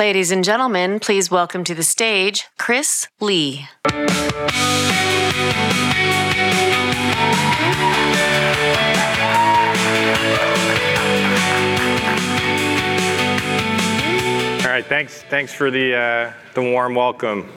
Ladies and gentlemen, please welcome to the stage, Chris Lee. All right, thanks for the warm welcome.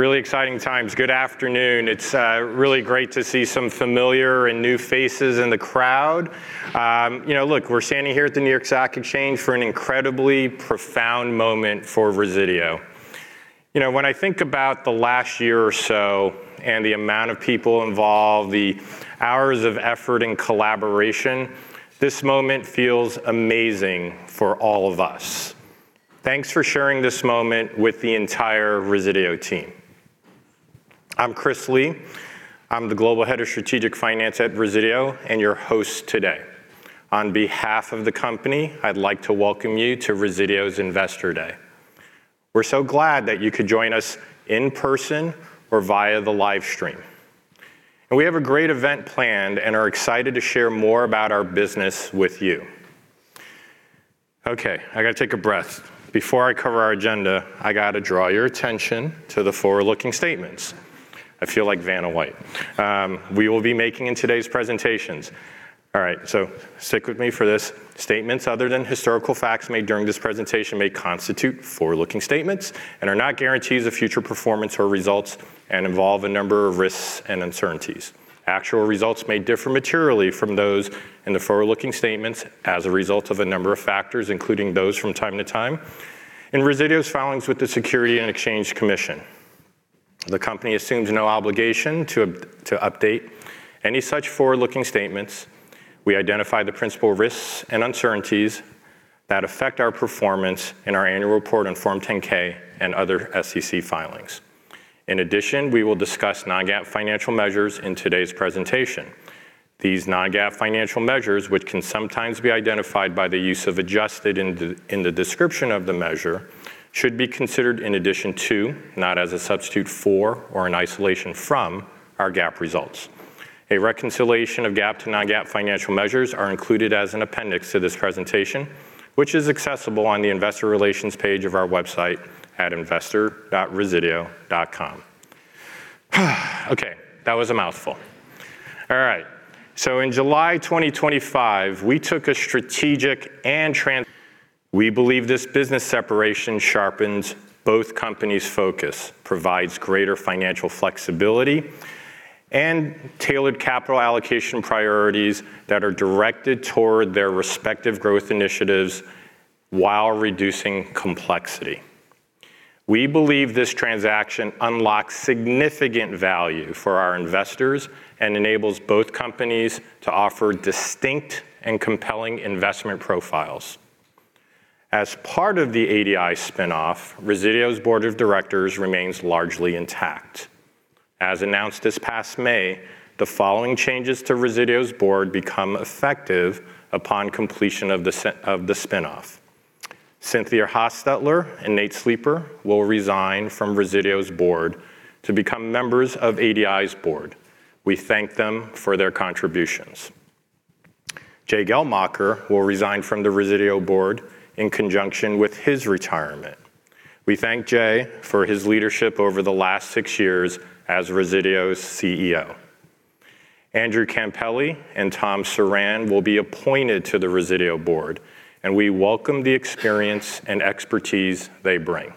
Really exciting times. Good afternoon. It's really great to see some familiar and new faces in the crowd. Look, we're standing here at the New York Stock Exchange for an incredibly profound moment for Resideo. When I think about the last year or so and the amount of people involved, the hours of effort and collaboration, this moment feels amazing for all of us. Thanks for sharing this moment with the entire Resideo team. I'm Chris Lee. I'm the Global Head of Strategic Finance at Resideo and your host today. On behalf of the company, I'd like to welcome you to Resideo's Investor Day. We're so glad that you could join us in person or via the live stream. We have a great event planned and are excited to share more about our business with you. Okay, I got to take a breath. Before I cover our agenda, I got to draw your attention to the forward-looking statements. I feel like Vanna White. We will be making in today's presentations. All right, stick with me for this. Statements other than historical facts made during this presentation may constitute forward-looking statements and are not guarantees of future performance or results and involve a number of risks and uncertainties. Actual results may differ materially from those in the forward-looking statements as a result of a number of factors, including those from time to time in Resideo's filings with the Securities and Exchange Commission. The company assumes no obligation to update any such forward-looking statements. We identify the principal risks and uncertainties that affect our performance in our annual report on Form 10-K and other SEC filings. In addition, we will discuss non-GAAP financial measures in today's presentation. These non-GAAP financial measures, which can sometimes be identified by the use of adjusted in the description of the measure, should be considered in addition to, not as a substitute for or an isolation from, our GAAP results. A reconciliation of GAAP to non-GAAP financial measures are included as an appendix to this presentation, which is accessible on the investor relations page of our website at investor.resideo.com. Okay. That was a mouthful. All right. In July 2025, we took a strategic and we believe this business separation sharpens both companies' focus, provides greater financial flexibility, and tailored capital allocation priorities that are directed toward their respective growth initiatives while reducing complexity. We believe this transaction unlocks significant value for our investors and enables both companies to offer distinct and compelling investment profiles. As part of the ADI spin-off, Resideo's board of directors remains largely intact. As announced this past May, the following changes to Resideo's board become effective upon completion of the spin-off. Cynthia Hostetler and Nate Sleeper will resign from Resideo's board to become members of ADI's board. We thank them for their contributions. Jay Geldmacher will resign from the Resideo board in conjunction with his retirement. We thank Jay for his leadership over the last six years as Resideo's CEO. Andrew Campelli and Thomas Surran will be appointed to the Resideo board. We welcome the experience and expertise they bring.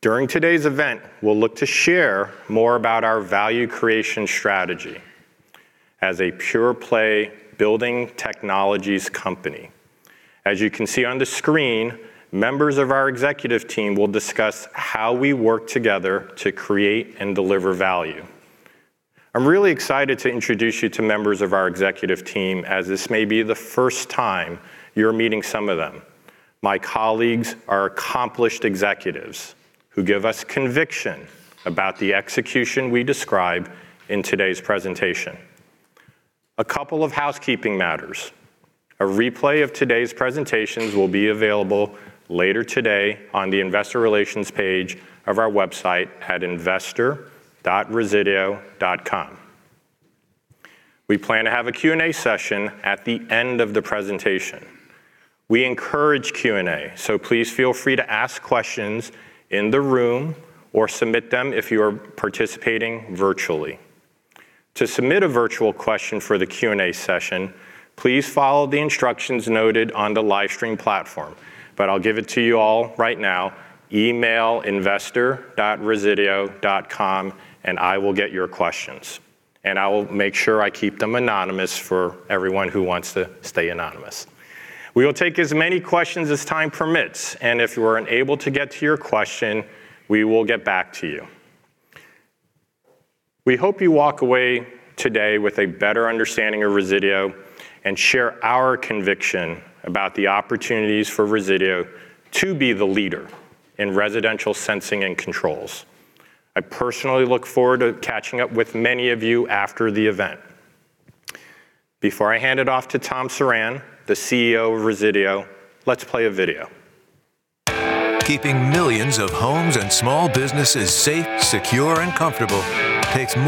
During today's event, we'll look to share more about our value creation strategy as a pure-play building technologies company. As you can see on the screen, members of our executive team will discuss how we work together to create and deliver value. I'm really excited to introduce you to members of our executive team, as this may be the first time you're meeting some of them. My colleagues are accomplished executives who give us conviction about the execution we describe in today's presentation. A couple of housekeeping matters. A replay of today's presentations will be available later today on the investor relations page of our website at investor.resideo.com. We plan to have a Q&A session at the end of the presentation. We encourage Q&A. Please feel free to ask questions in the room or submit them if you are participating virtually. To submit a virtual question for the Q&A session, please follow the instructions noted on the live stream platform. I'll give it to you all right now. Email investor.resideo.com. I will get your questions. I will make sure I keep them anonymous for everyone who wants to stay anonymous. We will take as many questions as time permits. If we're unable to get to your question, we will get back to you. We hope you walk away today with a better understanding of Resideo and share our conviction about the opportunities for Resideo to be the leader in residential sensing and controls. I personally look forward to catching up with many of you after the event. Before I hand it off to Thomas Surran, the CEO of Resideo, let's play a video. (Presentation)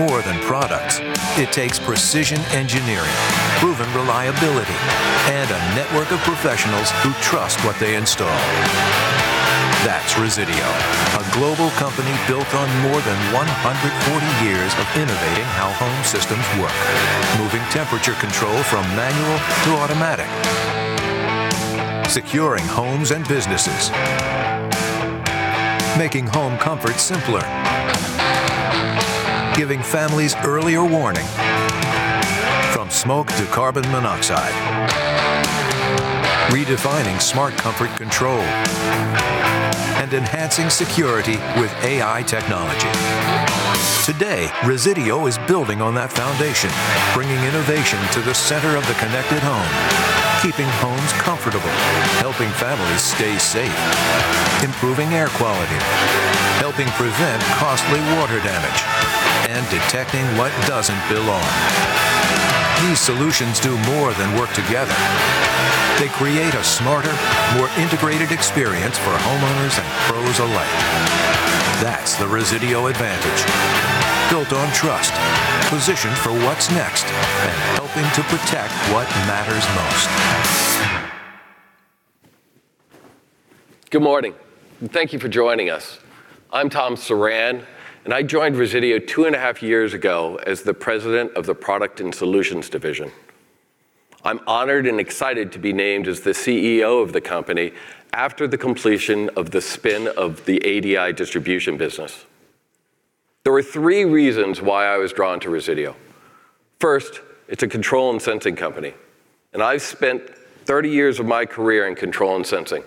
(Presentation) Good morning, and thank you for joining us. I'm Tom Surran, and I joined Resideo two and a half years ago as the president of the Products & Solutions division. I'm honored and excited to be named as the CEO of the company after the completion of the spin of the ADI Distribution business. There were three reasons why I was drawn to Resideo. First, it's a control and sensing company, and I've spent 30 years of my career in control and sensing.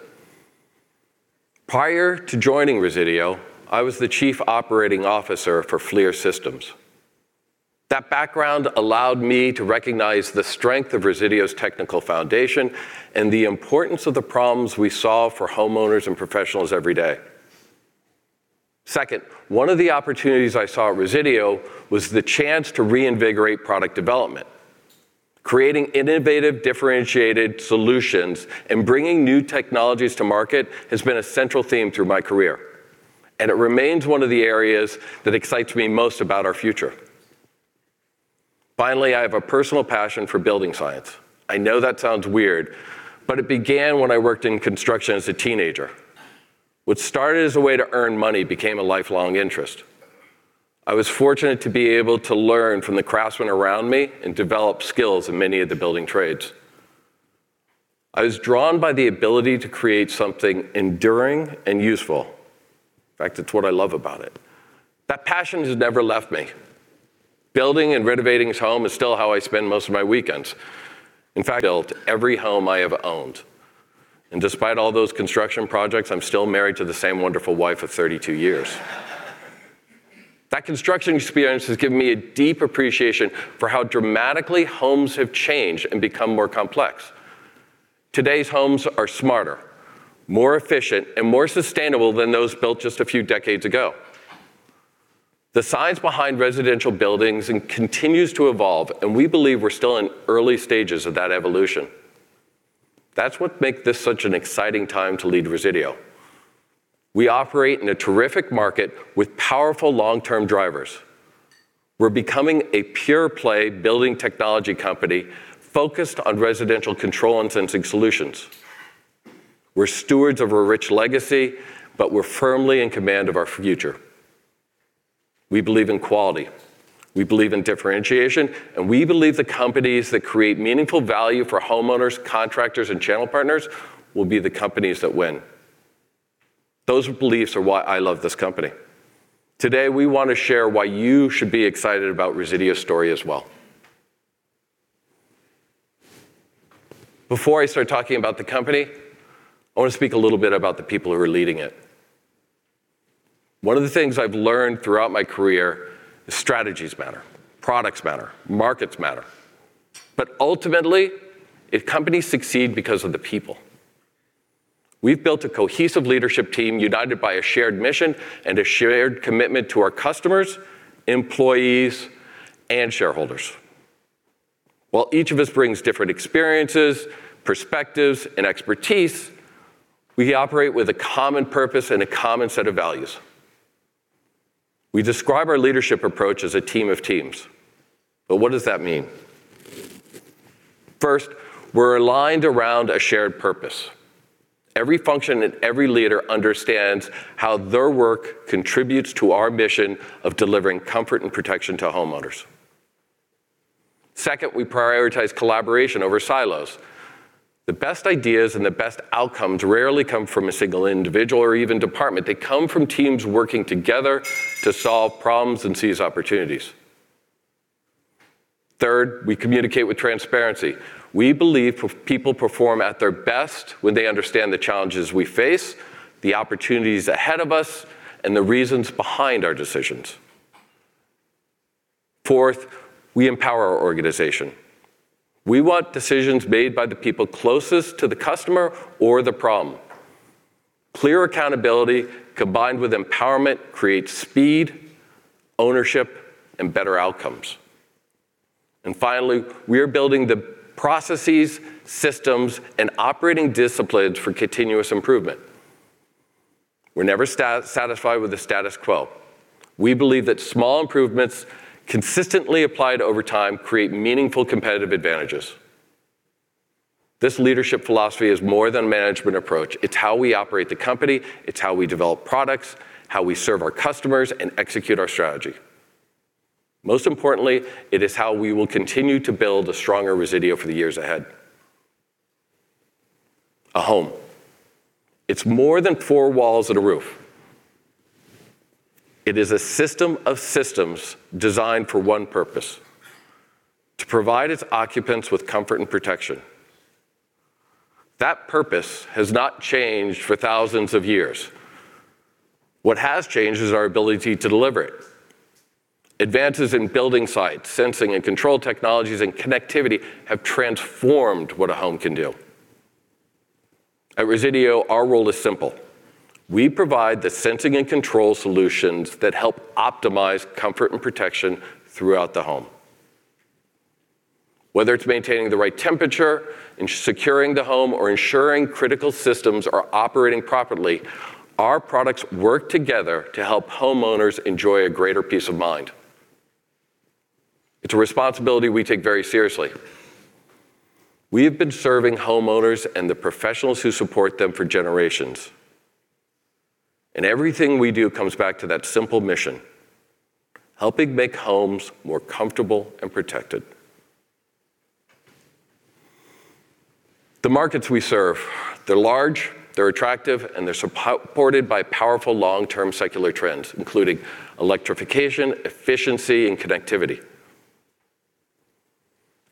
Prior to joining Resideo, I was the chief operating officer for FLIR Systems. That background allowed me to recognize the strength of Resideo's technical foundation and the importance of the problems we solve for homeowners and professionals every day. Second, one of the opportunities I saw at Resideo was the chance to reinvigorate product development. Creating innovative, differentiated solutions, and bringing new technologies to market has been a central theme through my career, and it remains one of the areas that excites me most about our future. Finally, I have a personal passion for building science. I know that sounds weird, but it began when I worked in construction as a teenager. What started as a way to earn money became a lifelong interest. I was fortunate to be able to learn from the craftsmen around me and develop skills in many of the building trades. I was drawn by the ability to create something enduring and useful. In fact, it's what I love about it. That passion has never left me. Building and renovating a home is still how I spend most of my weekends. In fact, I built every home I have owned. Despite all those construction projects, I'm still married to the same wonderful wife of 32 years. That construction experience has given me a deep appreciation for how dramatically homes have changed and become more complex. Today's homes are smarter, more efficient, and more sustainable than those built just a few decades ago. The science behind residential buildings continues to evolve, and we believe we're still in early stages of that evolution. That's what makes this such an exciting time to lead Resideo. We operate in a terrific market with powerful long-term drivers. We're becoming a pure play building technology company focused on residential control and sensing solutions. We're stewards of a rich legacy, but we're firmly in command of our future. We believe in quality, we believe in differentiation, and we believe the companies that create meaningful value for homeowners, contractors, and channel partners will be the companies that win. Those beliefs are why I love this company. Today, we want to share why you should be excited about Resideo's story as well. Before I start talking about the company, I want to speak a little bit about the people who are leading it. One of the things I've learned throughout my career is strategies matter, products matter, markets matter. Ultimately, companies succeed because of the people. We've built a cohesive leadership team united by a shared mission and a shared commitment to our customers, employees, and shareholders. While each of us brings different experiences, perspectives, and expertise, we operate with a common purpose and a common set of values. We describe our leadership approach as a team of teams. What does that mean? First, we're aligned around a shared purpose. Every function and every leader understands how their work contributes to our mission of delivering comfort and protection to homeowners. Second, we prioritize collaboration over silos. The best ideas and the best outcomes rarely come from a single individual or even department. They come from teams working together to solve problems and seize opportunities. Third, we communicate with transparency. We believe people perform at their best when they understand the challenges we face, the opportunities ahead of us, and the reasons behind our decisions. Fourth, we empower our organization. We want decisions made by the people closest to the customer or the problem. Clear accountability combined with empowerment creates speed, ownership, and better outcomes. Finally, we are building the processes, systems, and operating disciplines for continuous improvement. We're never satisfied with the status quo. We believe that small improvements consistently applied over time create meaningful competitive advantages. This leadership philosophy is more than a management approach. It's how we operate the company, it's how we develop products, how we serve our customers, and execute our strategy. Most importantly, it is how we will continue to build a stronger Resideo for the years ahead. A home. It's more than four walls and a roof. It is a system of systems designed for one purpose, to provide its occupants with comfort and protection. That purpose has not changed for thousands of years. What has changed is our ability to deliver it. Advances in building science, sensing and control technologies, and connectivity have transformed what a home can do. At Resideo, our role is simple. We provide the sensing and control solutions that help optimize comfort and protection throughout the home. Whether it's maintaining the right temperature, securing the home, or ensuring critical systems are operating properly, our products work together to help homeowners enjoy a greater peace of mind. It's a responsibility we take very seriously. We have been serving homeowners and the professionals who support them for generations. Everything we do comes back to that simple mission, helping make homes more comfortable and protected. The markets we serve, they're large, they're attractive, and they're supported by powerful long-term secular trends, including electrification, efficiency, and connectivity.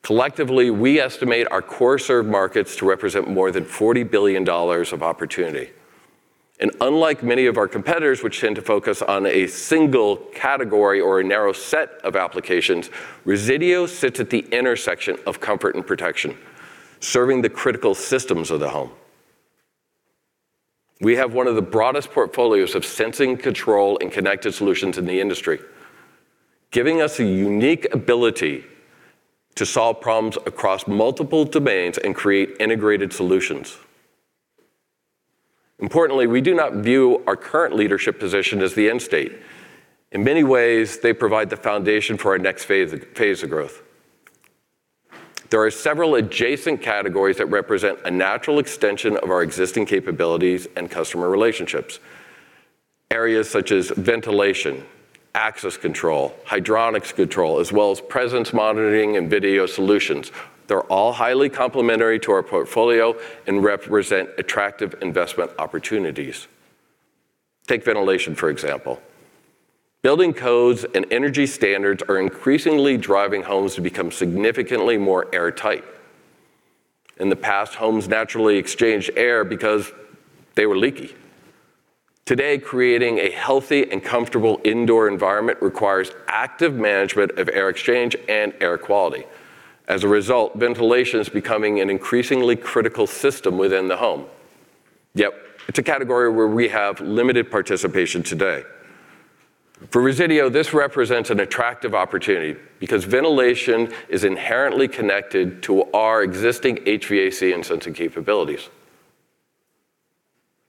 Collectively, we estimate our core served markets to represent more than $40 billion of opportunity. Unlike many of our competitors, which tend to focus on a single category or a narrow set of applications, Resideo sits at the intersection of comfort and protection, serving the critical systems of the home. We have one of the broadest portfolios of sensing control and connected solutions in the industry, giving us a unique ability to solve problems across multiple domains and create integrated solutions. Importantly, we do not view our current leadership position as the end state. In many ways, they provide the foundation for our next phase of growth. There are several adjacent categories that represent a natural extension of our existing capabilities and customer relationships. Areas such as ventilation, access control, hydronics control, as well as presence monitoring and video solutions. They're all highly complementary to our portfolio and represent attractive investment opportunities. Take ventilation, for example. Building codes and energy standards are increasingly driving homes to become significantly more airtight. In the past, homes naturally exchanged air because they were leaky. Today, creating a healthy and comfortable indoor environment requires active management of air exchange and air quality. As a result, ventilation is becoming an increasingly critical system within the home. Yet, it's a category where we have limited participation today. For Resideo, this represents an attractive opportunity because ventilation is inherently connected to our existing HVAC and sensing capabilities.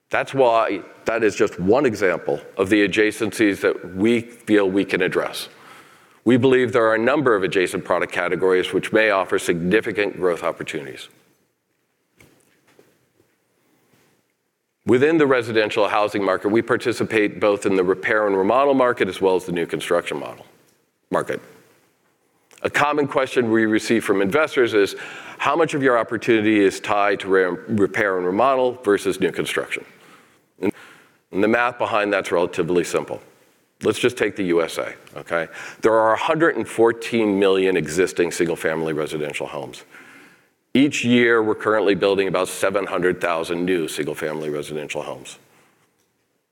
That's why that is just one example of the adjacencies that we feel we can address. We believe there are a number of adjacent product categories which may offer significant growth opportunities. Within the residential housing market, we participate both in the repair and remodel market as well as the new construction market. A common question we receive from investors is, "How much of your opportunity is tied to repair and remodel versus new construction?" The math behind that's relatively simple. Let's just take the U.S.A., okay? There are 114 million existing single-family residential homes. Each year, we're currently building about 700,000 new single-family residential homes.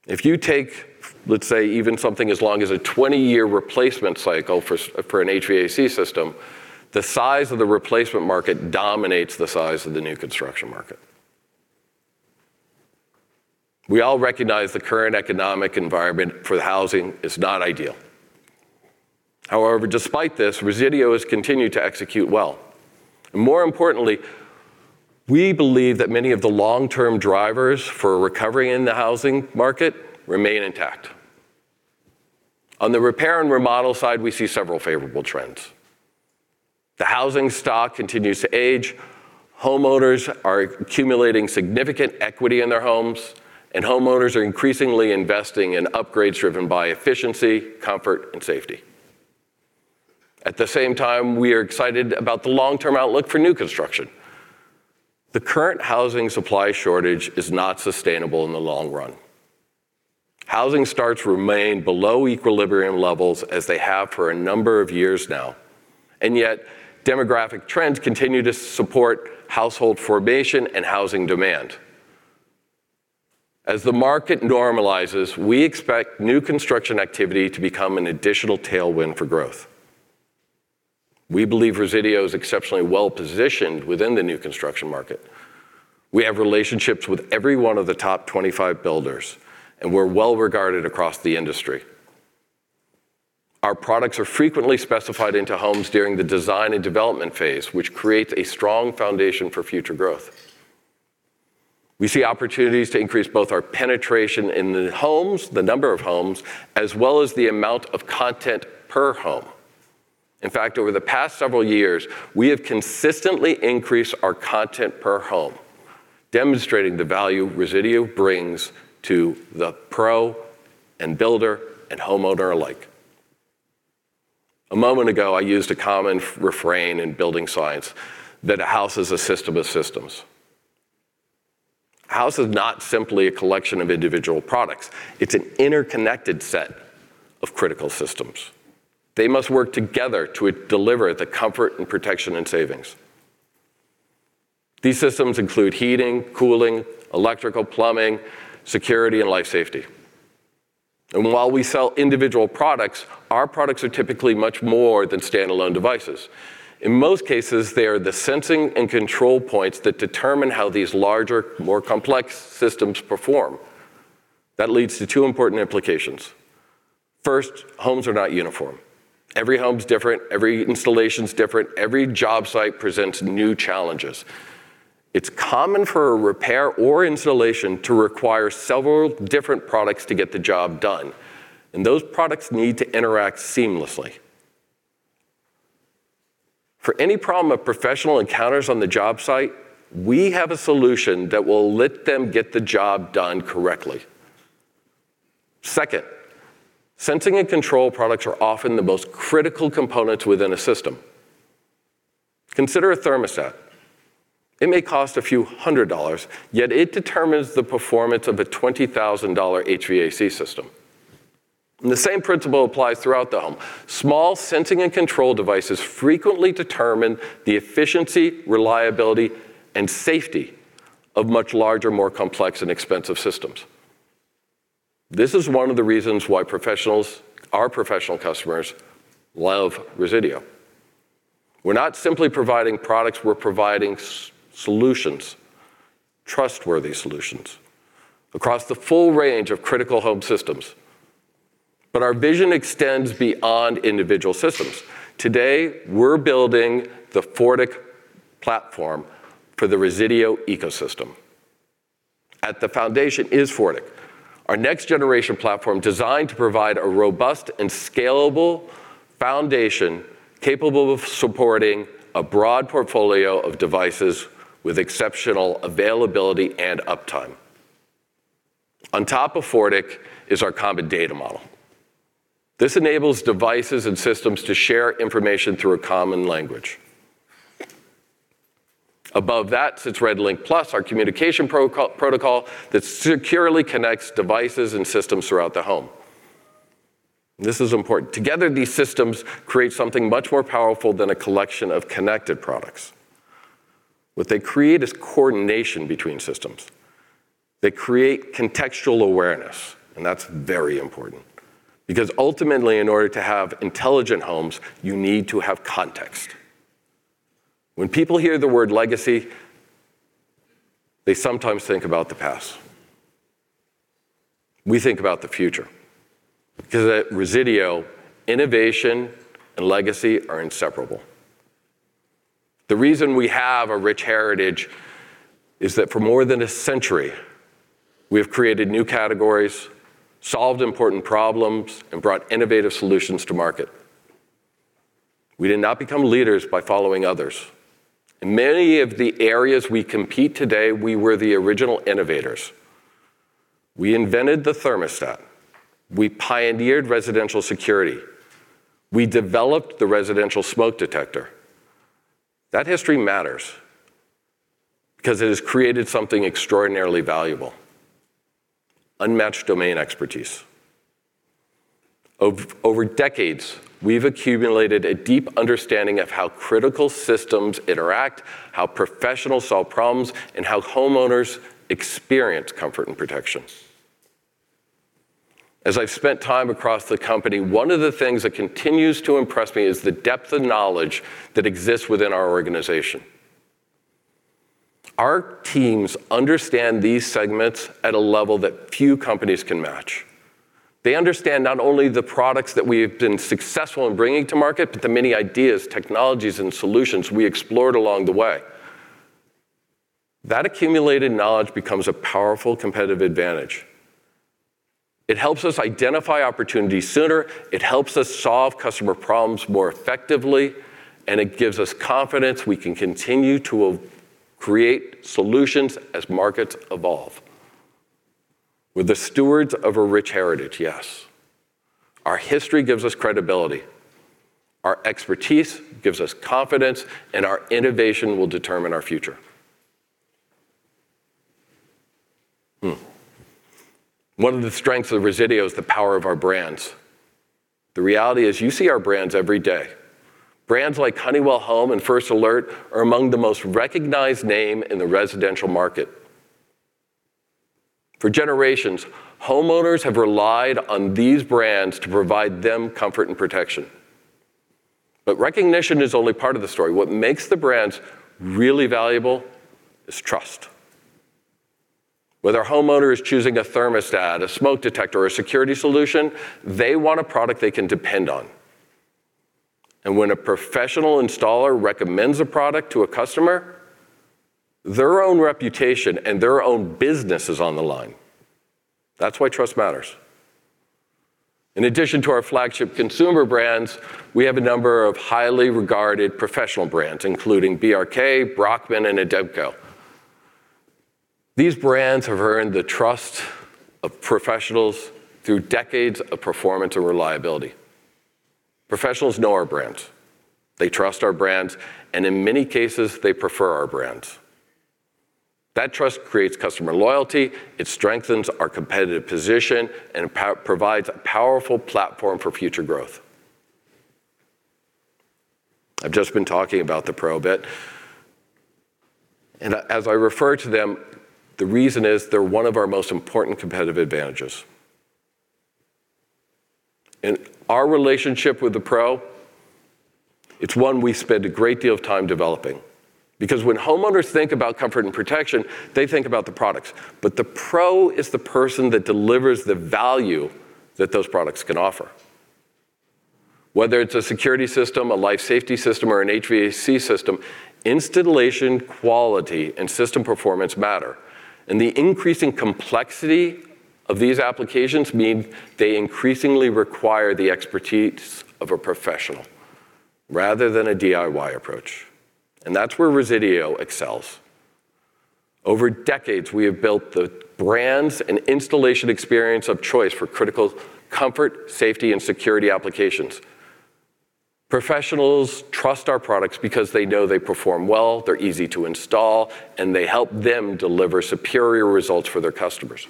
If you take, let's say, even something as long as a 20-year replacement cycle for an HVAC system, the size of the replacement market dominates the size of the new construction market. We all recognize the current economic environment for housing is not ideal. However, despite this, Resideo has continued to execute well. More importantly, we believe that many of the long-term drivers for a recovery in the housing market remain intact. On the repair and remodel side, we see several favorable trends. The housing stock continues to age, homeowners are accumulating significant equity in their homes, and homeowners are increasingly investing in upgrades driven by efficiency, comfort, and safety. At the same time, we are excited about the long-term outlook for new construction. The current housing supply shortage is not sustainable in the long run. Housing starts remain below equilibrium levels as they have for a number of years now, yet demographic trends continue to support household formation and housing demand. As the market normalizes, we expect new construction activity to become an additional tailwind for growth. We believe Resideo is exceptionally well-positioned within the new construction market. We have relationships with every one of the top 25 builders, and we're well regarded across the industry. Our products are frequently specified into homes during the design and development phase, which creates a strong foundation for future growth. We see opportunities to increase both our penetration in the homes, the number of homes, as well as the amount of content per home. In fact, over the past several years, we have consistently increased our content per home, demonstrating the value Resideo brings to the pro and builder and homeowner alike. A moment ago, I used a common refrain in building science that a house is a system of systems. A house is not simply a collection of individual products. It's an interconnected set of critical systems. They must work together to deliver the comfort and protection and savings. These systems include heating, cooling, electrical, plumbing, security, and life safety. While we sell individual products, our products are typically much more than standalone devices. In most cases, they are the sensing and control points that determine how these larger, more complex systems perform. That leads to two important implications. First, homes are not uniform. Every home is different, every installation is different, every job site presents new challenges. It's common for a repair or installation to require several different products to get the job done, and those products need to interact seamlessly. For any problem a professional encounters on the job site, we have a solution that will let them get the job done correctly. Second, sensing and control products are often the most critical components within a system. Consider a thermostat. It may cost a few hundred dollars, yet it determines the performance of a $20,000 HVAC system. The same principle applies throughout the home. Small sensing and control devices frequently determine the efficiency, reliability, and safety of much larger, more complex, and expensive systems. This is one of the reasons why professionals, our professional customers, love Resideo. We're not simply providing products, we're providing solutions, trustworthy solutions, across the full range of critical home systems. Our vision extends beyond individual systems. Today, we're building the FORTIQ platform for the Resideo ecosystem. At the foundation is FORTIQ, our next-generation platform designed to provide a robust and scalable foundation capable of supporting a broad portfolio of devices with exceptional availability and uptime. On top of FORTIQ is our common data model. This enables devices and systems to share information through a common language. Above that sits RedLINK+, our communication protocol that securely connects devices and systems throughout the home. This is important. Together, these systems create something much more powerful than a collection of connected products. What they create is coordination between systems. They create contextual awareness, that's very important. Ultimately, in order to have intelligent homes, you need to have context. When people hear the word legacy, they sometimes think about the past. We think about the future, because at Resideo, innovation and legacy are inseparable. The reason we have a rich heritage is that for more than a century, we have created new categories, solved important problems, and brought innovative solutions to market. We did not become leaders by following others. In many of the areas we compete today, we were the original innovators. We invented the thermostat. We pioneered residential security. We developed the residential smoke detector. That history matters because it has created something extraordinarily valuable, unmatched domain expertise. Over decades, we've accumulated a deep understanding of how critical systems interact, how professionals solve problems, and how homeowners experience comfort and protection. As I've spent time across the company, one of the things that continues to impress me is the depth of knowledge that exists within our organization. Our teams understand these segments at a level that few companies can match. They understand not only the products that we have been successful in bringing to market, but the many ideas, technologies, and solutions we explored along the way. That accumulated knowledge becomes a powerful competitive advantage. It helps us identify opportunities sooner, it helps us solve customer problems more effectively, and it gives us confidence we can continue to create solutions as markets evolve. We're the stewards of a rich heritage, yes. Our history gives us credibility, our expertise gives us confidence, and our innovation will determine our future. One of the strengths of Resideo is the power of our brands. The reality is you see our brands every day. Brands like Honeywell Home and First Alert are among the most recognized name in the residential market. For generations, homeowners have relied on these brands to provide them comfort and protection. Recognition is only part of the story. What makes the brands really valuable is trust. Whether a homeowner is choosing a thermostat, a smoke detector, or security solution, they want a product they can depend on. When a professional installer recommends a product to a customer, their own reputation and their own business is on the line. That's why trust matters. In addition to our flagship consumer brands, we have a number of highly regarded professional brands, including BRK, Braukmann, and ADTCo. These brands have earned the trust of professionals through decades of performance and reliability. Professionals know our brands, they trust our brands, and in many cases, they prefer our brands. That trust creates customer loyalty, it strengthens our competitive position, and provides a powerful platform for future growth. I've just been talking about the pro a bit. As I refer to them, the reason is they're one of our most important competitive advantages. Our relationship with the pro, it's one we spend a great deal of time developing because when homeowners think about comfort and protection, they think about the products. The pro is the person that delivers the value that those products can offer. Whether it's a security system, a life safety system, or an HVAC system, installation quality and system performance matter. The increasing complexity of these applications mean they increasingly require the expertise of a professional rather than a DIY approach. That's where Resideo excels. Over decades, we have built the brands and installation experience of choice for critical comfort, safety, and security applications. Professionals trust our products because they know they perform well, they're easy to install, and they help them deliver superior results for their customers.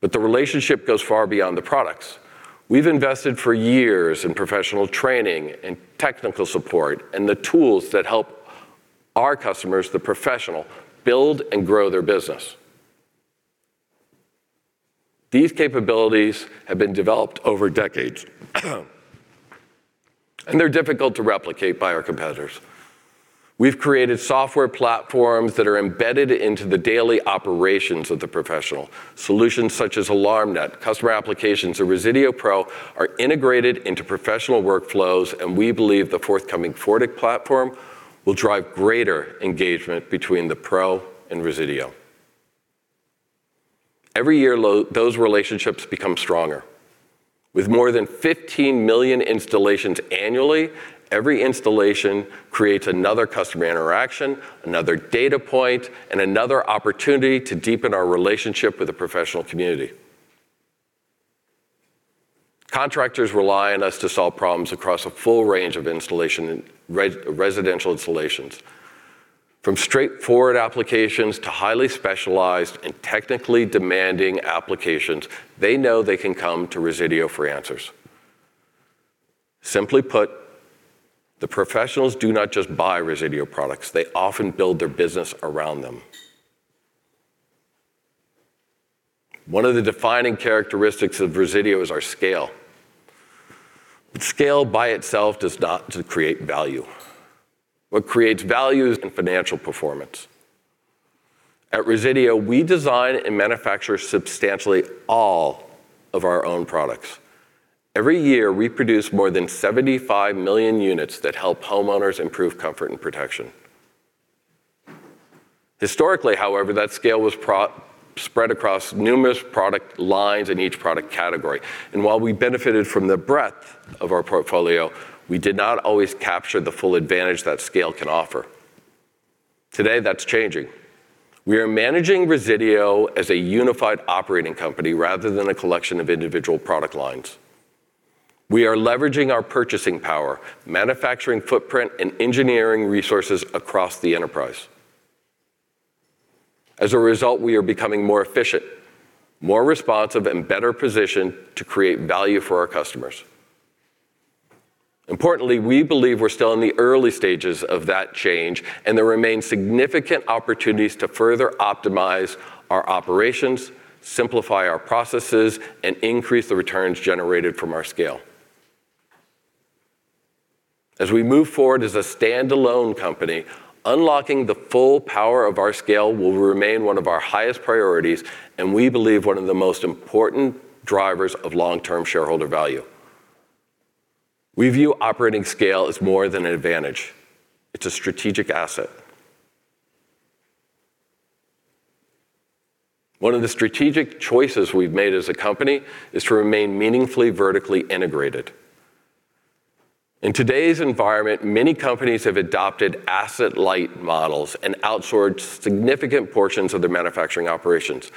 The relationship goes far beyond the products. We've invested for years in professional training and technical support and the tools that help our customers, the professional, build and grow their business. These capabilities have been developed over decades and they're difficult to replicate by our competitors. We've created software platforms that are embedded into the daily operations of the professional. Solutions such as AlarmNet, customer applications, or Resideo Pro are integrated into professional workflows. We believe the forthcoming FORTIQ platform will drive greater engagement between the pro and Resideo. Every year, those relationships become stronger. With more than 15 million installations annually, every installation creates another customer interaction, another data point, and another opportunity to deepen our relationship with the professional community. Contractors rely on us to solve problems across a full range of residential installations. From straightforward applications to highly specialized and technically demanding applications, they know they can come to Resideo for answers. Simply put, the professionals do not just buy Resideo products. They often build their business around them. One of the defining characteristics of Resideo is our scale. Scale by itself does not create value. What creates value is financial performance. At Resideo, we design and manufacture substantially all of our own products. Every year, we produce more than 75 million units that help homeowners improve comfort and protection. Historically, however, that scale was spread across numerous product lines in each product category. While we benefited from the breadth of our portfolio, we did not always capture the full advantage that scale can offer. Today, that's changing. We are managing Resideo as a unified operating company rather than a collection of individual product lines. We are leveraging our purchasing power, manufacturing footprint, and engineering resources across the enterprise. As a result, we are becoming more efficient, more responsive, and better positioned to create value for our customers. Importantly, we believe we're still in the early stages of that change, and there remain significant opportunities to further optimize our operations, simplify our processes, and increase the returns generated from our scale. As we move forward as a standalone company, unlocking the full power of our scale will remain one of our highest priorities, and we believe one of the most important drivers of long-term shareholder value. We view operating scale as more than an advantage. It's a strategic asset. One of the strategic choices we've made as a company is to remain meaningfully vertically integrated. In today's environment, many companies have adopted asset-light models and outsourced significant portions of their manufacturing operations.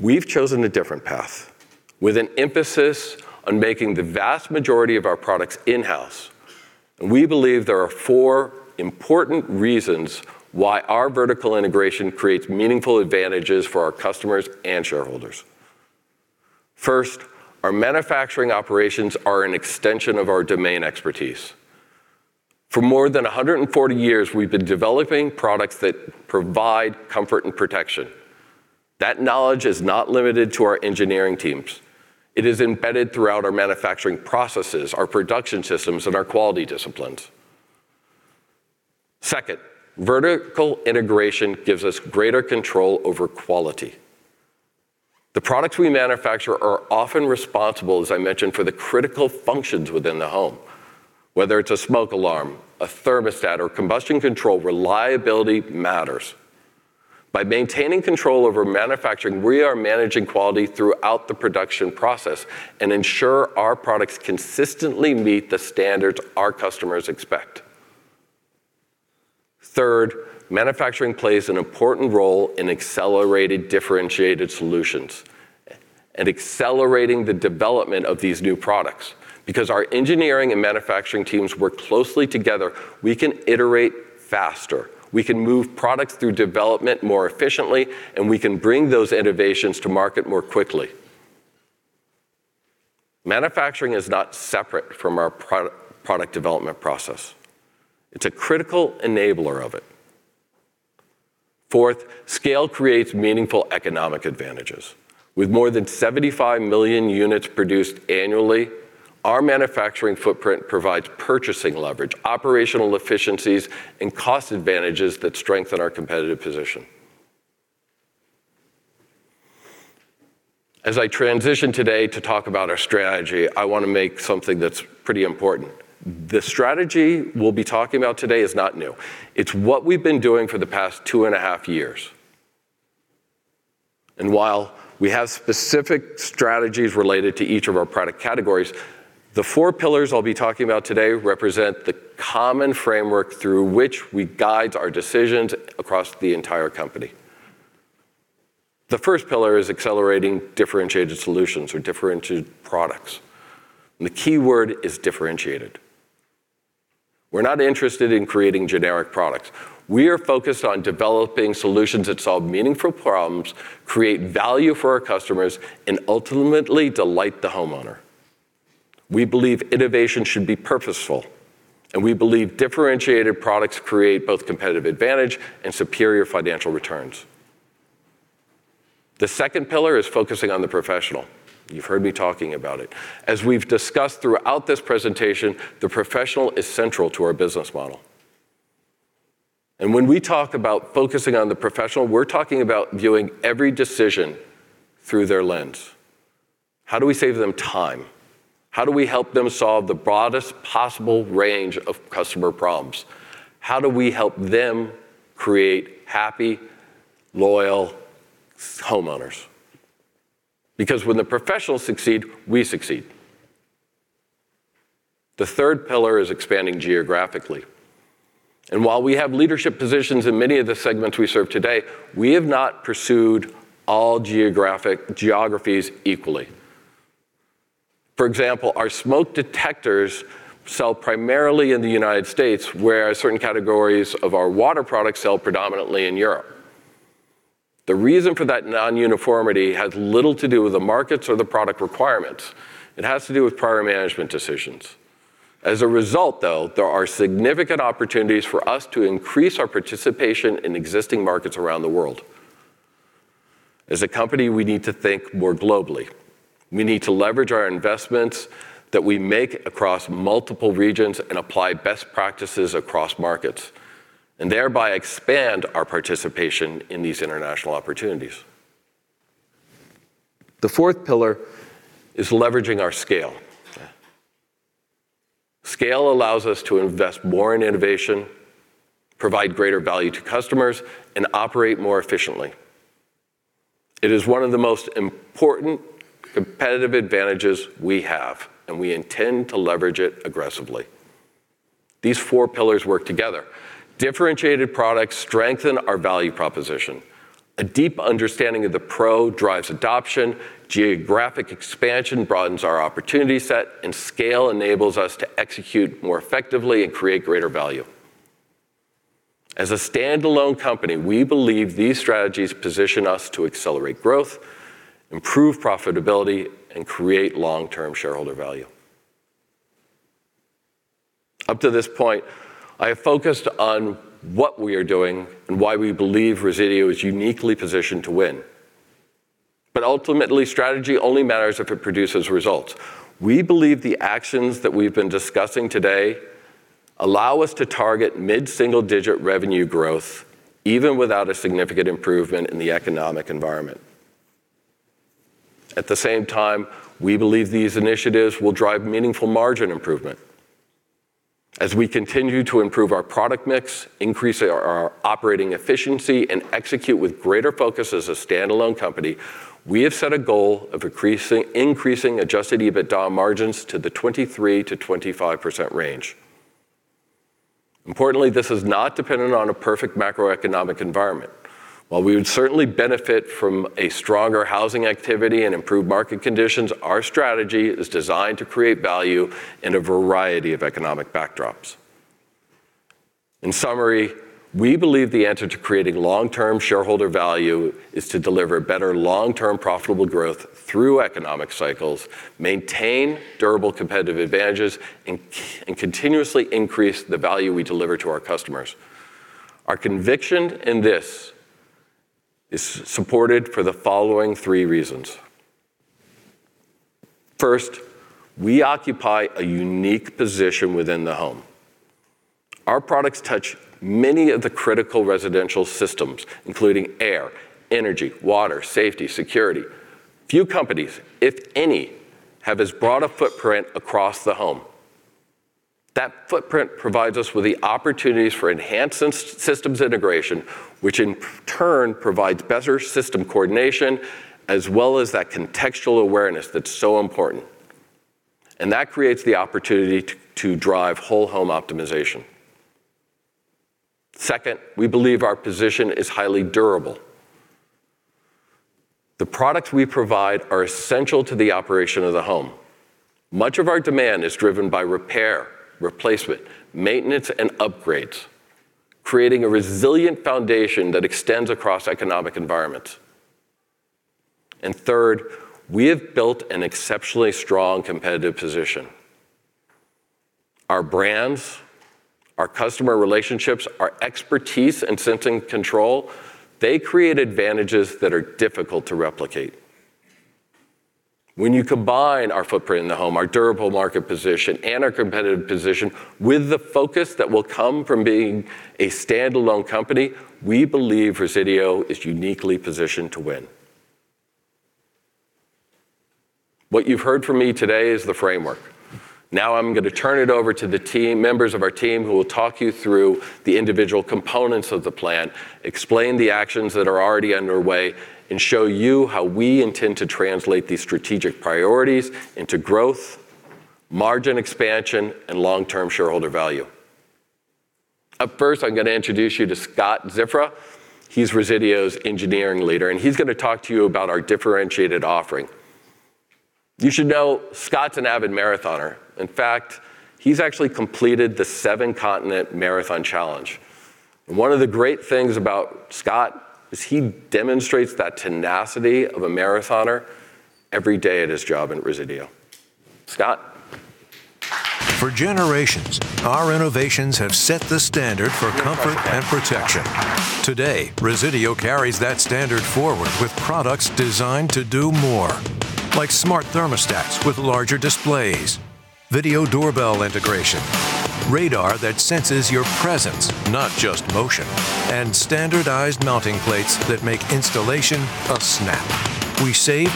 We've chosen a different path, with an emphasis on making the vast majority of our products in-house. We believe there are four important reasons why our vertical integration creates meaningful advantages for our customers and shareholders. First, our manufacturing operations are an extension of our domain expertise. For more than 140 years, we've been developing products that provide comfort and protection. That knowledge is not limited to our engineering teams. It is embedded throughout our manufacturing processes, our production systems, and our quality disciplines. Second, vertical integration gives us greater control over quality. The products we manufacture are often responsible, as I mentioned, for the critical functions within the home. Whether it's a smoke alarm, a thermostat, or combustion control, reliability matters. By maintaining control over manufacturing, we are managing quality throughout the production process and ensure our products consistently meet the standards our customers expect. Third, manufacturing plays an important role in accelerated differentiated solutions and accelerating the development of these new products. Because our engineering and manufacturing teams work closely together, we can iterate faster. We can move products through development more efficiently, and we can bring those innovations to market more quickly. Manufacturing is not separate from our product development process. It's a critical enabler of it. Fourth, scale creates meaningful economic advantages. With more than 75 million units produced annually, our manufacturing footprint provides purchasing leverage, operational efficiencies, and cost advantages that strengthen our competitive position. As I transition today to talk about our strategy, I want to make something that's pretty important. The strategy we'll be talking about today is not new. It's what we've been doing for the past two and a half years. While we have specific strategies related to each of our product categories, the four pillars I'll be talking about today represent the common framework through which we guide our decisions across the entire company. The first pillar is accelerating differentiated solutions or differentiated products, and the key word is differentiated. We're not interested in creating generic products. We are focused on developing solutions that solve meaningful problems, create value for our customers, and ultimately delight the homeowner. We believe innovation should be purposeful, and we believe differentiated products create both competitive advantage and superior financial returns. The second pillar is focusing on the professional. You've heard me talking about it. As we've discussed throughout this presentation, the professional is central to our business model. When we talk about focusing on the professional, we're talking about viewing every decision through their lens. How do we save them time? How do we help them solve the broadest possible range of customer problems? How do we help them create happy, loyal homeowners? Because when the professionals succeed, we succeed. The third pillar is expanding geographically. While we have leadership positions in many of the segments we serve today, we have not pursued all geographies equally. For example, our smoke detectors sell primarily in the U.S., where certain categories of our water products sell predominantly in Europe. The reason for that non-uniformity has little to do with the markets or the product requirements. It has to do with prior management decisions. As a result, though, there are significant opportunities for us to increase our participation in existing markets around the world. As a company, we need to think more globally. We need to leverage our investments that we make across multiple regions and apply best practices across markets, thereby expand our participation in these international opportunities. The fourth pillar is leveraging our scale. Scale allows us to invest more in innovation, provide greater value to customers, and operate more efficiently. It is one of the most important competitive advantages we have, and we intend to leverage it aggressively. These four pillars work together. Differentiated products strengthen our value proposition. A deep understanding of the pro drives adoption, geographic expansion broadens our opportunity set, scale enables us to execute more effectively and create greater value. As a standalone company, we believe these strategies position us to accelerate growth, improve profitability, and create long-term shareholder value. Up to this point, I have focused on what we are doing and why we believe Resideo is uniquely positioned to win. Ultimately, strategy only matters if it produces results. We believe the actions that we've been discussing today allow us to target mid-single-digit revenue growth, even without a significant improvement in the economic environment. At the same time, we believe these initiatives will drive meaningful margin improvement. As we continue to improve our product mix, increase our operating efficiency, and execute with greater focus as a standalone company, we have set a goal of increasing adjusted EBITDA margins to the 23%-25% range. Importantly, this is not dependent on a perfect macroeconomic environment. While we would certainly benefit from a stronger housing activity and improved market conditions, our strategy is designed to create value in a variety of economic backdrops. In summary, we believe the answer to creating long-term shareholder value is to deliver better long-term profitable growth through economic cycles, maintain durable competitive advantages, and continuously increase the value we deliver to our customers. Our conviction in this is supported for the following three reasons. First, we occupy a unique position within the home. Our products touch many of the critical residential systems, including air, energy, water, safety, security. Few companies, if any, have as broad a footprint across the home. That footprint provides us with the opportunities for enhanced systems integration, which in turn provides better system coordination, as well as that contextual awareness that is so important. That creates the opportunity to drive whole-home optimization. Second, we believe our position is highly durable. The products we provide are essential to the operation of the home. Much of our demand is driven by repair, replacement, maintenance, and upgrades, creating a resilient foundation that extends across economic environments. Third, we have built an exceptionally strong competitive position. Our brands, our customer relationships, our expertise in sensing control, they create advantages that are difficult to replicate. When you combine our footprint in the home, our durable market position, and our competitive position with the focus that will come from being a standalone company, we believe Resideo is uniquely positioned to win. What you've heard from me today is the framework. Now I'm going to turn it over to members of our team who will talk you through the individual components of the plan, explain the actions that are already underway, and show you how we intend to translate these strategic priorities into growth, margin expansion, and long-term shareholder value. Up first, I'm going to introduce you to Scott Ziffra. He's Resideo's engineering leader, and he's going to talk to you about our differentiated offering. You should know Scott's an avid marathoner. In fact, he's actually completed the Seven Continent Marathon Challenge. One of the great things about Scott is he demonstrates that tenacity of a marathoner every day at his job at Resideo. Scott. (Presentation)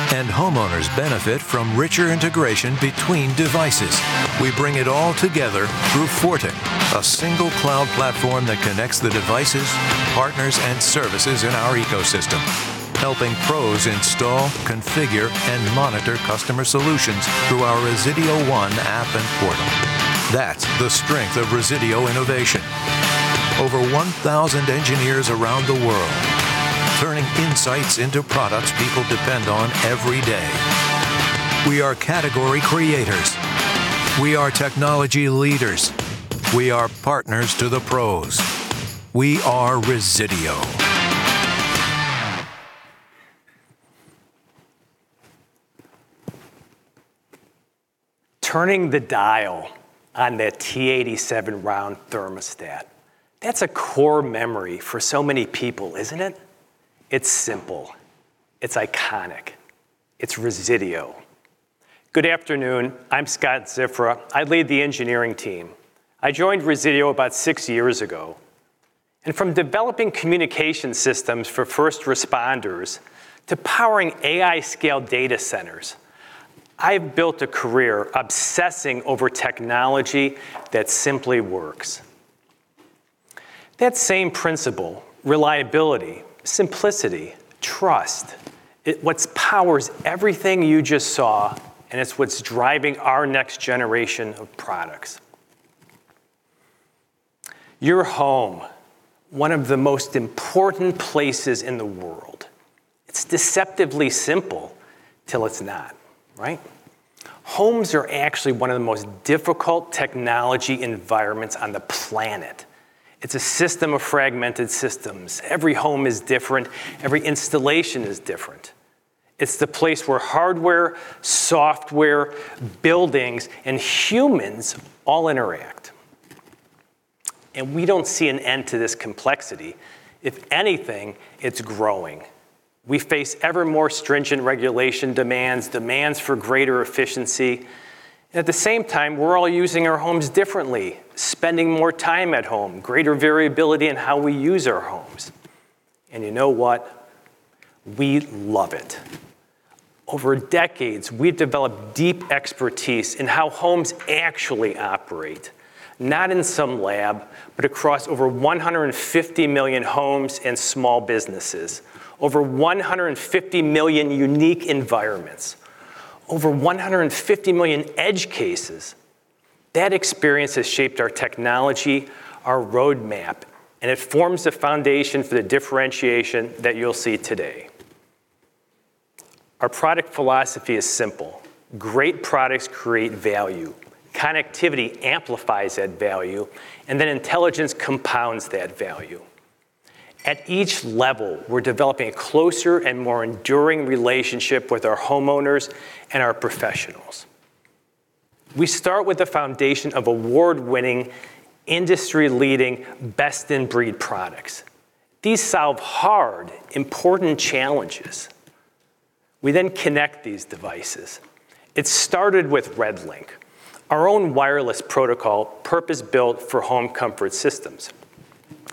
(Presentation) Turning the dial on the T87 round thermostat. That's a core memory for so many people, isn't it? It's simple. It's iconic. It's Resideo. Good afternoon. I'm Scott Ziffra. I lead the engineering team. I joined Resideo about six years ago. From developing communication systems for first responders to powering AI scale data centers, I've built a career obsessing over technology that simply works. That same principle, reliability, simplicity, trust, what powers everything you just saw, and it's what's driving our next generation of products. Your home, one of the most important places in the world. It's deceptively simple till it's not, right? Homes are actually one of the most difficult technology environments on the planet. It's a system of fragmented systems. Every home is different. Every installation is different. It's the place where hardware, software, buildings, and humans all interact. We don't see an end to this complexity. If anything, it's growing. We face ever more stringent regulation demands for greater efficiency. At the same time, we're all using our homes differently, spending more time at home, greater variability in how we use our homes. You know what? We love it. Over decades, we've developed deep expertise in how homes actually operate. Not in some lab, but across over 150 million homes and small businesses. Over 150 million unique environments. Over 150 million edge cases. That experience has shaped our technology, our roadmap, and it forms the foundation for the differentiation that you'll see today. Our product philosophy is simple: great products create value. Connectivity amplifies that value. Intelligence compounds that value. At each level, we're developing a closer and more enduring relationship with our homeowners and our professionals. We start with the foundation of award-winning, industry-leading, best-in-breed products. These solve hard, important challenges. We then connect these devices. It started with RedLINK, our own wireless protocol, purpose-built for home comfort systems.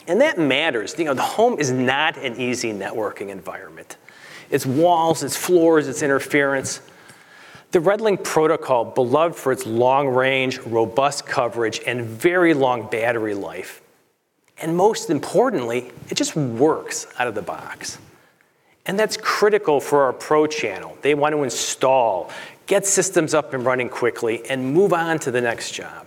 That matters. The home is not an easy networking environment. It's walls, it's floors, it's interference. The RedLINK protocol, beloved for its long-range, robust coverage, and very long battery life. Most importantly, it just works out of the box. That's critical for our pro channel. They want to install, get systems up and running quickly, and move on to the next job.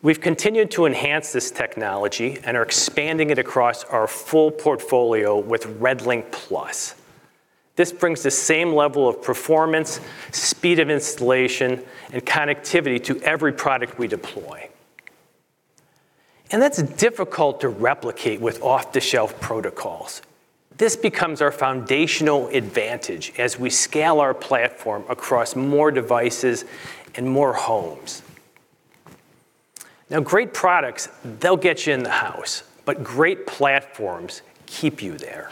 We've continued to enhance this technology and are expanding it across our full portfolio with RedLINK+. This brings the same level of performance, speed of installation, and connectivity to every product we deploy. That's difficult to replicate with off-the-shelf protocols. This becomes our foundational advantage as we scale our platform across more devices and more homes. Now, great products, they'll get you in the house, but great platforms keep you there.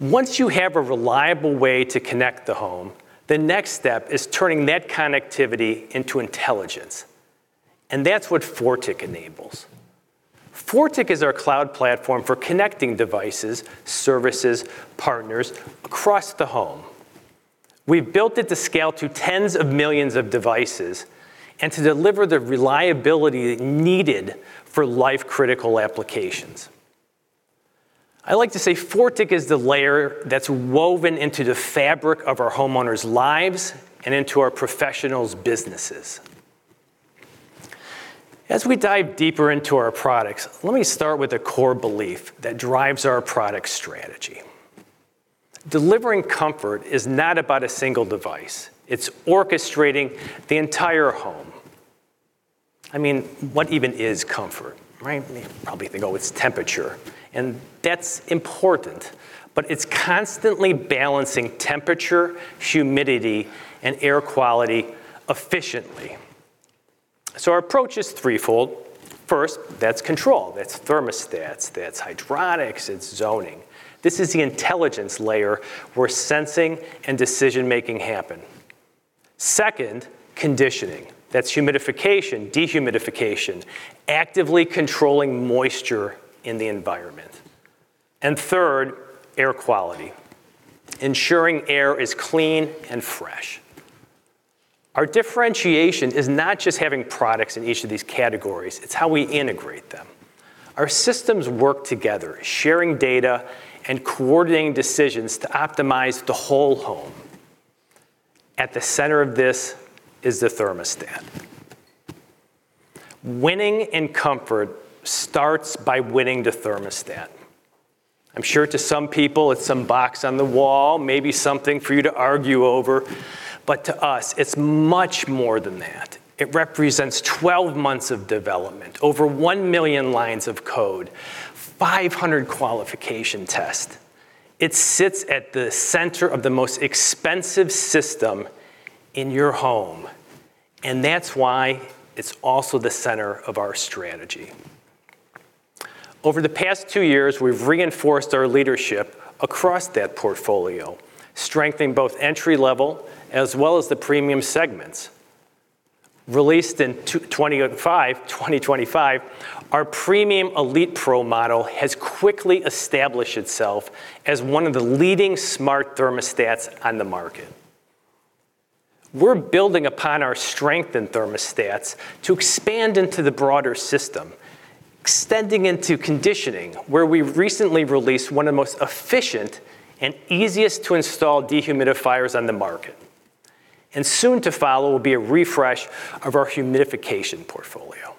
Once you have a reliable way to connect the home, the next step is turning that connectivity into intelligence. That's what FORTIQ enables. FORTIQ is our cloud platform for connecting devices, services, partners across the home. We've built it to scale to tens of millions of devices and to deliver the reliability needed for life-critical applications. I like to say FORTIQ is the layer that's woven into the fabric of our homeowners' lives and into our professionals' businesses. As we dive deeper into our products, let me start with a core belief that drives our product strategy. Delivering comfort is not about a single device. It's orchestrating the entire home. I mean, what even is comfort, right? You probably think, "Oh, it's temperature." That's important, but it's constantly balancing temperature, humidity, and air quality efficiently. Our approach is threefold. First, that's control. That's thermostats, that's hydronics, it's zoning. This is the intelligence layer where sensing and decision making happen. Second, conditioning. That's humidification, dehumidification, actively controlling moisture in the environment. Third, air quality. Ensuring air is clean and fresh. Our differentiation is not just having products in each of these categories, it's how we integrate them. Our systems work together, sharing data and coordinating decisions to optimize the whole home. At the center of this is the thermostat. Winning in comfort starts by winning the thermostat. I'm sure to some people, it's some box on the wall, maybe something for you to argue over, but to us, it's much more than that. It represents 12 months of development, over 1 million lines of code, 500 qualification tests. It sits at the center of the most expensive system in your home, and that's why it's also the center of our strategy. Over the past two years, we've reinforced our leadership across that portfolio, strengthening both entry-level as well as the premium segments. Released in 2025, our premium ElitePRO model has quickly established itself as one of the leading smart thermostats on the market. We're building upon our strength in thermostats to expand into the broader system, extending into conditioning, where we recently released one of the most efficient and easiest-to-install dehumidifiers on the market. Soon to follow will be a refresh of our humidification portfolio.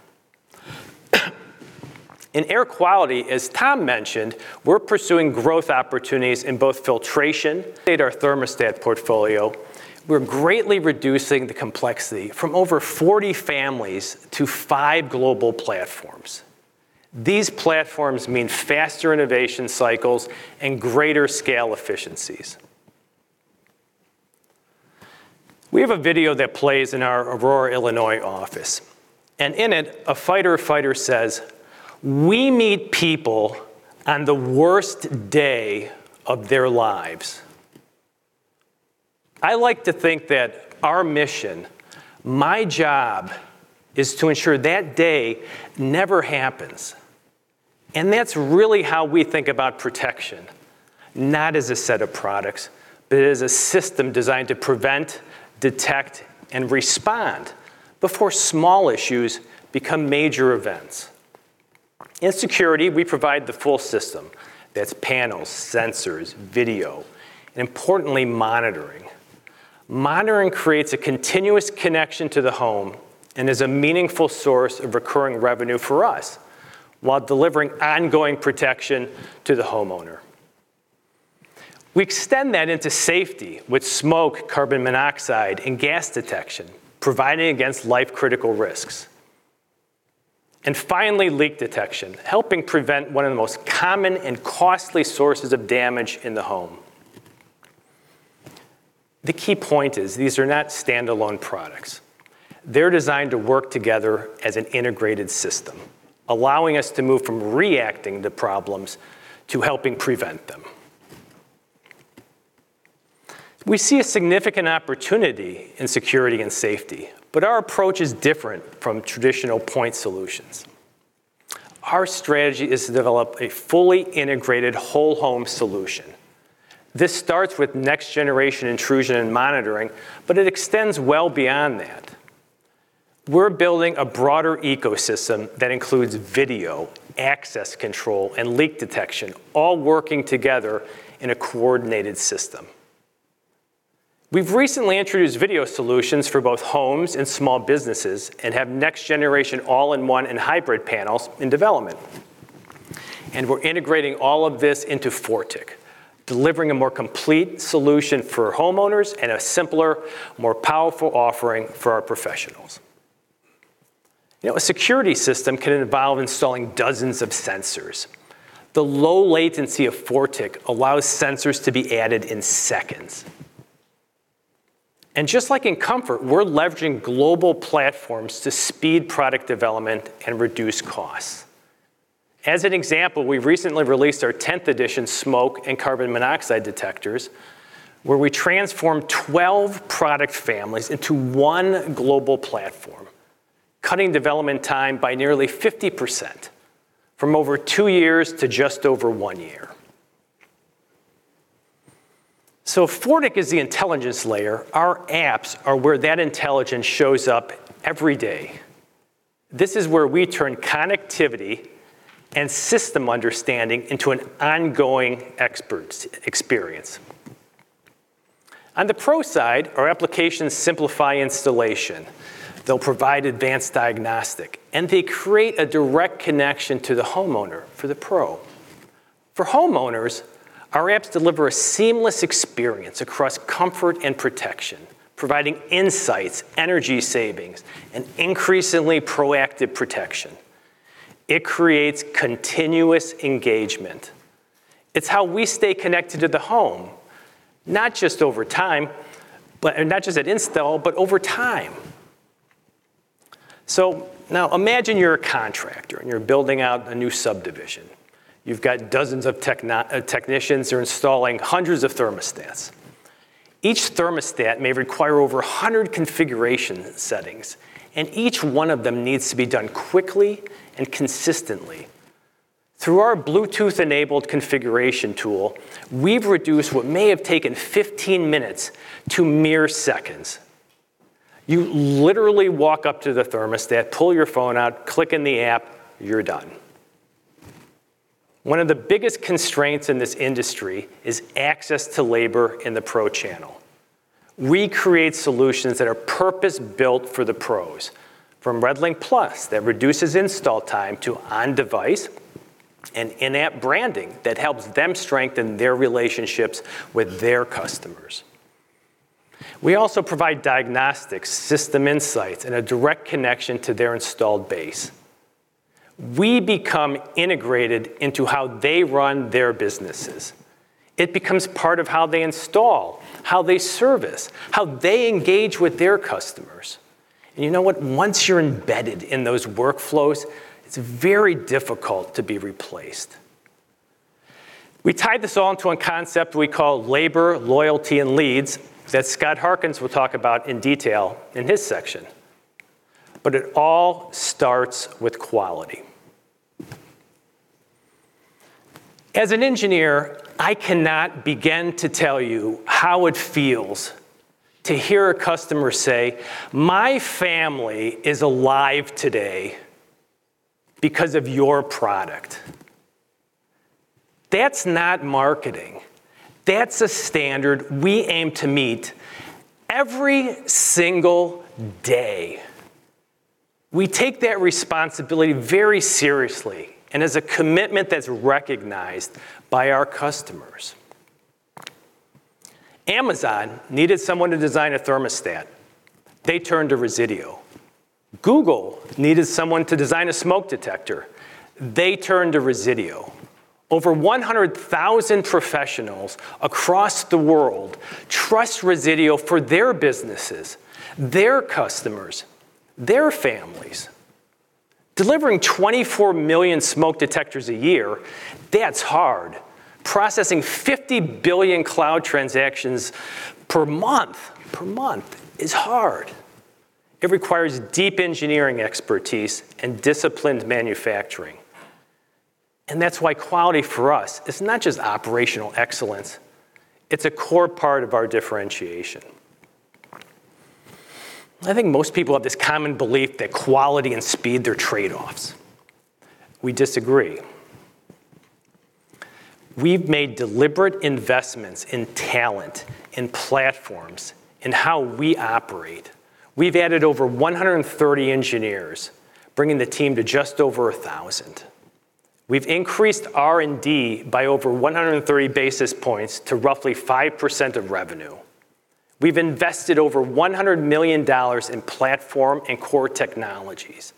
In air quality, as Tom mentioned, we're pursuing growth opportunities in both filtration. Our thermostat portfolio. We're greatly reducing the complexity from over 40 families to five global platforms. These platforms mean faster innovation cycles and greater scale efficiencies. We have a video that plays in our Aurora, Illinois office, in it, a fighter of fighters says, "We meet people on the worst day of their lives." I like to think that our mission, my job, is to ensure that day never happens. That's really how we think about protection. Not as a set of products, but as a system designed to prevent, detect, and respond before small issues become major events. In security, we provide the full system. That's panels, sensors, video, and importantly, monitoring. Monitoring creates a continuous connection to the home and is a meaningful source of recurring revenue for us while delivering ongoing protection to the homeowner. We extend that into safety with smoke, carbon monoxide, and gas detection, providing against life-critical risks. Finally, leak detection, helping prevent one of the most common and costly sources of damage in the home. The key point is these are not standalone products. They're designed to work together as an integrated system, allowing us to move from reacting to problems to helping prevent them. We see a significant opportunity in security and safety, but our approach is different from traditional point solutions. Our strategy is to develop a fully integrated whole home solution. This starts with next-generation intrusion and monitoring, but it extends well beyond that. We're building a broader ecosystem that includes video, access control, and leak detection, all working together in a coordinated system. We've recently introduced video solutions for both homes and small businesses and have next-generation all-in-one and hybrid panels in development. We're integrating all of this into FORTIQ, delivering a more complete solution for homeowners and a simpler, more powerful offering for our professionals. A security system can involve installing dozens of sensors. The low latency of FORTIQ allows sensors to be added in seconds. Just like in comfort, we're leveraging global platforms to speed product development and reduce costs. As an example, we've recently released our 10th edition smoke and carbon monoxide detectors, where we transformed 12 product families into one global platform, cutting development time by nearly 50%, from over two years to just over one year. FORTIQ is the intelligence layer. Our apps are where that intelligence shows up everyday. This is where we turn connectivity and system understanding into an ongoing experience. On the pro side, our applications simplify installation. They'll provide advanced diagnostic, and they create a direct connection to the homeowner for the pro. For homeowners, our apps deliver a seamless experience across comfort and protection, providing insights, energy savings, and increasingly proactive protection. It creates continuous engagement. It's how we stay connected to the home, not just at install, but over time. Now imagine you're a contractor and you're building out a new subdivision. You've got dozens of technicians who are installing hundreds of thermostats. Each thermostat may require over 100 configuration settings, and each one of them needs to be done quickly and consistently. Through our Bluetooth-enabled configuration tool, we've reduced what may have taken 15 minutes to mere seconds. You literally walk up to the thermostat, pull your phone out, click in the app, you're done. One of the biggest constraints in this industry is access to labor in the pro channel. We create solutions that are purpose-built for the pros, from RedLINK+ that reduces install time to on-device and in-app branding that helps them strengthen their relationships with their customers. We also provide diagnostics, system insights, and a direct connection to their installed base. We become integrated into how they run their businesses. It becomes part of how they install, how they service, how they engage with their customers. You know what? Once you're embedded in those workflows, it's very difficult to be replaced. We tie this all into a concept we call labor, loyalty, and leads that Scott Harkins will talk about in detail in his section. It all starts with quality. As an engineer, I cannot begin to tell you how it feels to hear a customer say, "My family is alive today because of your product." That's not marketing. That's a standard we aim to meet every single day. We take that responsibility very seriously and as a commitment that's recognized by our customers. Amazon needed someone to design a thermostat. They turned to Resideo. Google needed someone to design a smoke detector. They turned to Resideo. Over 100,000 professionals across the world trust Resideo for their businesses, their customers, their families. Delivering 24 million smoke detectors a year, that's hard. Processing 50 billion cloud transactions per month is hard. It requires deep engineering expertise and disciplined manufacturing. That's why quality for us is not just operational excellence, it's a core part of our differentiation. I think most people have this common belief that quality and speed are trade-offs. We disagree. We've made deliberate investments in talent, in platforms, in how we operate. We've added over 130 engineers, bringing the team to just over 1,000. We've increased R&D by over 130 basis points to roughly five percent of revenue. We've invested over $100 million in platform and core technologies.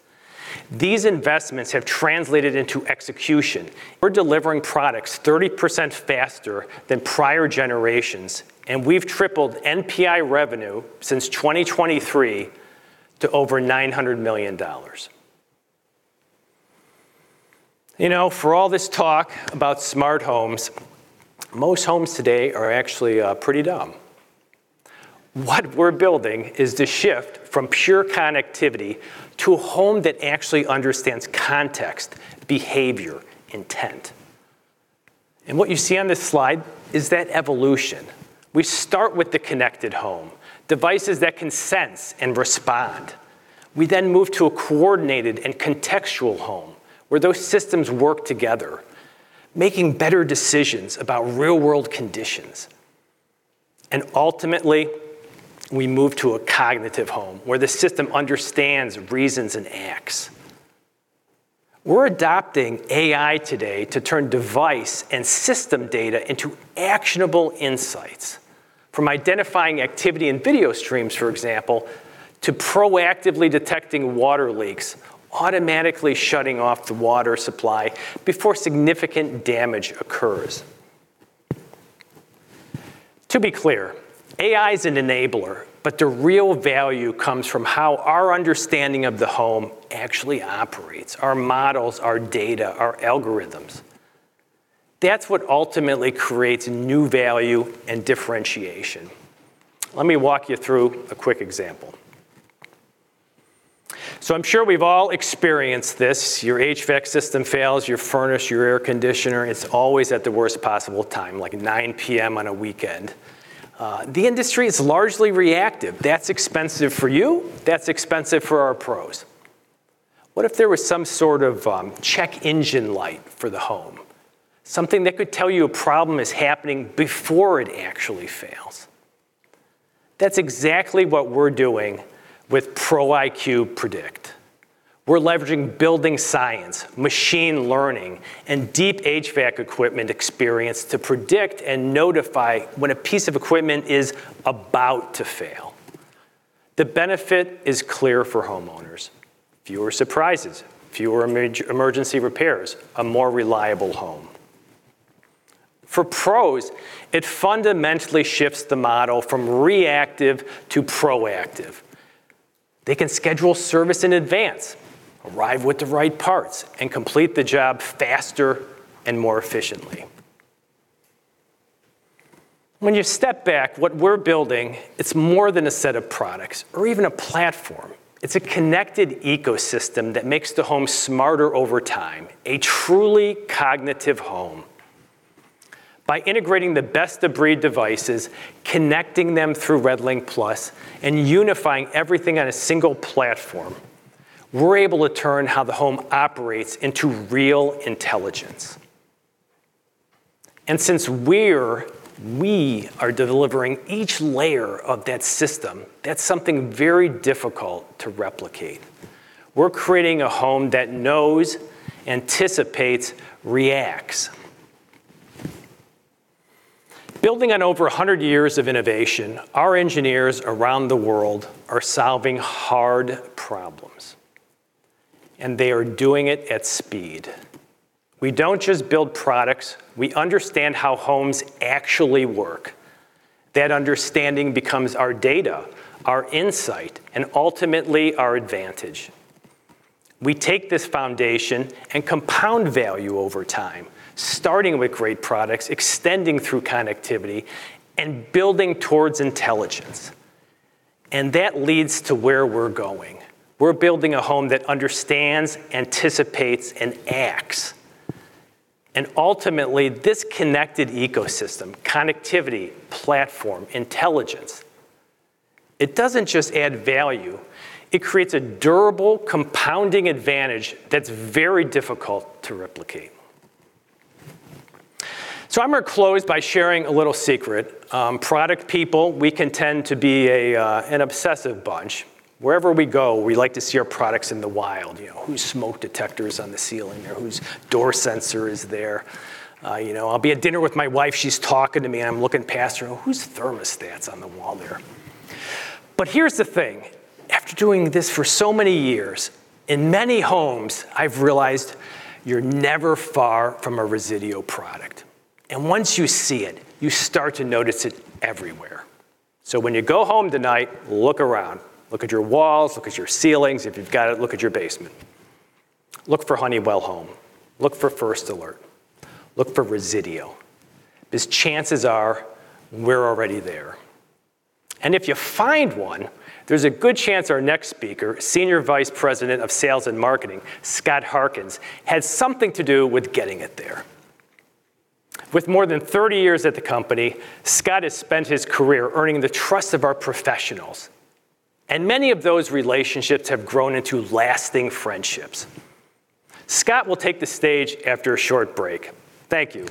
These investments have translated into execution. We're delivering products 30% faster than prior generations, and we've tripled NPI revenue since 2023 to over $900 million. For all this talk about smart homes, most homes today are actually pretty dumb. What we're building is the shift from pure connectivity to a home that actually understands context, behavior, intent. What you see on this slide is that evolution. We start with the connected home, devices that can sense and respond. We move to a coordinated and contextual home where those systems work together, making better decisions about real-world conditions. Ultimately, we move to a cognitive home where the system understands reasons and acts. We're adopting AI today to turn device and system data into actionable insights. From identifying activity in video streams, for example, to proactively detecting water leaks, automatically shutting off the water supply before significant damage occurs. To be clear, AI is an enabler, but the real value comes from how our understanding of the home actually operates. Our models, our data, our algorithms. That's what ultimately creates new value and differentiation. Let me walk you through a quick example. I'm sure we've all experienced this. Your HVAC system fails, your furnace, your air conditioner. It's always at the worst possible time, like 9:00 P.M. on a weekend. The industry is largely reactive. That's expensive for you. That's expensive for our pros. What if there was some sort of check engine light for the home? Something that could tell you a problem is happening before it actually fails. That's exactly what we're doing with ProIQ Predict. We're leveraging building science, machine learning, and deep HVAC equipment experience to predict and notify when a piece of equipment is about to fail. The benefit is clear for homeowners. Fewer surprises, fewer emergency repairs, a more reliable home. For pros, it fundamentally shifts the model from reactive to proactive. They can schedule service in advance, arrive with the right parts, and complete the job faster and more efficiently. When you step back, what we're building, it's more than a set of products or even a platform. It's a connected ecosystem that makes the home smarter over time. A truly cognitive home. By integrating the best-of-breed devices, connecting them through RedLINK+ and unifying everything on a single platform, we're able to turn how the home operates into real intelligence. Since we are delivering each layer of that system, that's something very difficult to replicate. We're creating a home that knows, anticipates, reacts. Building on over 100 years of innovation, our engineers around the world are solving hard problems, and they are doing it at speed. We don't just build products. We understand how homes actually work. That understanding becomes our data, our insight, and ultimately, our advantage. We take this foundation and compound value over time, starting with great products, extending through connectivity, and building towards intelligence. That leads to where we're going. We're building a home that understands, anticipates, and acts. Ultimately, this connected ecosystem, connectivity, platform, intelligence, it doesn't just add value. It creates a durable, compounding advantage that's very difficult to replicate. I'm going to close by sharing a little secret. Product people, we can tend to be an obsessive bunch. Wherever we go, we like to see our products in the wild. Whose smoke detector is on the ceiling or whose door sensor is there? I'll be at dinner with my wife. She's talking to me, and I'm looking past her. Whose thermostat's on the wall there? Here's the thing. After doing this for so many years, in many homes, I've realized you're never far from a Resideo product. Once you see it, you start to notice it everywhere. When you go home tonight, look around. Look at your walls, look at your ceilings. If you've got it, look at your basement. Look for Honeywell Home. Look for First Alert. Look for Resideo, because chances are, we're already there. If you find one, there's a good chance our next speaker, Senior Vice President of Sales and Marketing, Scott Harkins, had something to do with getting it there. With more than 30 years at the company, Scott has spent his career earning the trust of our professionals, and many of those relationships have grown into lasting friendships. Scott will take the stage after a short break. Thank you.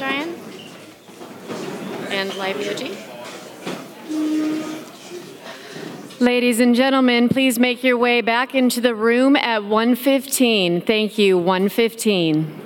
Bring down music please, Ryan, and live energy. Ladies and gentlemen, please make your way back into the room at 1:15. Thank you, 1:15. (Break)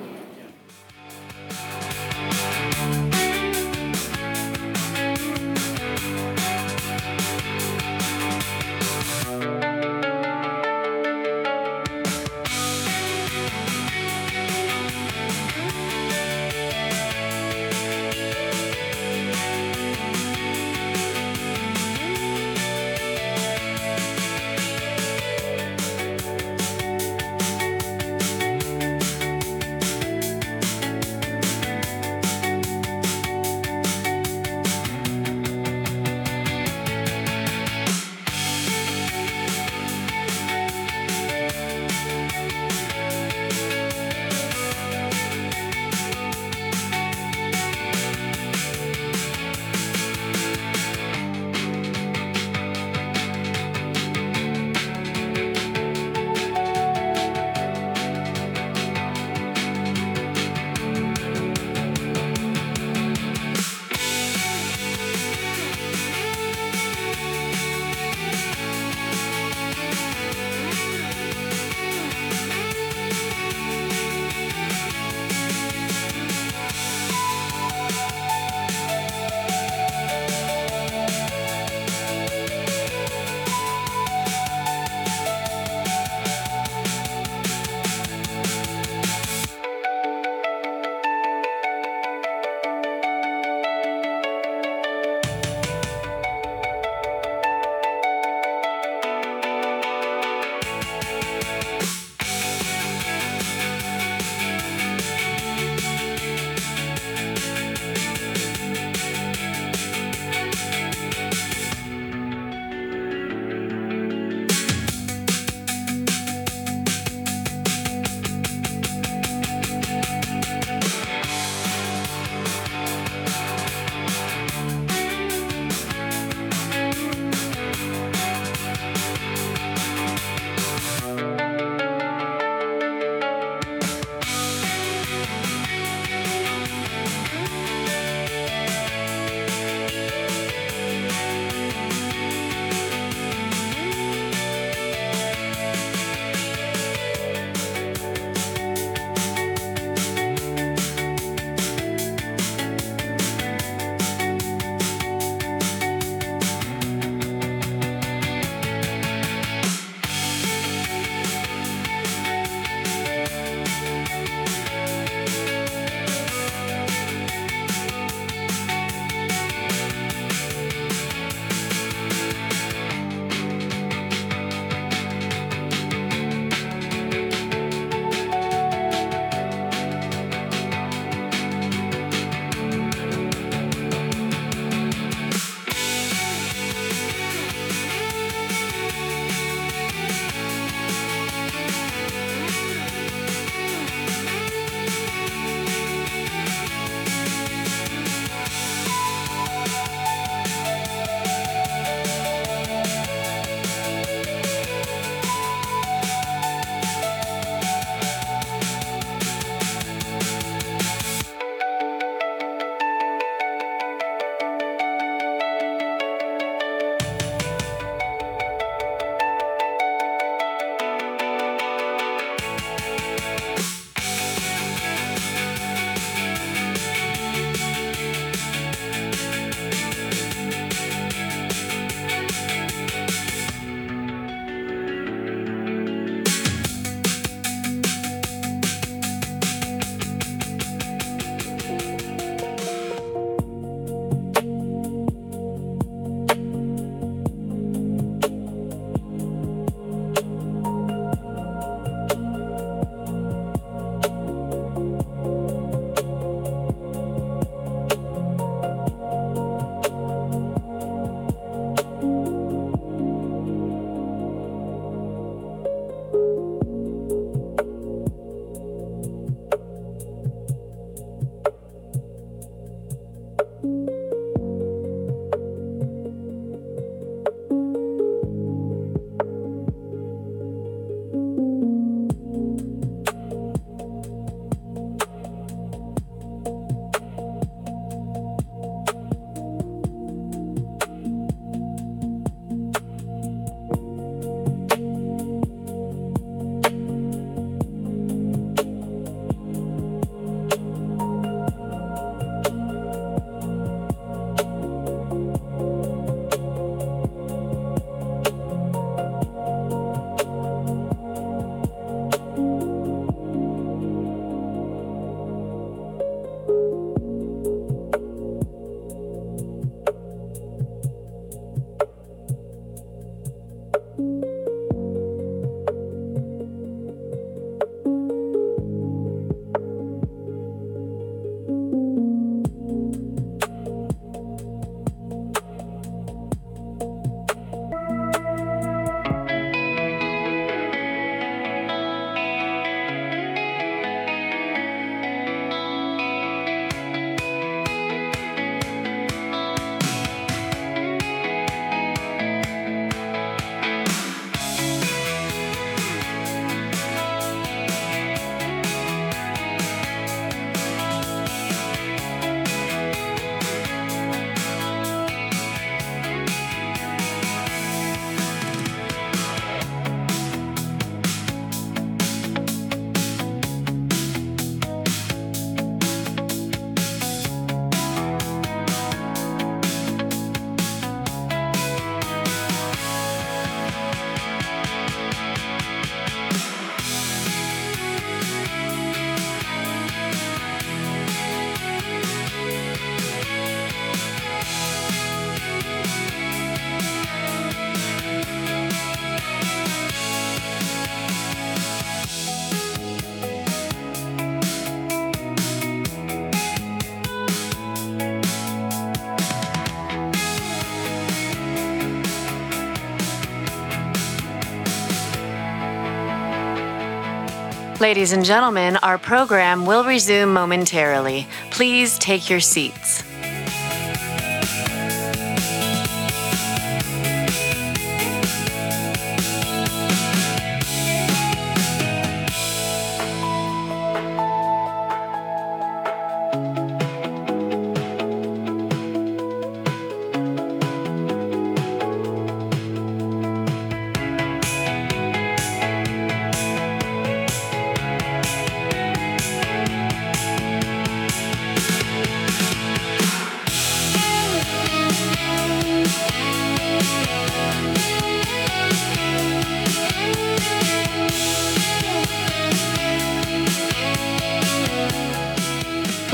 Ladies and gentlemen, our program will resume momentarily. Please take your seats.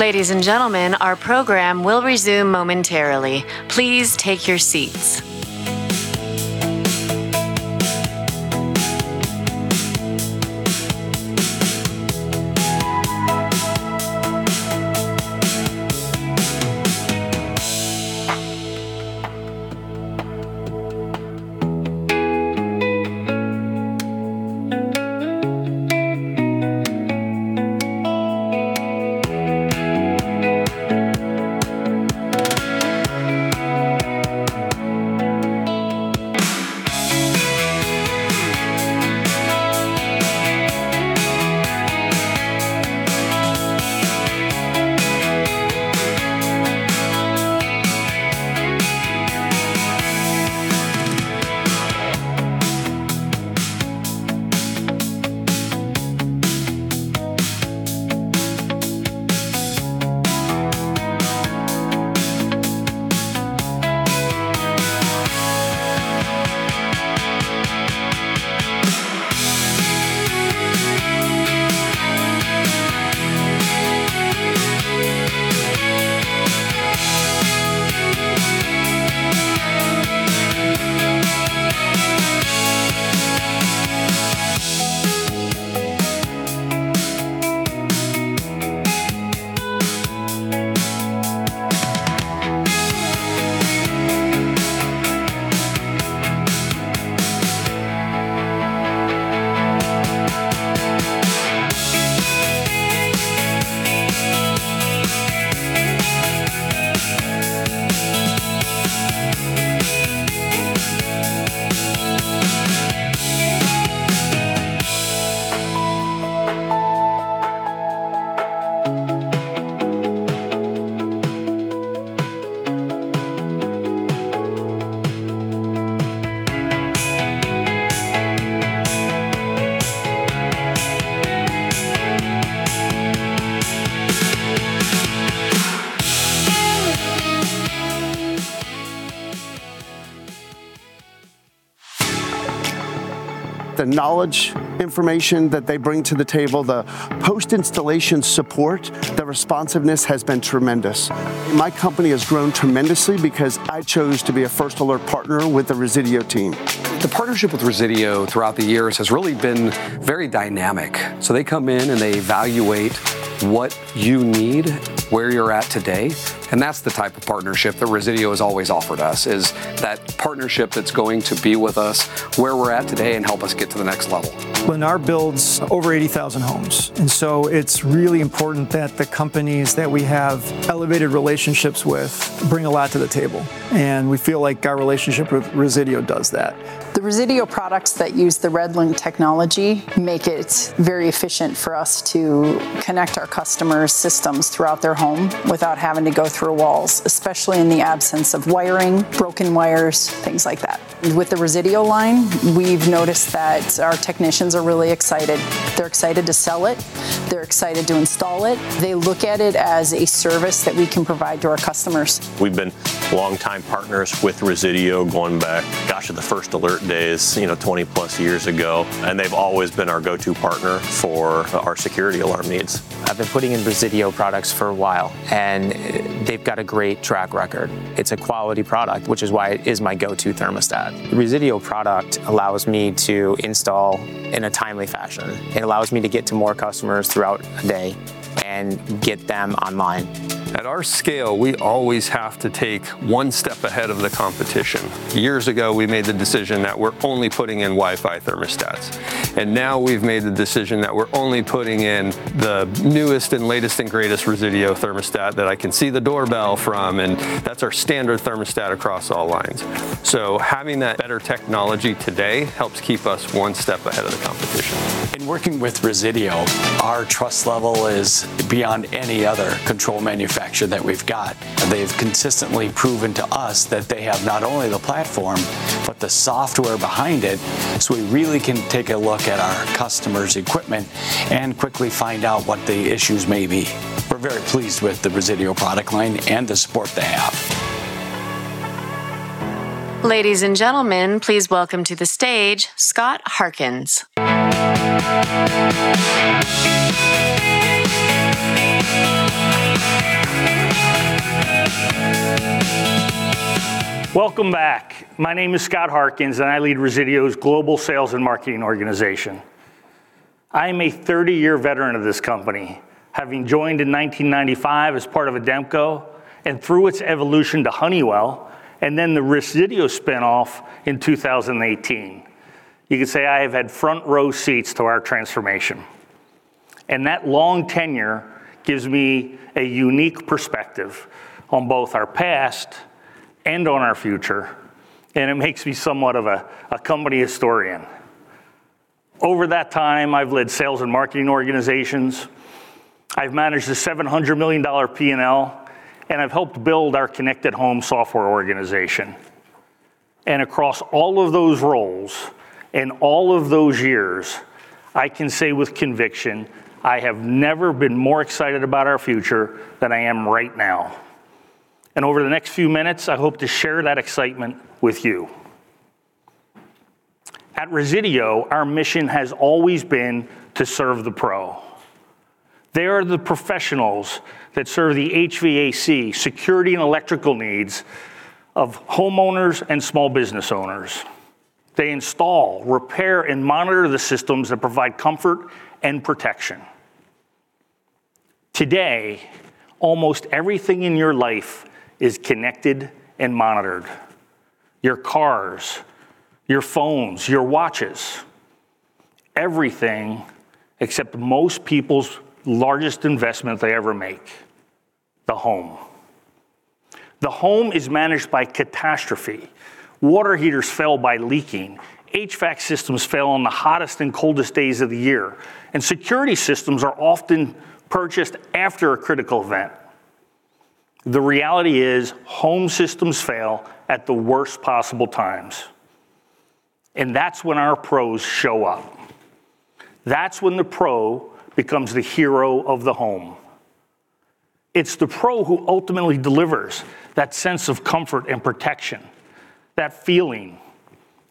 Ladies and gentlemen, our program will resume momentarily. Please take your seats. The knowledge, information that they bring to the table, the post-installation support, the responsiveness has been tremendous. My company has grown tremendously because I chose to be a First Alert partner with the Resideo team. The partnership with Resideo throughout the years has really been very dynamic. They come in and they evaluate what you need, where you're at today, and that's the type of partnership that Resideo has always offered us, is that partnership that's going to be with us where we're at today and help us get to the next level. Lennar builds over 80,000 homes. It's really important that the companies that we have elevated relationships with bring a lot to the table. We feel like our relationship with Resideo does that. The Resideo products that use the RedLINK technology make it very efficient for us to connect our customers' systems throughout their home without having to go through walls, especially in the absence of wiring, broken wires, things like that. With the Resideo line, we've noticed that our technicians are really excited. They're excited to sell it. They're excited to install it. They look at it as a service that we can provide to our customers. We've been longtime partners with Resideo going back, gosh, to the First Alert days, 20-plus years ago. They've always been our go-to partner for our security alarm needs. I've been putting in Resideo products for a while. They've got a great track record. It's a quality product, which is why it is my go-to thermostat. Resideo product allows me to install in a timely fashion. It allows me to get to more customers throughout a day and get them online. At our scale, we always have to take one step ahead of the competition. Years ago, we made the decision that we're only putting in Wi-Fi thermostats. Now we've made the decision that we're only putting in the newest and latest and greatest Resideo thermostat that I can see the doorbell from. That's our standard thermostat across all lines. Having that better technology today helps keep us one step ahead of the competition. In working with Resideo, our trust level is beyond any other control manufacturer that we've got. They've consistently proven to us that they have not only the platform, but the software behind it, so we really can take a look at our customers' equipment and quickly find out what the issues may be. We're very pleased with the Resideo product line and the support they have. Ladies and gentlemen, please welcome to the stage Scott Harkins. Welcome back. My name is Scott Harkins, and I lead Resideo's Global Sales and Marketing organization. I am a 30-year veteran of this company, having joined in 1995 as part of ADEMCO and through its evolution to Honeywell, and then the Resideo spinoff in 2018. You could say I have had front-row seats to our transformation. That long tenure gives me a unique perspective on both our past and on our future, and it makes me somewhat of a company historian. Over that time, I've led sales and marketing organizations. I've managed a $700 million P&L, and I've helped build our connected home software organization. Across all of those roles and all of those years, I can say with conviction, I have never been more excited about our future than I am right now. Over the next few minutes, I hope to share that excitement with you. At Resideo, our mission has always been to serve the pro. They are the professionals that serve the HVAC, security, and electrical needs of homeowners and small business owners. They install, repair, and monitor the systems that provide comfort and protection. Today, almost everything in your life is connected and monitored. Your cars, your phones, your watches. Everything except most people's largest investment they ever make, the home. The home is managed by catastrophe. Water heaters fail by leaking. HVAC systems fail on the hottest and coldest days of the year. Security systems are often purchased after a critical event. The reality is home systems fail at the worst possible times, and that's when our pros show up. That's when the pro becomes the hero of the home. It's the pro who ultimately delivers that sense of comfort and protection, that feeling,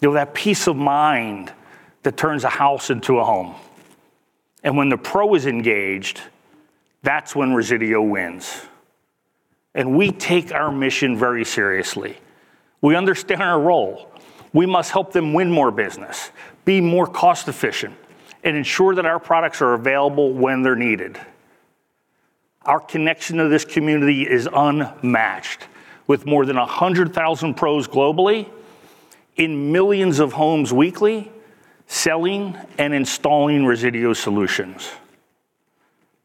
that peace of mind that turns a house into a home. When the pro is engaged, that's when Resideo wins. We take our mission very seriously. We understand our role. We must help them win more business, be more cost-efficient, and ensure that our products are available when they're needed. Our connection to this community is unmatched, with more than 100,000 pros globally in millions of homes weekly, selling and installing Resideo solutions.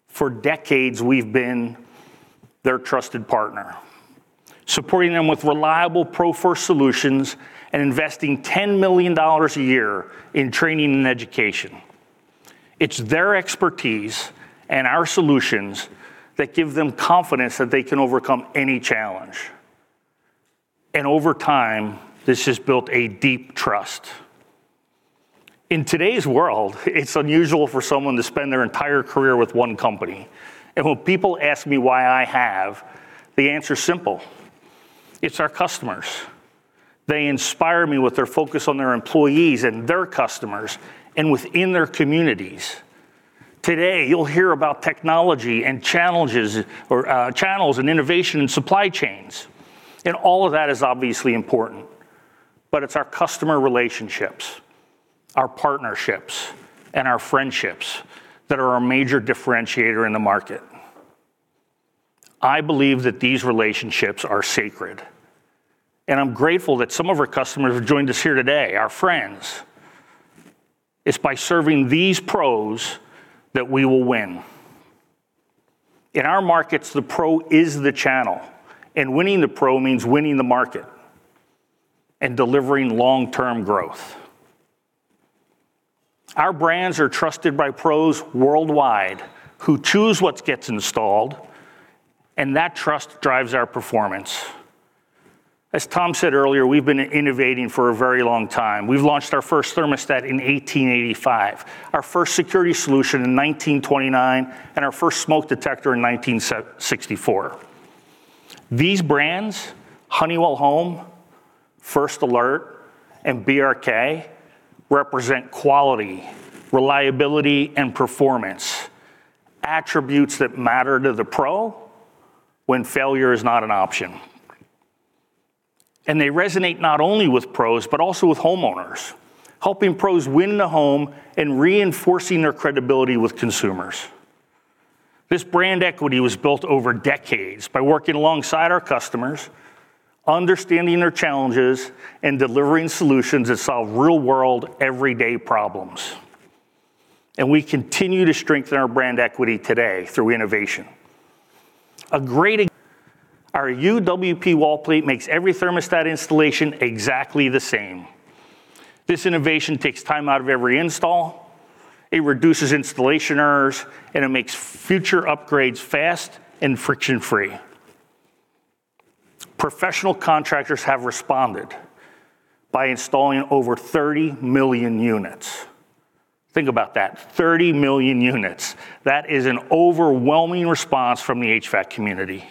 For decades, we've been their trusted partner, supporting them with reliable pro-first solutions and investing $10 million a year in training and education. It's their expertise and our solutions that give them confidence that they can overcome any challenge. Over time, this has built a deep trust. In today's world, it's unusual for someone to spend their entire career with one company. When people ask me why I have, the answer's simple. It's our customers. They inspire me with their focus on their employees and their customers and within their communities. Today, you'll hear about technology and challenges or channels and innovation and supply chains. All of that is obviously important, but it's our customer relationships, our partnerships, and our friendships that are our major differentiator in the market. I believe that these relationships are sacred, and I'm grateful that some of our customers have joined us here today, our friends. It's by serving these pros that we will win. In our markets, the pro is the channel, and winning the pro means winning the market and delivering long-term growth. Our brands are trusted by pros worldwide who choose what gets installed, and that trust drives our performance. As Tom said earlier, we've been innovating for a very long time. We've launched our first thermostat in 1885, our first security solution in 1929, and our first smoke detector in 1964. These brands, Honeywell Home, First Alert, and BRK, represent quality, reliability, and performance, attributes that matter to the pro when failure is not an option. They resonate not only with pros, but also with homeowners, helping pros win the home and reinforcing their credibility with consumers. This brand equity was built over decades by working alongside our customers, understanding their challenges, and delivering solutions that solve real-world, everyday problems. We continue to strengthen our brand equity today through innovation. Our UWP wall plate makes every thermostat installation exactly the same. This innovation takes time out of every install, it reduces installation errors, and it makes future upgrades fast and friction-free. Professional contractors have responded by installing over 30 million units. Think about that, 30 million units. That is an overwhelming response from the HVAC community.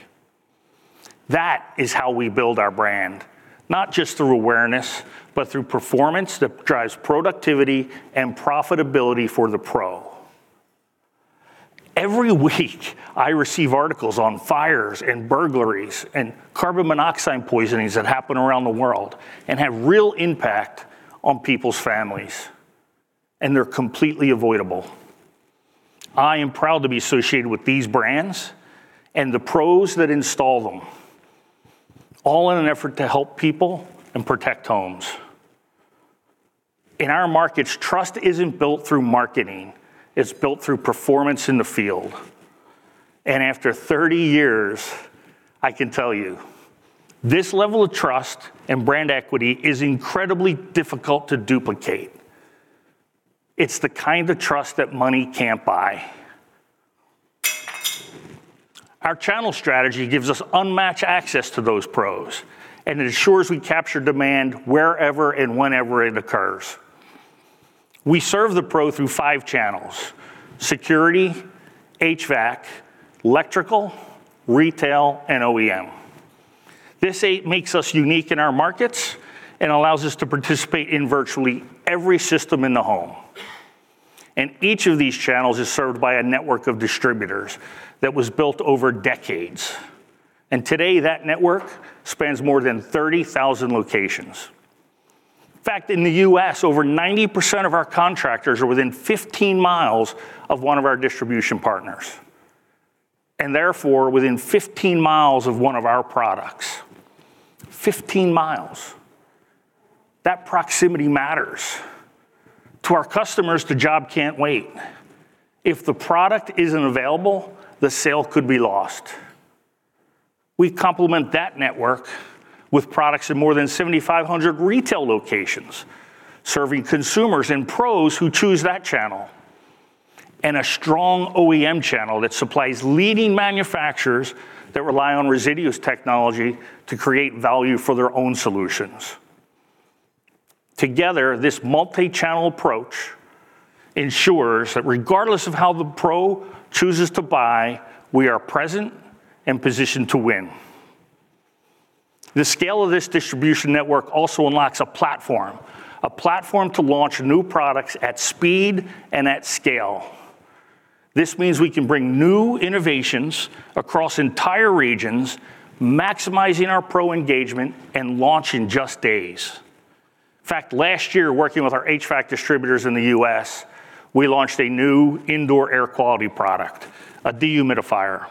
That is how we build our brand, not just through awareness, but through performance that drives productivity and profitability for the pro. Every week, I receive articles on fires and burglaries and carbon monoxide poisonings that happen around the world and have real impact on people's families, and they're completely avoidable. I am proud to be associated with these brands and the pros that install them, all in an effort to help people and protect homes. In our markets, trust isn't built through marketing. It's built through performance in the field. After 30 years, I can tell you, this level of trust and brand equity is incredibly difficult to duplicate. It's the kind of trust that money can't buy. Our channel strategy gives us unmatched access to those pros, and it ensures we capture demand wherever and whenever it occurs. We serve the pro through five channels, security, HVAC, electrical, retail, and OEM. This makes us unique in our markets and allows us to participate in virtually every system in the home. Each of these channels is served by a network of distributors that was built over decades. Today, that network spans more than 30,000 locations. In fact, in the U.S., over 90% of our contractors are within 15 miles of one of our distribution partners, and therefore, within 15 miles of one of our products. 15 miles. That proximity matters. To our customers, the job can't wait. If the product isn't available, the sale could be lost. We complement that network with products in more than 7,500 retail locations, serving consumers and pros who choose that channel, and a strong OEM channel that supplies leading manufacturers that rely on Resideo's technology to create value for their own solutions. Together, this multi-channel approach ensures that regardless of how the pro chooses to buy, we are present and positioned to win. The scale of this distribution network also unlocks a platform, a platform to launch new products at speed and at scale. This means we can bring new innovations across entire regions, maximizing our pro engagement and launch in just days. In fact, last year, working with our HVAC distributors in the U.S., we launched a new indoor air quality product, a dehumidifier,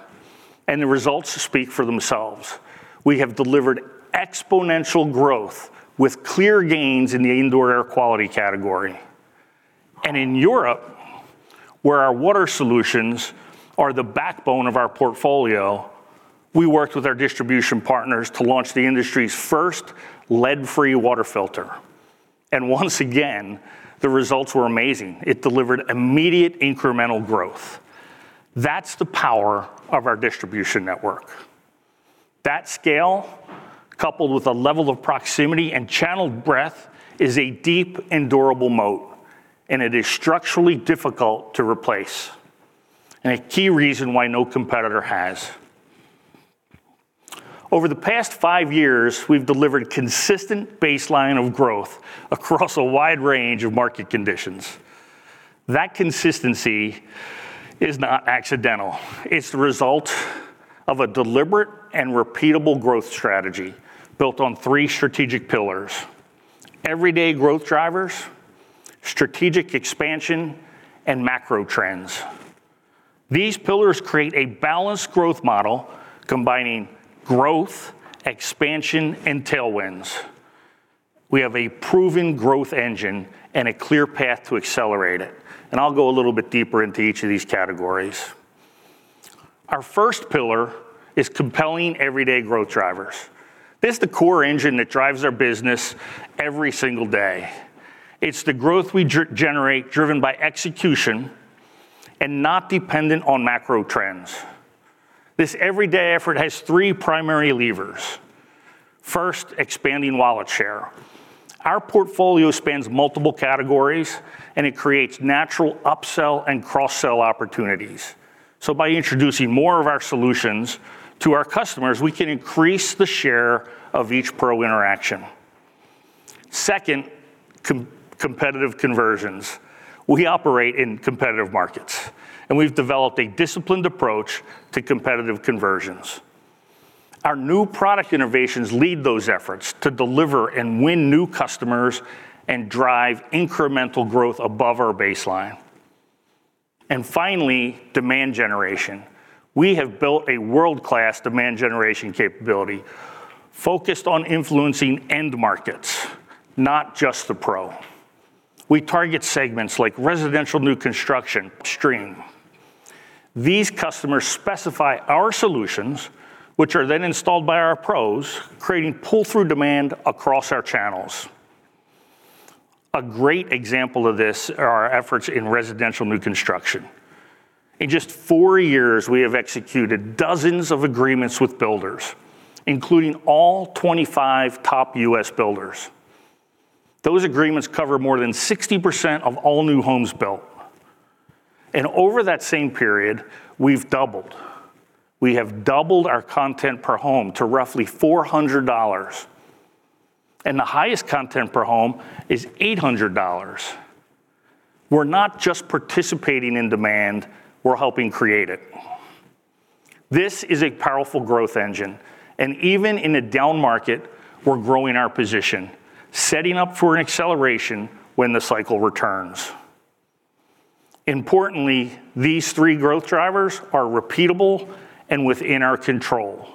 and the results speak for themselves. We have delivered exponential growth with clear gains in the indoor air quality category. In Europe, where our water solutions are the backbone of our portfolio, we worked with our distribution partners to launch the industry's first lead-free water filter. Once again, the results were amazing. It delivered immediate incremental growth. That's the power of our distribution network. That scale, coupled with a level of proximity and channel breadth, is a deep and durable moat, and it is structurally difficult to replace, and a key reason why no competitor has. Over the past five years, we've delivered consistent baseline of growth across a wide range of market conditions. That consistency is not accidental. It's the result of a deliberate and repeatable growth strategy built on three strategic pillars, everyday growth drivers, strategic expansion, and macro trends. These pillars create a balanced growth model combining growth, expansion, and tailwinds. We have a proven growth engine and a clear path to accelerate it. I'll go a little bit deeper into each of these categories. Our first pillar is compelling everyday growth drivers. This is the core engine that drives our business every single day. It's the growth we generate driven by execution and not dependent on macro trends. This everyday effort has three primary levers. First, expanding wallet share. Our portfolio spans multiple categories, and it creates natural upsell and cross-sell opportunities. By introducing more of our solutions to our customers, we can increase the share of each pro interaction. Second, competitive conversions. We operate in competitive markets, and we've developed a disciplined approach to competitive conversions. Our new product innovations lead those efforts to deliver and win new customers and drive incremental growth above our baseline. Finally, demand generation. We have built a world-class demand generation capability focused on influencing end markets, not just the pro. We target segments like residential new construction stream. These customers specify our solutions, which are then installed by our pros, creating pull-through demand across our channels. A great example of this are our efforts in residential new construction. In just four years, we have executed dozens of agreements with builders, including all 25 top U.S. builders. Those agreements cover more than 60% of all new homes built. Over that same period, we've doubled. We have doubled our content per home to roughly $400, and the highest content per home is $800. We're not just participating in demand, we're helping create it. This is a powerful growth engine, and even in a down market, we're growing our position, setting up for an acceleration when the cycle returns. Importantly, these three growth drivers are repeatable and within our control.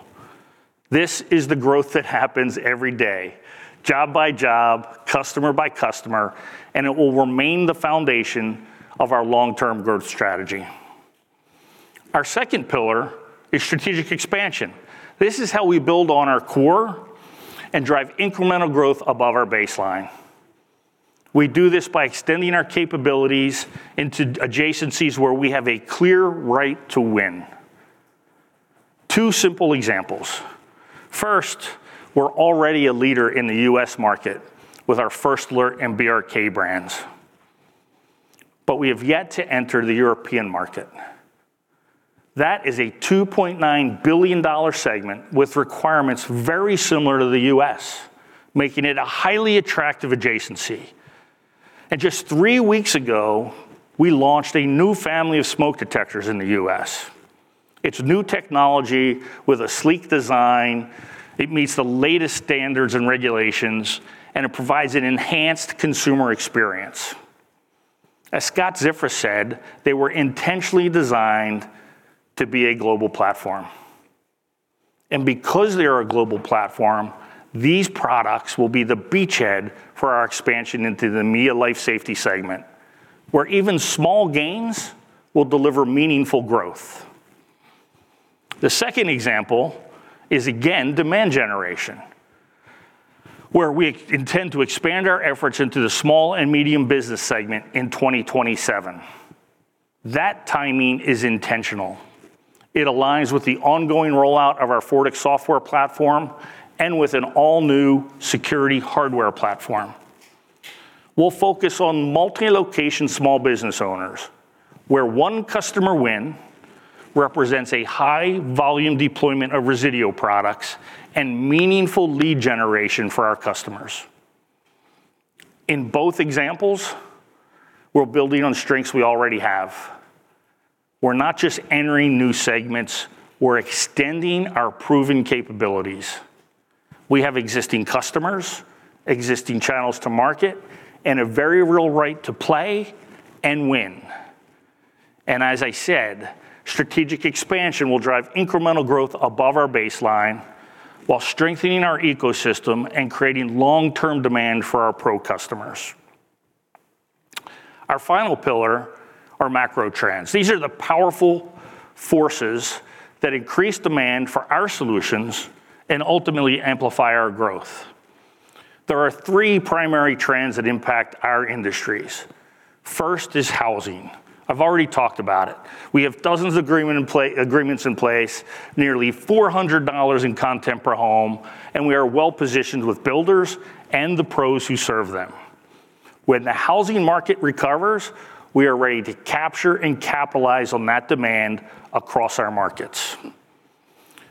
This is the growth that happens every day, job by job, customer by customer, and it will remain the foundation of our long-term growth strategy. Our second pillar is strategic expansion. This is how we build on our core and drive incremental growth above our baseline. We do this by extending our capabilities into adjacencies where we have a clear right to win. Two simple examples. First, we're already a leader in the U.S. market with our First Alert and BRK brands. We have yet to enter the European market. That is a $2.9 billion segment with requirements very similar to the U.S., making it a highly attractive adjacency. In just three weeks ago, we launched a new family of smoke detectors in the U.S. It's new technology with a sleek design. It meets the latest standards and regulations, and it provides an enhanced consumer experience. As Scott Ziffra said, they were intentionally designed to be a global platform. Because they are a global platform, these products will be the beachhead for our expansion into the media life safety segment, where even small gains will deliver meaningful growth. The second example is, again, demand generation, where we intend to expand our efforts into the small and medium business segment in 2027. That timing is intentional. It aligns with the ongoing rollout of our FORTIQ software platform and with an all-new security hardware platform. We'll focus on multi-location small business owners, where one customer win represents a high volume deployment of Resideo products and meaningful lead generation for our customers. In both examples, we're building on strengths we already have. We're not just entering new segments, we're extending our proven capabilities. We have existing customers, existing channels to market, and a very real right to play and win. As I said, strategic expansion will drive incremental growth above our baseline while strengthening our ecosystem and creating long-term demand for our pro customers. Our final pillar are macro trends. These are the powerful forces that increase demand for our solutions and ultimately amplify our growth. There are three primary trends that impact our industries. First is housing. I've already talked about it. We have dozens of agreements in place, nearly $400 in content per home, and we are well-positioned with builders and the pros who serve them. When the housing market recovers, we are ready to capture and capitalize on that demand across our markets.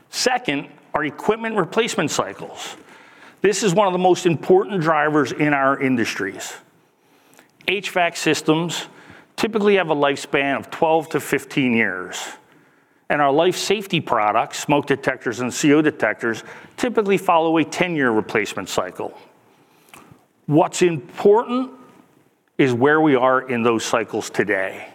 Second, our equipment replacement cycles. This is one of the most important drivers in our industries. HVAC systems typically have a lifespan of 12 - 15 years, and our life safety products, smoke detectors and CO detectors, typically follow a 10-year replacement cycle. What's important is where we are in those cycles today.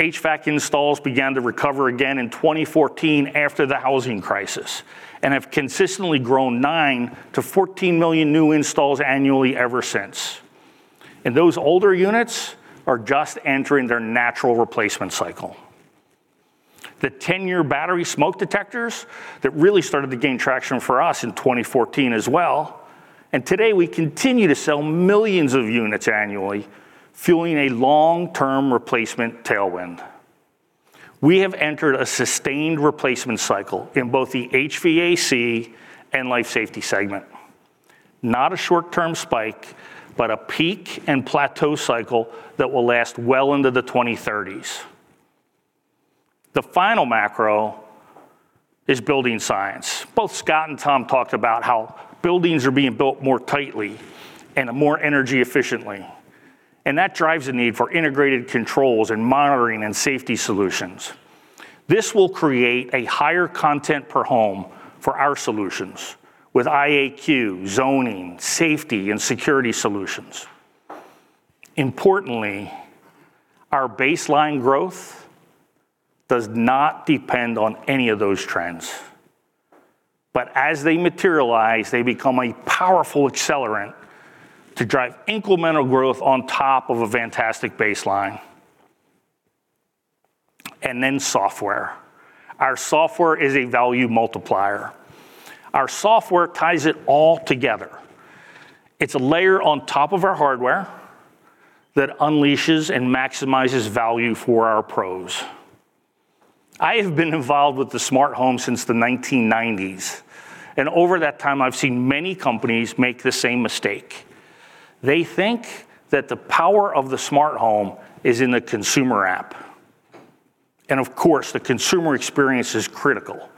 HVAC installs began to recover again in 2014 after the housing crisis, and have consistently grown 9-14 million new installs annually ever since. Those older units are just entering their natural replacement cycle. The 10-year battery smoke detectors that really started to gain traction for us in 2014 as well, and today we continue to sell millions of units annually, fueling a long-term replacement tailwind. We have entered a sustained replacement cycle in both the HVAC and life safety segment. Not a short-term spike, but a peak and plateau cycle that will last well into the 2030s. The final macro is building science. Both Scott and Tom talked about how buildings are being built more tightly and more energy efficiently, and that drives a need for integrated controls in monitoring and safety solutions. This will create a higher content per home for our solutions with IAQ, zoning, safety, and security solutions. Importantly, our baseline growth does not depend on any of those trends. As they materialize, they become a powerful accelerant to drive incremental growth on top of a fantastic baseline. Then software. Our software is a value multiplier. Our software ties it all together. It's a layer on top of our hardware that unleashes and maximizes value for our pros. I have been involved with the smart home since the 1990s, and over that time, I've seen many companies make the same mistake. They think that the power of the smart home is in the consumer app. Of course, the consumer experience is critical.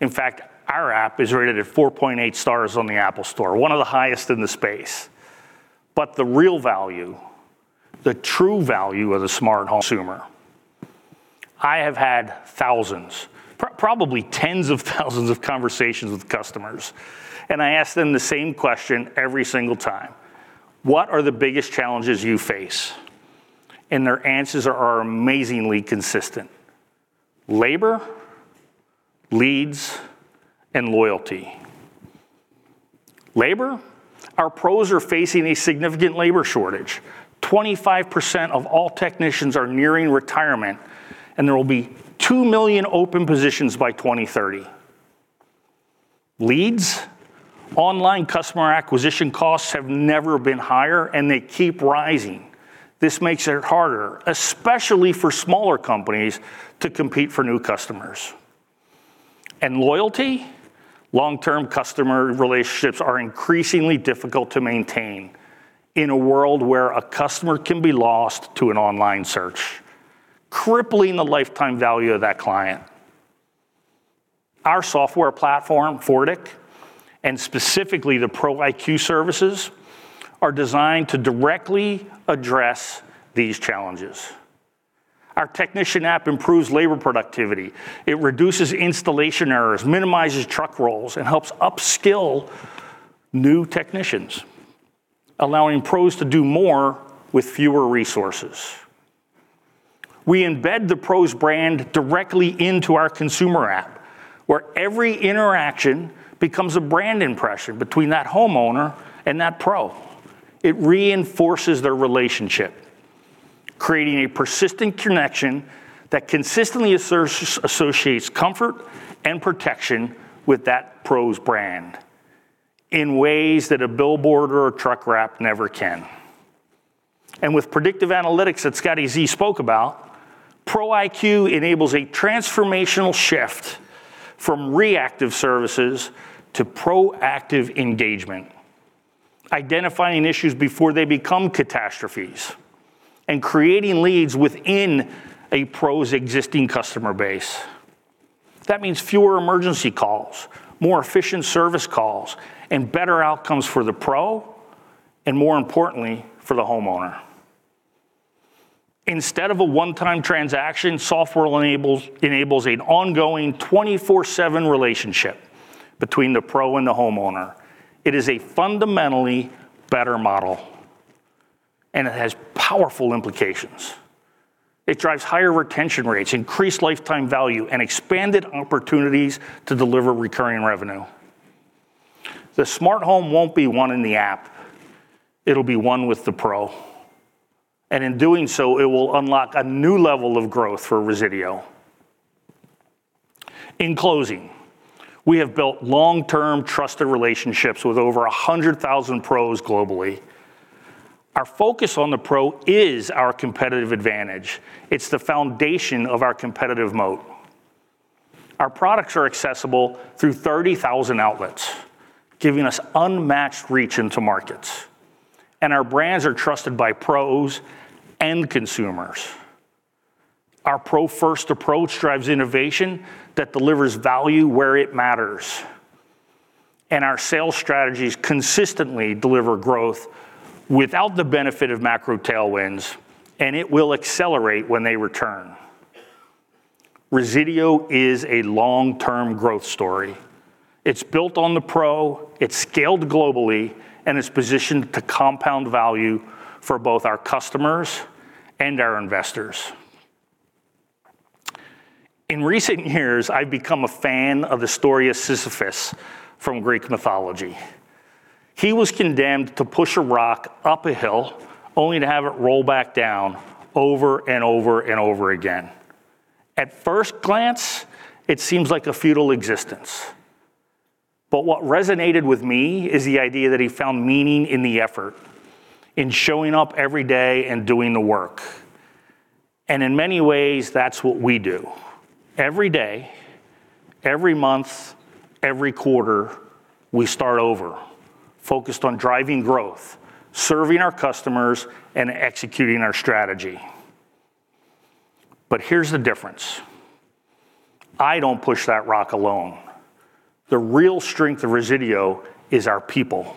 In fact, our app is rated at 4.8 stars on the App Store, one of the highest in the space. The real value, the true value of the smart home consumer. I have had thousands, probably tens of thousands of conversations with customers, and I ask them the same question every single time. "What are the biggest challenges you face?" Their answers are amazingly consistent. Labor, leads, and loyalty. Labor, our pros are facing a significant labor shortage. 25% of all technicians are nearing retirement, and there will be 2 million open positions by 2030. Leads, online customer acquisition costs have never been higher, and they keep rising. This makes it harder, especially for smaller companies, to compete for new customers. Loyalty, long-term customer relationships are increasingly difficult to maintain in a world where a customer can be lost to an online search, crippling the lifetime value of that client. Our software platform, FORTIQ, and specifically the Pro-IQ services, are designed to directly address these challenges. Our technician app improves labor productivity. It reduces installation errors, minimizes truck rolls, and helps upskill new technicians, allowing pros to do more with fewer resources. We embed the pros' brand directly into our consumer app, where every interaction becomes a brand impression between that homeowner and that pro. It reinforces their relationship, creating a persistent connection that consistently associates comfort and protection with that pro's brand in ways that a billboard or a truck wrap never can. With predictive analytics that Scott Ziffra spoke about, Pro-IQ enables a transformational shift from reactive services to proactive engagement, identifying issues before they become catastrophes, and creating leads within a pro's existing customer base. That means fewer emergency calls, more efficient service calls, and better outcomes for the pro, and more importantly, for the homeowner. Instead of a one-time transaction, software enables an ongoing 24/7 relationship between the pro and the homeowner. It is a fundamentally better model, and it has powerful implications. It drives higher retention rates, increased lifetime value, and expanded opportunities to deliver recurring revenue. The smart home won't be won in the app. It'll be won with the pro. In doing so, it will unlock a new level of growth for Resideo. In closing, we have built long-term trusted relationships with over 100,000 pros globally. Our focus on the pro is our competitive advantage. It's the foundation of our competitive moat. Our products are accessible through 30,000 outlets, giving us unmatched reach into markets, and our brands are trusted by pros and consumers. Our pro first approach drives innovation that delivers value where it matters. Our sales strategies consistently deliver growth without the benefit of macro tailwinds, and it will accelerate when they return. Resideo is a long-term growth story. It's built on the pro, it's scaled globally, and it's positioned to compound value for both our customers and our investors. In recent years, I've become a fan of the story of Sisyphus from Greek mythology. He was condemned to push a rock up a hill, only to have it roll back down, over and over and over again. At first glance, it seems like a futile existence. What resonated with me is the idea that he found meaning in the effort, in showing up every day and doing the work. In many ways, that's what we do. Every day, every month, every quarter, we start over, focused on driving growth, serving our customers, and executing our strategy. Here's the difference. I don't push that rock alone. The real strength of Resideo is our people.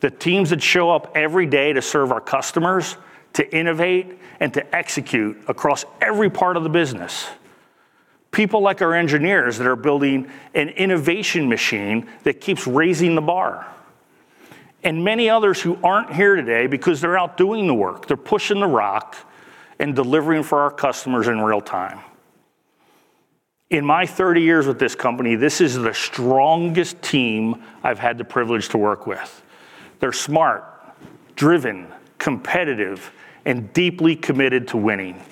The teams that show up every day to serve our customers, to innovate, and to execute across every part of the business. People like our engineers that are building an innovation machine that keeps raising the bar, and many others who aren't here today because they're out doing the work. They're pushing the rock and delivering for our customers in real time. In my 30 years with this company, this is the strongest team I've had the privilege to work with. They're smart, driven, competitive, and deeply committed to winning,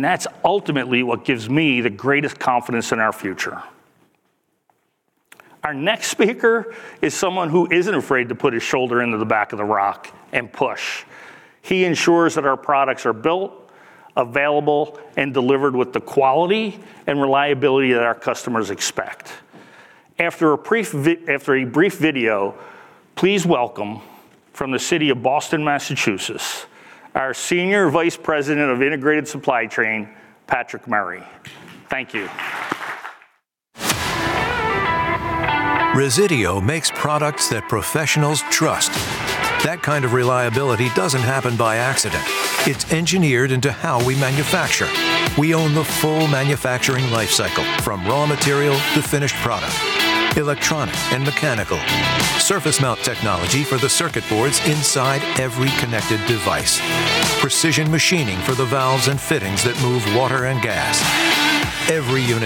that's ultimately what gives me the greatest confidence in our future. Our next speaker is someone who isn't afraid to put his shoulder into the back of the rock and push. He ensures that our products are built, available, and delivered with the quality and reliability that our customers expect. After a brief video, please welcome from the city of Boston, Massachusetts, our Senior Vice President of Integrated Supply Chain, Patrick Murray. Thank you. (Presentation)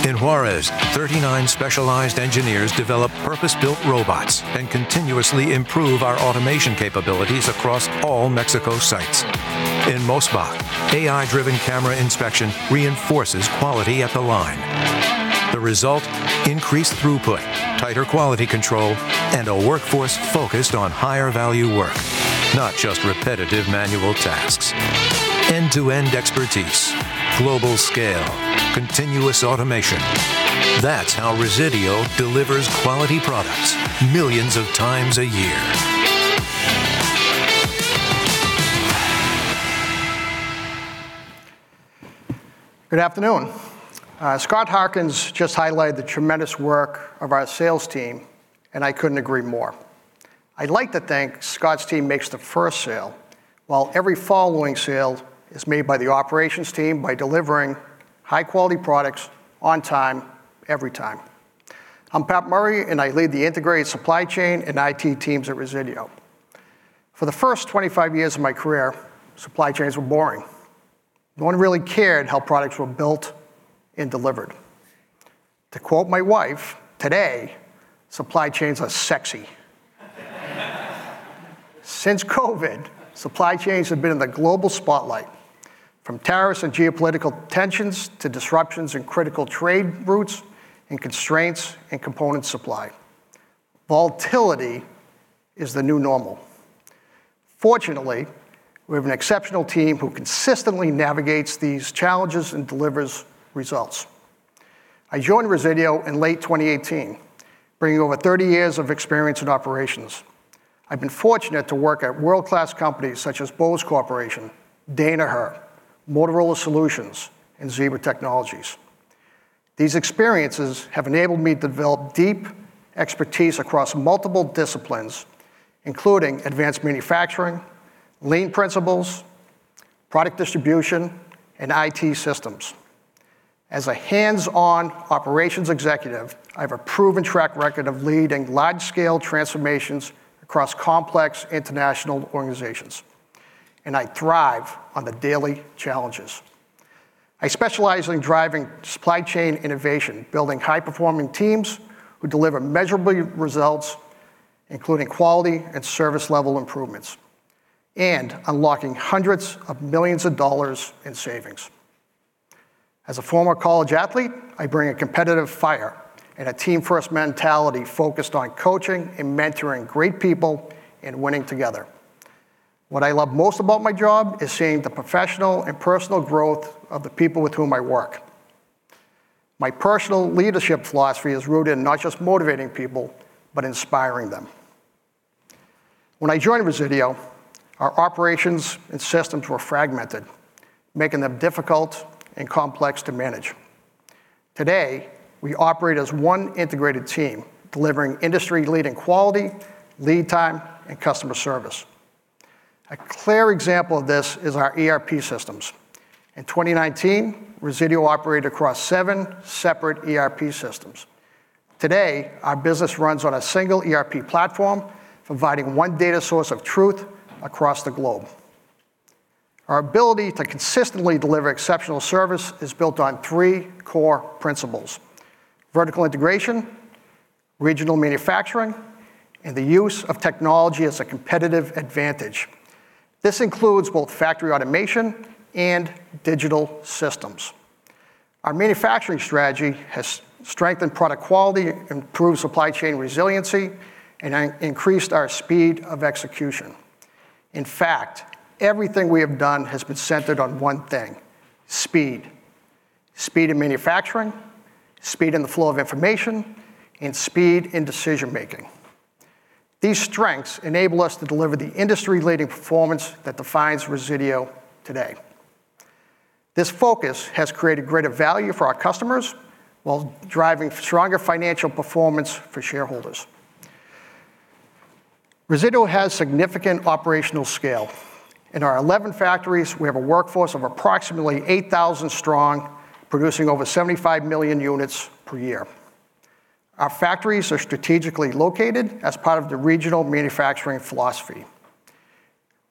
(Presentation) Good afternoon. Scott Harkins just highlighted the tremendous work of our sales team, and I couldn't agree more. I'd like to thank Scott's team makes the first sale, while every following sale is made by the operations team by delivering high-quality products on time, every time. I'm Pat Murray, and I lead the integrated supply chain and IT teams at Resideo. For the first 25 years of my career, supply chains were boring. No one really cared how products were built and delivered. To quote my wife, today, supply chains are sexy. Since COVID, supply chains have been in the global spotlight, from tariffs and geopolitical tensions to disruptions in critical trade routes and constraints in component supply. Volatility is the new normal. Fortunately, we have an exceptional team who consistently navigates these challenges and delivers results. I joined Resideo in late 2018, bringing over 30 years of experience in operations. I've been fortunate to work at world-class companies such as Bose Corporation, Danaher, Motorola Solutions, and Zebra Technologies. These experiences have enabled me to develop deep expertise across multiple disciplines, including advanced manufacturing, lean principles, product distribution, and IT systems. As a hands-on operations executive, I have a proven track record of leading large-scale transformations across complex international organizations, and I thrive on the daily challenges. I specialize in driving supply chain innovation, building high-performing teams who deliver measurable results, including quality and service level improvements, and unlocking $hundreds of millions in savings. As a former college athlete, I bring a competitive fire and a team-first mentality focused on coaching and mentoring great people and winning together. What I love most about my job is seeing the professional and personal growth of the people with whom I work. My personal leadership philosophy is rooted in not just motivating people, but inspiring them. When I joined Resideo, our operations and systems were fragmented, making them difficult and complex to manage. Today, we operate as one integrated team, delivering industry-leading quality, lead time, and customer service. A clear example of this is our ERP systems. In 2019, Resideo operated across seven separate ERP systems. Today, our business runs on a single ERP platform, providing one data source of truth across the globe. Our ability to consistently deliver exceptional service is built on three core principles: vertical integration, regional manufacturing, and the use of technology as a competitive advantage. This includes both factory automation and digital systems. Our manufacturing strategy has strengthened product quality, improved supply chain resiliency, and increased our speed of execution. In fact, everything we have done has been centered on one thing, speed. Speed in manufacturing, speed in the flow of information, and speed in decision-making. These strengths enable us to deliver the industry-leading performance that defines Resideo today. This focus has created greater value for our customers while driving stronger financial performance for shareholders. Resideo has significant operational scale. In our 11 factories, we have a workforce of approximately 8,000 strong, producing over 75 million units per year. Our factories are strategically located as part of the regional manufacturing philosophy.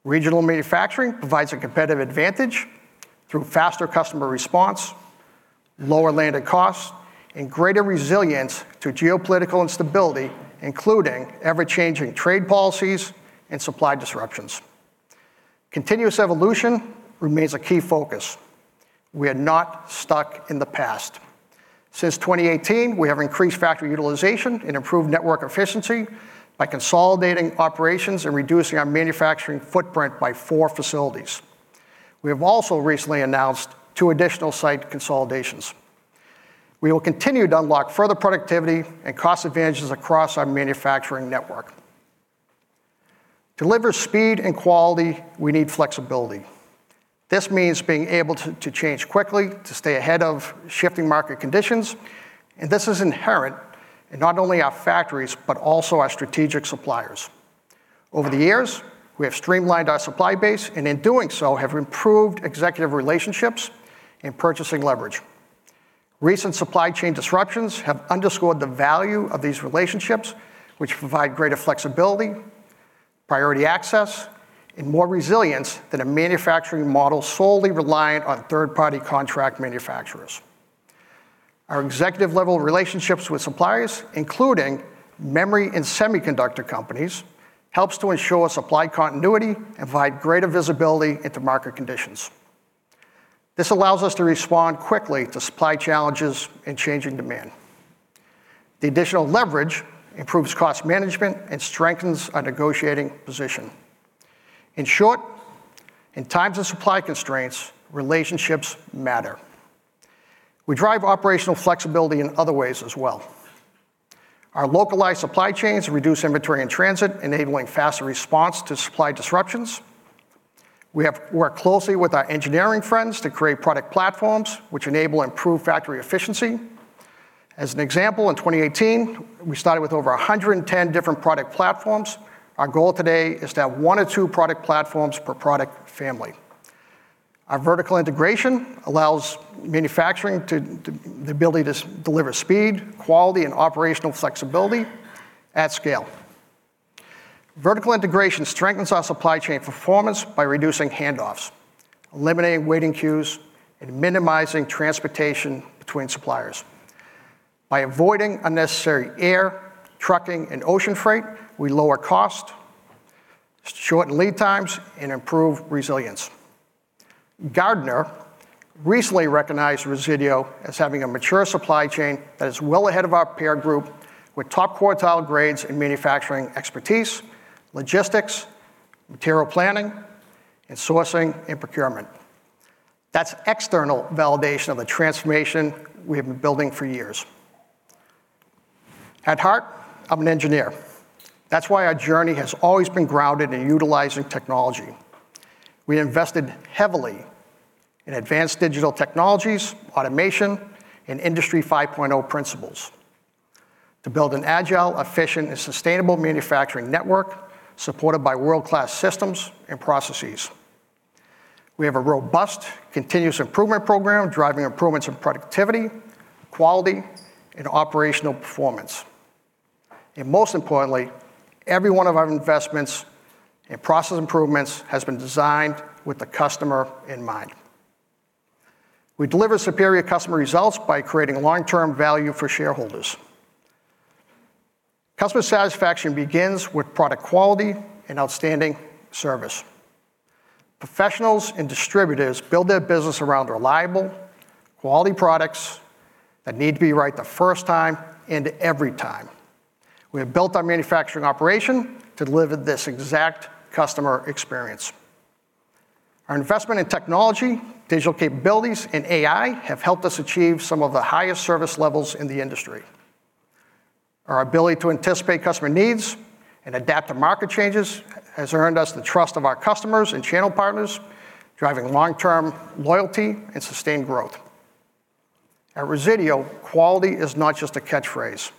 Regional manufacturing provides a competitive advantage through faster customer response, lower landed costs, and greater resilience to geopolitical instability, including ever-changing trade policies and supply disruptions. Continuous evolution remains a key focus. We are not stuck in the past. Since 2018, we have increased factory utilization and improved network efficiency by consolidating operations and reducing our manufacturing footprint by four facilities. We have also recently announced two additional site consolidations. We will continue to unlock further productivity and cost advantages across our manufacturing network. To deliver speed and quality, we need flexibility. This means being able to change quickly, to stay ahead of shifting market conditions, and this is inherent in not only our factories but also our strategic suppliers. Over the years, we have streamlined our supply base, and in doing so, have improved executive relationships and purchasing leverage. Recent supply chain disruptions have underscored the value of these relationships, which provide greater flexibility, priority access, and more resilience than a manufacturing model solely reliant on third-party contract manufacturers. Our executive-level relationships with suppliers, including memory and semiconductor companies, helps to ensure supply continuity and provide greater visibility into market conditions. This allows us to respond quickly to supply challenges and changing demand. The additional leverage improves cost management and strengthens our negotiating position. In short, in times of supply constraints, relationships matter. We drive operational flexibility in other ways as well. Our localized supply chains reduce inventory in transit, enabling faster response to supply disruptions. We have worked closely with our engineering friends to create product platforms which enable improved factory efficiency. As an example, in 2018, we started with over 110 different product platforms. Our goal today is to have one or two product platforms per product family. Our vertical integration allows manufacturing the ability to deliver speed, quality, and operational flexibility at scale. Vertical integration strengthens our supply chain performance by reducing handoffs, eliminating waiting queues, and minimizing transportation between suppliers. By avoiding unnecessary air, trucking, and ocean freight, we lower cost, shorten lead times, and improve resilience. Gartner recently recognized Resideo as having a mature supply chain that is well ahead of our peer group with top quartile grades in manufacturing expertise, logistics, material planning, and sourcing and procurement. That's external validation of the transformation we have been building for years. At heart, I'm an engineer. That's why our journey has always been grounded in utilizing technology. We invested heavily in advanced digital technologies, automation, and Industry 5.0 principles to build an agile, efficient, and sustainable manufacturing network supported by world-class systems and processes. We have a robust continuous improvement program driving improvements in productivity, quality, and operational performance. Most importantly, every one of our investments and process improvements has been designed with the customer in mind. We deliver superior customer results by creating long-term value for shareholders. Customer satisfaction begins with product quality and outstanding service. Professionals and distributors build their business around reliable, quality products that need to be right the first time and every time. We have built our manufacturing operation to deliver this exact customer experience. Our investment in technology, digital capabilities, and AI have helped us achieve some of the highest service levels in the industry. Our ability to anticipate customer needs and adapt to market changes has earned us the trust of our customers and channel partners, driving long-term loyalty and sustained growth. At Resideo, quality is not just a catchphrase.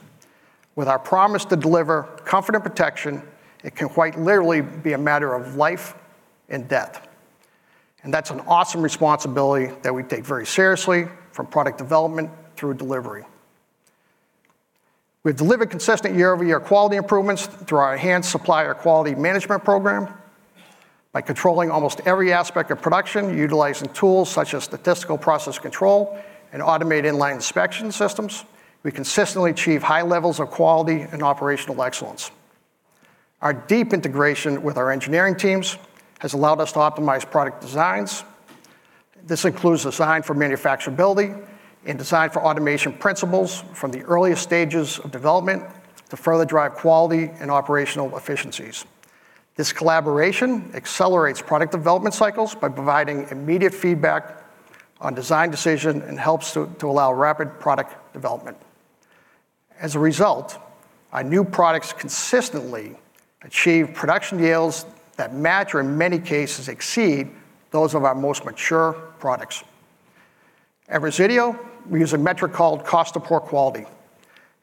With our promise to deliver comfort and protection, it can quite literally be a matter of life and death. That's an awesome responsibility that we take very seriously from product development through delivery. We've delivered consistent year-over-year quality improvements through our enhanced supplier quality management program. By controlling almost every aspect of production, utilizing tools such as statistical process control and automated inline inspection systems, we consistently achieve high levels of quality and operational excellence. Our deep integration with our engineering teams has allowed us to optimize product designs. This includes design for manufacturability and design for automation principles from the earliest stages of development to further drive quality and operational efficiencies. This collaboration accelerates product development cycles by providing immediate feedback on design decision and helps to allow rapid product development. As a result, our new products consistently achieve production yields that match or in many cases exceed those of our most mature products. At Resideo, we use a metric called cost of poor quality.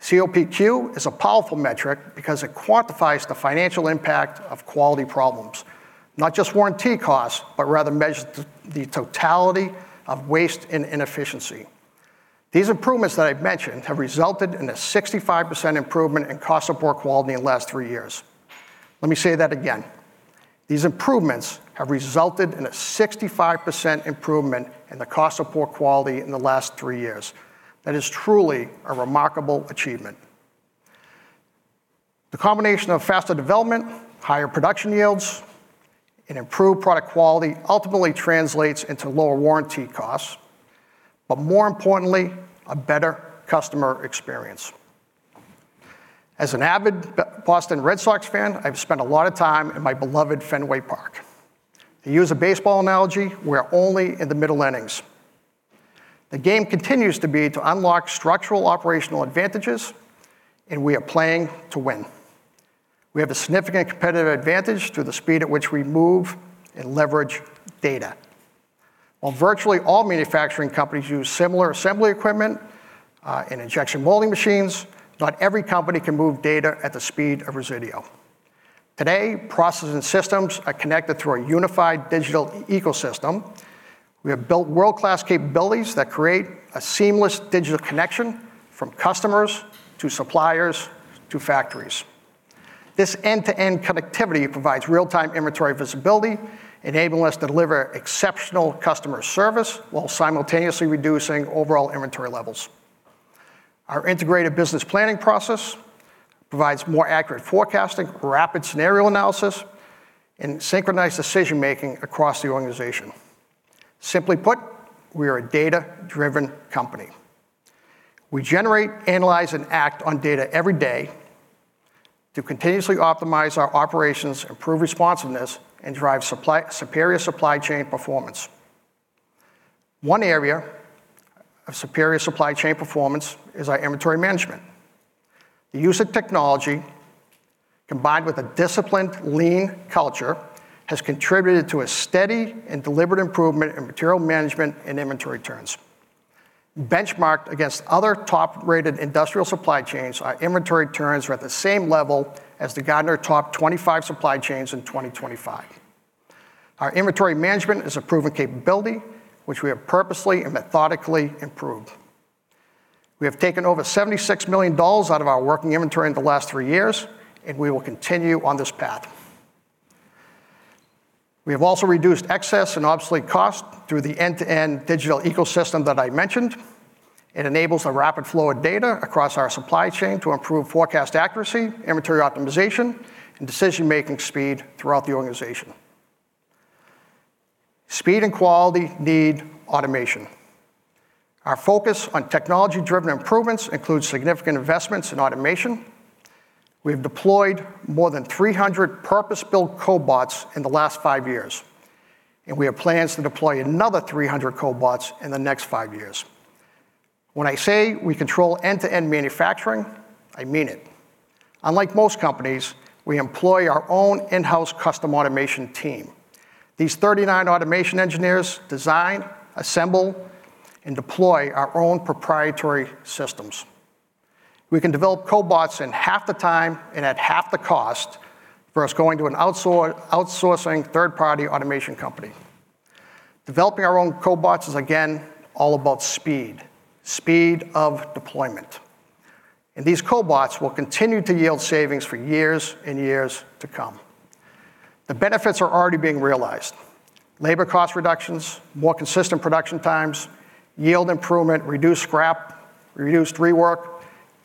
COPQ is a powerful metric because it quantifies the financial impact of quality problems. Not just warranty costs, but rather measures the totality of waste and inefficiency. These improvements that I've mentioned have resulted in a 65% improvement in cost of poor quality in the last three years. Let me say that again. These improvements have resulted in a 65% improvement in the cost of poor quality in the last three years. That is truly a remarkable achievement. The combination of faster development, higher production yields, and improved product quality ultimately translates into lower warranty costs, but more importantly, a better customer experience. As an avid Boston Red Sox fan, I've spent a lot of time in my beloved Fenway Park. To use a baseball analogy, we're only in the middle innings. The game continues to be to unlock structural operational advantages, and we are playing to win. We have a significant competitive advantage through the speed at which we move and leverage data. While virtually all manufacturing companies use similar assembly equipment, and injection molding machines, not every company can move data at the speed of Resideo. Today, processes and systems are connected through a unified digital ecosystem. We have built world-class capabilities that create a seamless digital connection from customers to suppliers to factories. This end-to-end connectivity provides real-time inventory visibility, enabling us to deliver exceptional customer service while simultaneously reducing overall inventory levels. Our integrated business planning process provides more accurate forecasting, rapid scenario analysis, and synchronized decision-making across the organization. Simply put, we are a data-driven company. We generate, analyze, and act on data every day to continuously optimize our operations, improve responsiveness, and drive superior supply chain performance. One area of superior supply chain performance is our inventory management. The use of technology, combined with a disciplined, lean culture, has contributed to a steady and deliberate improvement in material management and inventory turns. Benchmarked against other top-rated industrial supply chains, our inventory turns are at the same level as the Gartner top 25 supply chains in 2025. Our inventory management is a proven capability, which we have purposely and methodically improved. We have taken over $76 million out of our working inventory in the last three years, and we will continue on this path. We have also reduced excess and obsolete cost through the end-to-end digital ecosystem that I mentioned. It enables a rapid flow of data across our supply chain to improve forecast accuracy, inventory optimization, and decision-making speed throughout the organization. Speed and quality need automation. Our focus on technology-driven improvements includes significant investments in automation. We've deployed more than 300 purpose-built cobots in the last five years, and we have plans to deploy another 300 cobots in the next five years. When I say we control end-to-end manufacturing, I mean it. Unlike most companies, we employ our own in-house custom automation team. These 39 automation engineers design, assemble, and deploy our own proprietary systems. We can develop cobots in half the time and at half the cost versus going to an outsourcing third-party automation company. Developing our own cobots is, again, all about speed of deployment. These cobots will continue to yield savings for years and years to come. The benefits are already being realized. Labor cost reductions, more consistent production times, yield improvement, reduced scrap, reduced rework,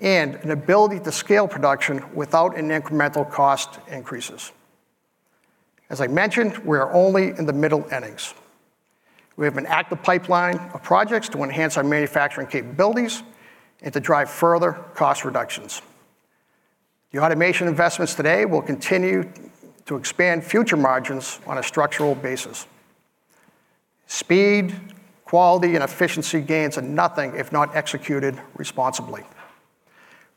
and an ability to scale production without any incremental cost increases. As I mentioned, we are only in the middle innings. We have an active pipeline of projects to enhance our manufacturing capabilities and to drive further cost reductions. The automation investments today will continue to expand future margins on a structural basis. Speed, quality, and efficiency gains are nothing if not executed responsibly.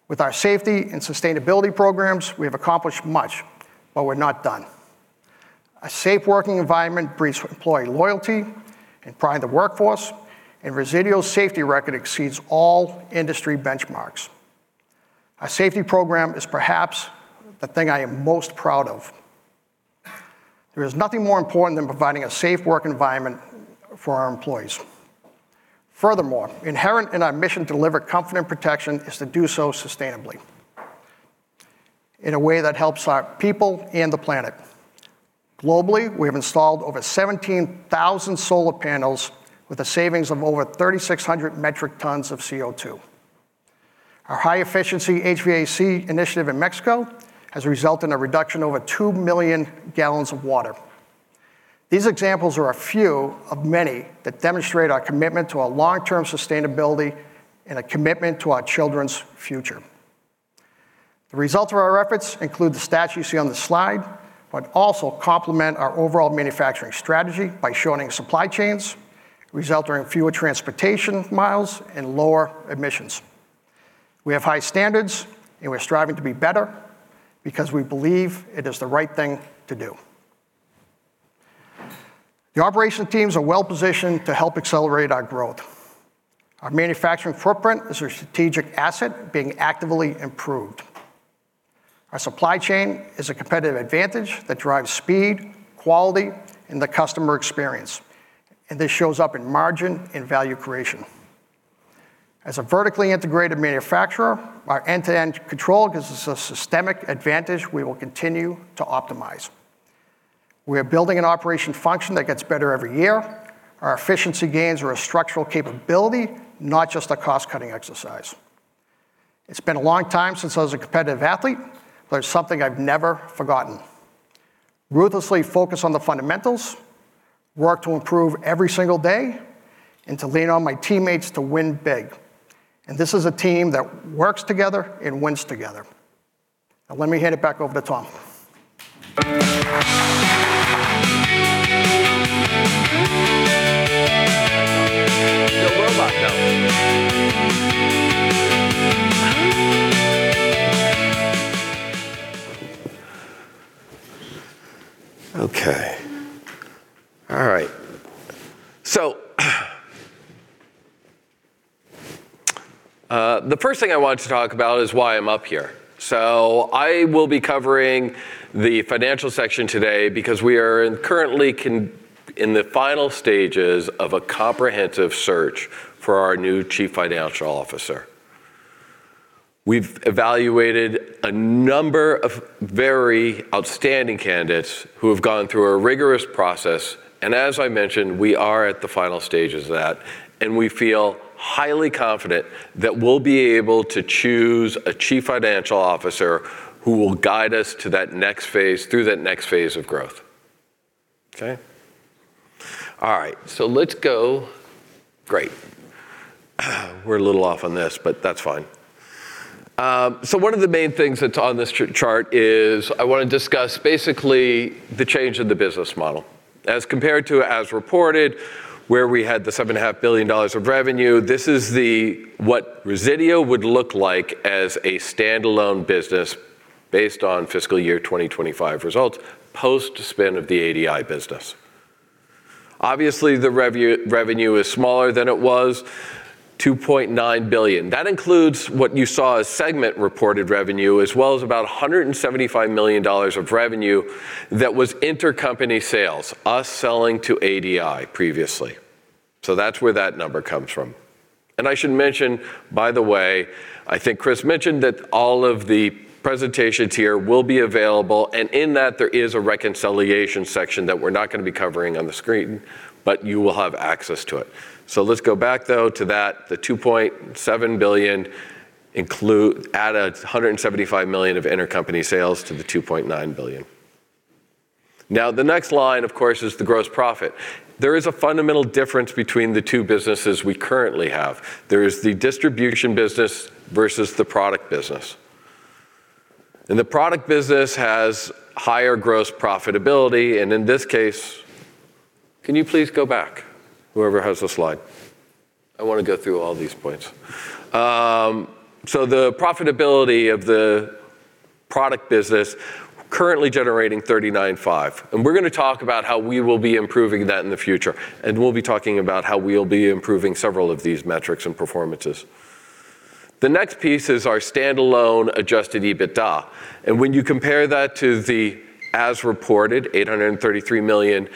With our safety and sustainability programs, we have accomplished much, but we're not done. A safe working environment breeds employee loyalty and pride in the workforce, and Resideo's safety record exceeds all industry benchmarks. Our safety program is perhaps the thing I am most proud of. There is nothing more important than providing a safe work environment for our employees. Furthermore, inherent in our mission to deliver confident protection is to do so sustainably in a way that helps our people and the planet. Globally, we have installed over 17,000 solar panels with a savings of over 3,600 metric tons of CO2. Our high-efficiency HVAC initiative in Mexico has resulted in a reduction of over 2 million gallons of water. These examples are a few of many that demonstrate our commitment to long-term sustainability and a commitment to our children's future. The results of our efforts include the stats you see on the slide also complement our overall manufacturing strategy by shortening supply chains, resulting in fewer transportation miles and lower emissions. We have high standards, and we're striving to be better because we believe it is the right thing to do. The operation teams are well-positioned to help accelerate our growth. Our manufacturing footprint is a strategic asset being actively improved. Our supply chain is a competitive advantage that drives speed, quality, and the customer experience, and this shows up in margin and value creation. As a vertically integrated manufacturer, our end-to-end control gives us a systemic advantage we will continue to optimize. We are building an operation function that gets better every year. Our efficiency gains are a structural capability, not just a cost-cutting exercise. It's been a long time since I was a competitive athlete, but it's something I've never forgotten. Ruthlessly focus on the fundamentals, work to improve every single day, to lean on my teammates to win big, and this is a team that works together and wins together. Now let me hand it back over to Tom. The world locked up. Okay. All right. The first thing I wanted to talk about is why I'm up here. I will be covering the financial section today because we are currently in the final stages of a comprehensive search for our new Chief Financial Officer. We've evaluated a number of very outstanding candidates who have gone through a rigorous process, as I mentioned, we are at the final stages of that, and we feel highly confident that we'll be able to choose a Chief Financial Officer who will guide us through that next phase of growth. Okay? All right. Great. We're a little off on this, but that's fine. One of the main things that's on this chart is I want to discuss basically the change in the business model as compared to as reported, where we had the $7.5 billion of revenue. This is what Resideo would look like as a standalone business based on fiscal year 2025 results, post-spin of the ADI business. Obviously, the revenue is smaller than it was, $2.9 billion. That includes what you saw as segment-reported revenue as well as about $175 million of revenue that was intercompany sales, us selling to ADI previously. That's where that number comes from. I should mention, by the way, I think Chris mentioned that all of the presentations here will be available, and in that, there is a reconciliation section that we're not going to be covering on the screen, but you will have access to it. Let's go back, though, to that. The $2.7 billion, add $175 million of intercompany sales to the $2.9 billion. Now, the next line, of course, is the gross profit. There is a fundamental difference between the two businesses we currently have. There is the distribution business versus the product business. The product business has higher gross profitability, and in this case. Can you please go back, whoever has the slide? I want to go through all these points. The profitability of the product business, currently generating 39.5%. We're going to talk about how we will be improving that in the future. We'll be talking about how we'll be improving several of these metrics and performances. The next piece is our standalone adjusted EBITDA. When you compare that to the as-reported $833 million,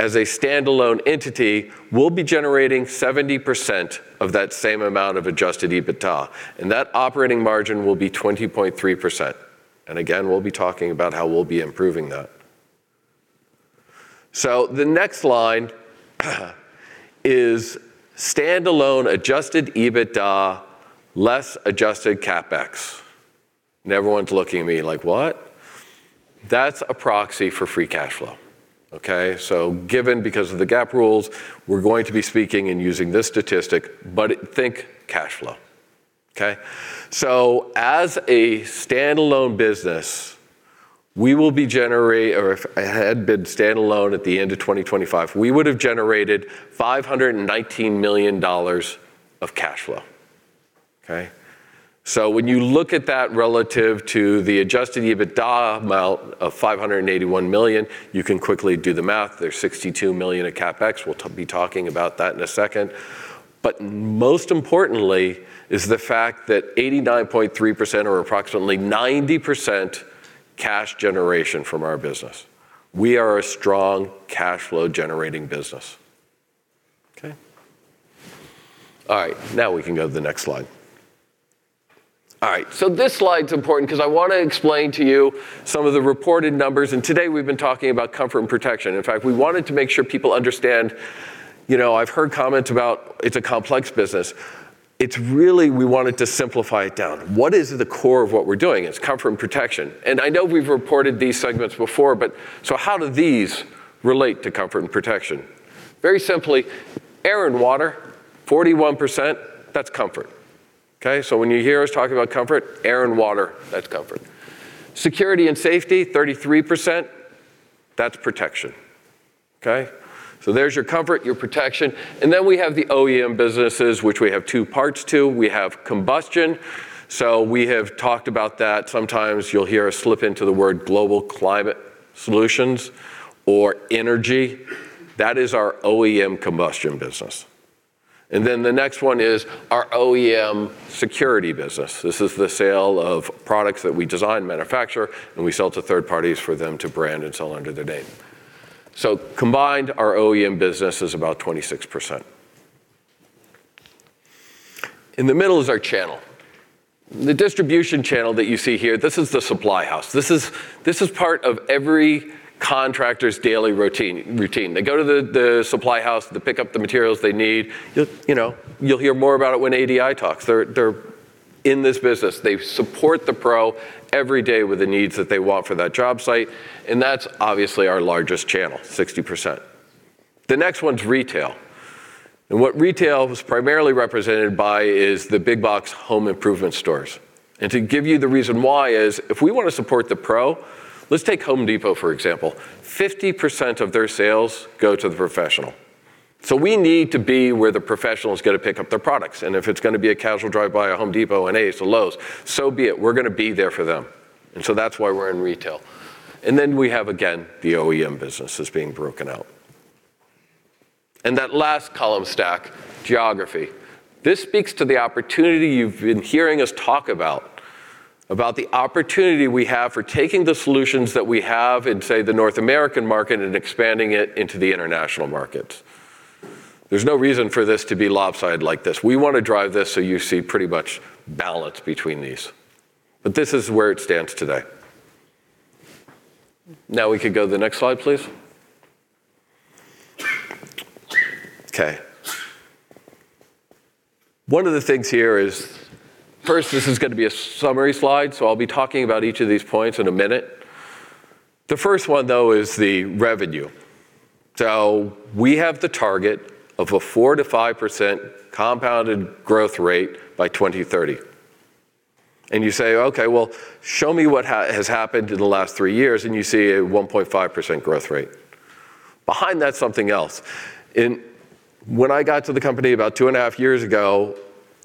as a standalone entity, we'll be generating 70% of that same amount of adjusted EBITDA, and that operating margin will be 20.3%. Again, we'll be talking about how we'll be improving that. The next line is standalone adjusted EBITDA, less adjusted CapEx. Everyone's looking at me like, "What?" That's a proxy for free cash flow. Okay? Given because of the GAAP rules, we're going to be speaking and using this statistic, but think cash flow. Okay? As a standalone business, or if it had been standalone at the end of 2025, we would have generated $519 million of cash flow. Okay? When you look at that relative to the adjusted EBITDA amount of $581 million, you can quickly do the math. There's $62 million of CapEx. We'll be talking about that in a second. Most importantly is the fact that 89.3%, or approximately 90% cash generation from our business. We are a strong cash flow generating business. Okay? All right. Now we can go to the next slide. This slide's important because I want to explain to you some of the reported numbers. Today we've been talking about comfort and protection. In fact, we wanted to make sure people understand. I've heard comments about it's a complex business. We wanted to simplify it down. What is the core of what we're doing? It's comfort and protection. I know we've reported these segments before. How do these relate to comfort and protection? Very simply, air and water, 41%, that's comfort. Okay? When you hear us talking about comfort, air and water, that's comfort. Security and safety, 33%, that's protection. Okay? There's your comfort, your protection. We have the OEM businesses, which we have two parts to. We have combustion. We have talked about that. Sometimes you'll hear us slip into the word global climate solutions or energy. That is our OEM combustion business. The next one is our OEM security business. This is the sale of products that we design, manufacture, and we sell to third parties for them to brand and sell under their name. Combined, our OEM business is about 26%. In the middle is our channel. The distribution channel that you see here, this is the supply house. This is part of every contractor's daily routine. They go to the supply house to pick up the materials they need. You'll hear more about it when ADI talks. They're in this business. They support the pro every day with the needs that they want for that job site. That's obviously our largest channel, 60%. The next one's retail. What retail is primarily represented by is the big box home improvement stores. To give you the reason why is if we want to support the pro, let's take The Home Depot, for example, 50% of their sales go to the professional. We need to be where the professional is going to pick up their products, and if it's going to be a casual drive-by at The Home Depot, an Ace, a Lowe's, so be it. We're going to be there for them. That's why we're in retail. Then we have, again, the OEM business is being broken out. That last column stack, geography. This speaks to the opportunity you've been hearing us talk about the opportunity we have for taking the solutions that we have in, say, the North American market and expanding it into the international markets. There's no reason for this to be lopsided like this. We want to drive this so you see pretty much balance between these. This is where it stands today. We could go to the next slide, please. One of the things here is, first, this is going to be a summary slide, so I'll be talking about each of these points in a minute. The first one, though, is the revenue. We have the target of a four percent-five percent compounded growth rate by 2030. You say, "Okay, well, show me what has happened in the last three years," and you see a 1.5% growth rate. Behind that's something else. When I got to the company about two and a half years ago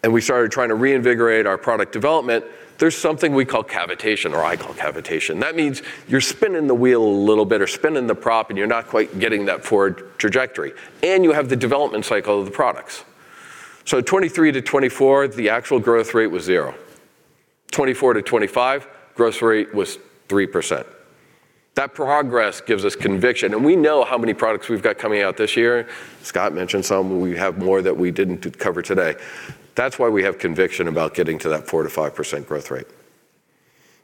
and we started trying to reinvigorate our product development, there's something we call cavitation, or I call cavitation. That means you're spinning the wheel a little bit or spinning the prop, and you're not quite getting that forward trajectory. You have the development cycle of the products. 2023-2024, the actual growth rate was zero. 2024-2025, growth rate was three percent. That progress gives us conviction, and we know how many products we've got coming out this year. Scott mentioned some. We have more that we didn't cover today. That's why we have conviction about getting to that four percent-five percent growth rate.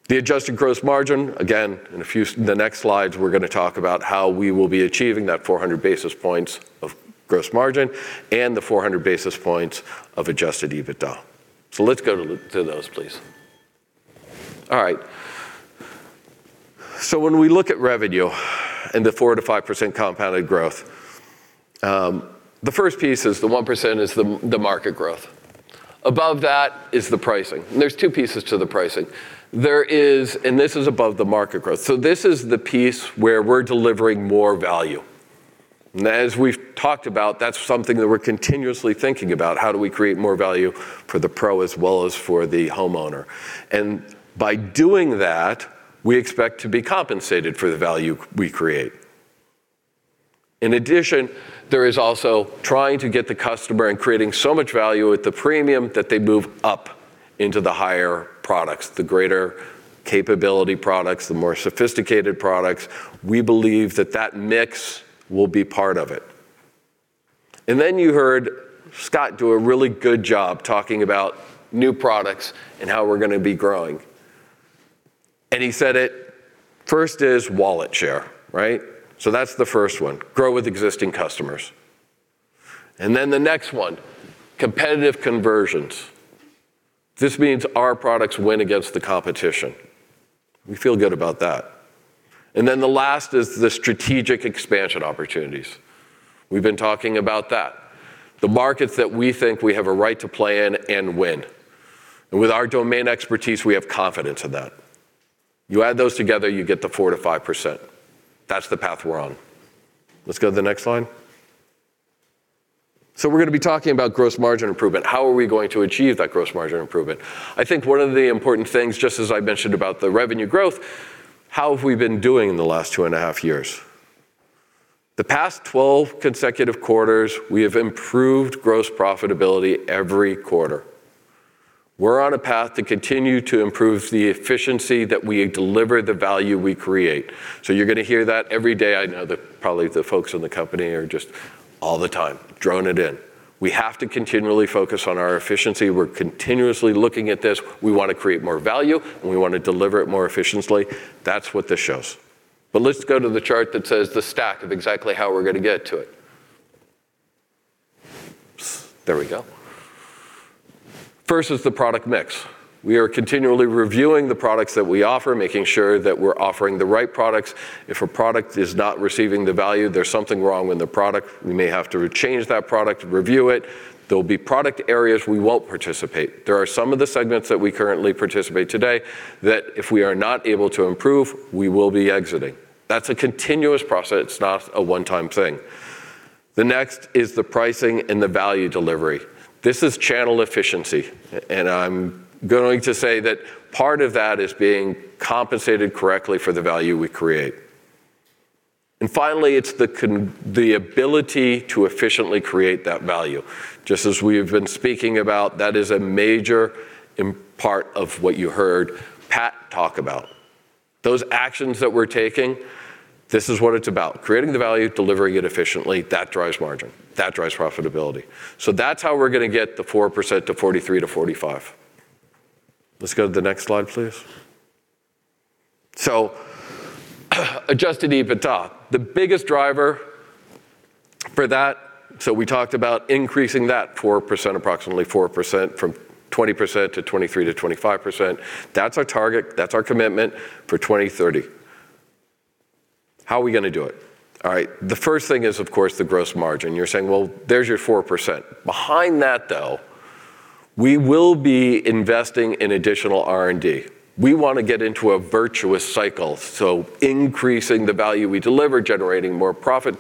The adjusted gross margin, again, in the next slides, we're going to talk about how we will be achieving that 400 basis points of gross margin and the 400 basis points of adjusted EBITDA. Let's go to those, please. When we look at revenue and the four percent-five percent compounded growth, the first piece is the one percent is the market growth. Above that is the pricing, and there's two pieces to the pricing. There is. This is above the market growth. This is the piece where we're delivering more value. As we've talked about, that's something that we're continuously thinking about. How do we create more value for the pro as well as for the homeowner? By doing that, we expect to be compensated for the value we create. In addition, there is also trying to get the customer and creating so much value at the premium that they move up into the higher products, the greater capability products, the more sophisticated products. We believe that that mix will be part of it. You heard Scott do a really good job talking about new products and how we're going to be growing. He said it, first is wallet share, right? That's the first one, grow with existing customers. The next one, competitive conversions. This means our products win against the competition. We feel good about that. The last is the strategic expansion opportunities. We've been talking about that. The markets that we think we have a right to play in and win. With our domain expertise, we have confidence in that. You add those together, you get the four percent-five percent. That's the path we're on. Let's go to the next slide. We're going to be talking about gross margin improvement. How are we going to achieve that gross margin improvement? I think one of the important things, just as I mentioned about the revenue growth, how have we been doing in the last two and a half years? The past 12 consecutive quarters, we have improved gross profitability every quarter. We're on a path to continue to improve the efficiency that we deliver the value we create. You're going to hear that every day. I know that probably the folks in the company are just all the time droning it in. We have to continually focus on our efficiency. We're continuously looking at this. We want to create more value, and we want to deliver it more efficiently. That's what this shows. Let's go to the chart that says the stack of exactly how we're going to get to it. There we go. First is the product mix. We are continually reviewing the products that we offer, making sure that we're offering the right products. If a product is not receiving the value, there's something wrong with the product. We may have to change that product, review it. There will be product areas we won't participate. There are some of the segments that we currently participate today that if we are not able to improve, we will be exiting. That's a continuous process. It's not a one-time thing. The next is the pricing and the value delivery. This is channel efficiency, and I'm going to say that part of that is being compensated correctly for the value we create. Finally, it's the ability to efficiently create that value. Just as we have been speaking about, that is a major part of what you heard Pat Murray talk about. Those actions that we're taking, this is what it's about, creating the value, delivering it efficiently. That drives margin. That drives profitability. That's how we're going to get the 4% - 43%-45%. Let's go to the next slide, please. Adjusted EBITDA, the biggest driver for that, we talked about increasing that four percent, approximately four percent, from 20% - 23%-25%. That's our target. That's our commitment for 2030. How are we going to do it? All right. The first thing is, of course, the gross margin. You're saying, "Well, there's your four percent." Behind that, though, we will be investing in additional R&D. We want to get into a virtuous cycle, increasing the value we deliver, generating more profit,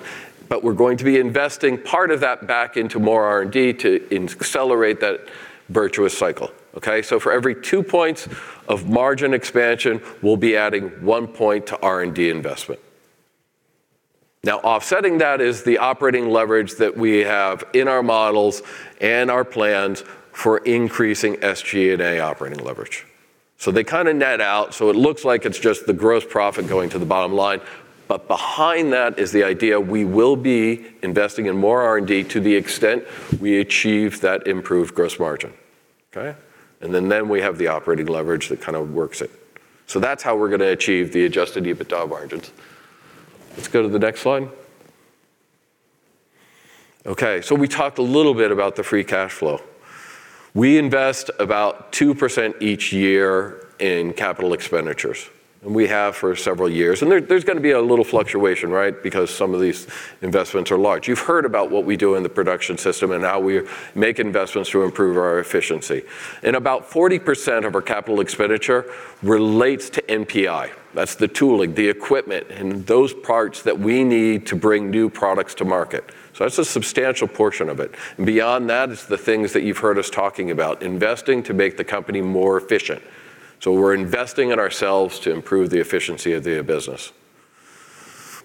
but we're going to be investing part of that back into more R&D to accelerate that virtuous cycle. Okay? For every two points of margin expansion, we'll be adding one point to R&D investment. Offsetting that is the operating leverage that we have in our models and our plans for increasing SGA operating leverage. They kind of net out, so it looks like it's just the gross profit going to the bottom line. Behind that is the idea we will be investing in more R&D to the extent we achieve that improved gross margin. Okay. We have the operating leverage that kind of works it. That's how we're going to achieve the adjusted EBITDA margins. Let's go to the next slide. We talked a little bit about the free cash flow. We invest about two percent each year in capital expenditures, and we have for several years. There's going to be a little fluctuation, right, because some of these investments are large. You've heard about what we do in the production system and how we make investments to improve our efficiency. About 40% of our capital expenditure relates to NPI. That's the tooling, the equipment, and those parts that we need to bring new products to market. That's a substantial portion of it. Beyond that is the things that you've heard us talking about, investing to make the company more efficient. We're investing in ourselves to improve the efficiency of the business.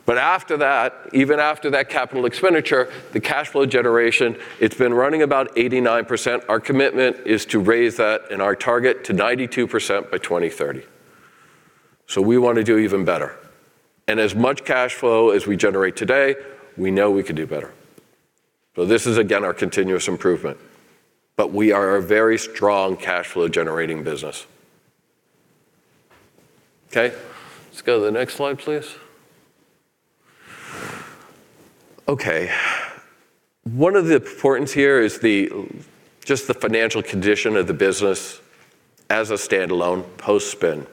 After that, even after that capital expenditure, the cash flow generation, it's been running about 89%. Our commitment is to raise that and our target to 92% by 2030. We want to do even better. As much cash flow as we generate today, we know we can do better. This is, again, our continuous improvement. We are a very strong cash flow generating business. Okay. Let's go to the next slide, please. One of the importance here is just the financial condition of the business as a standalone post-spin.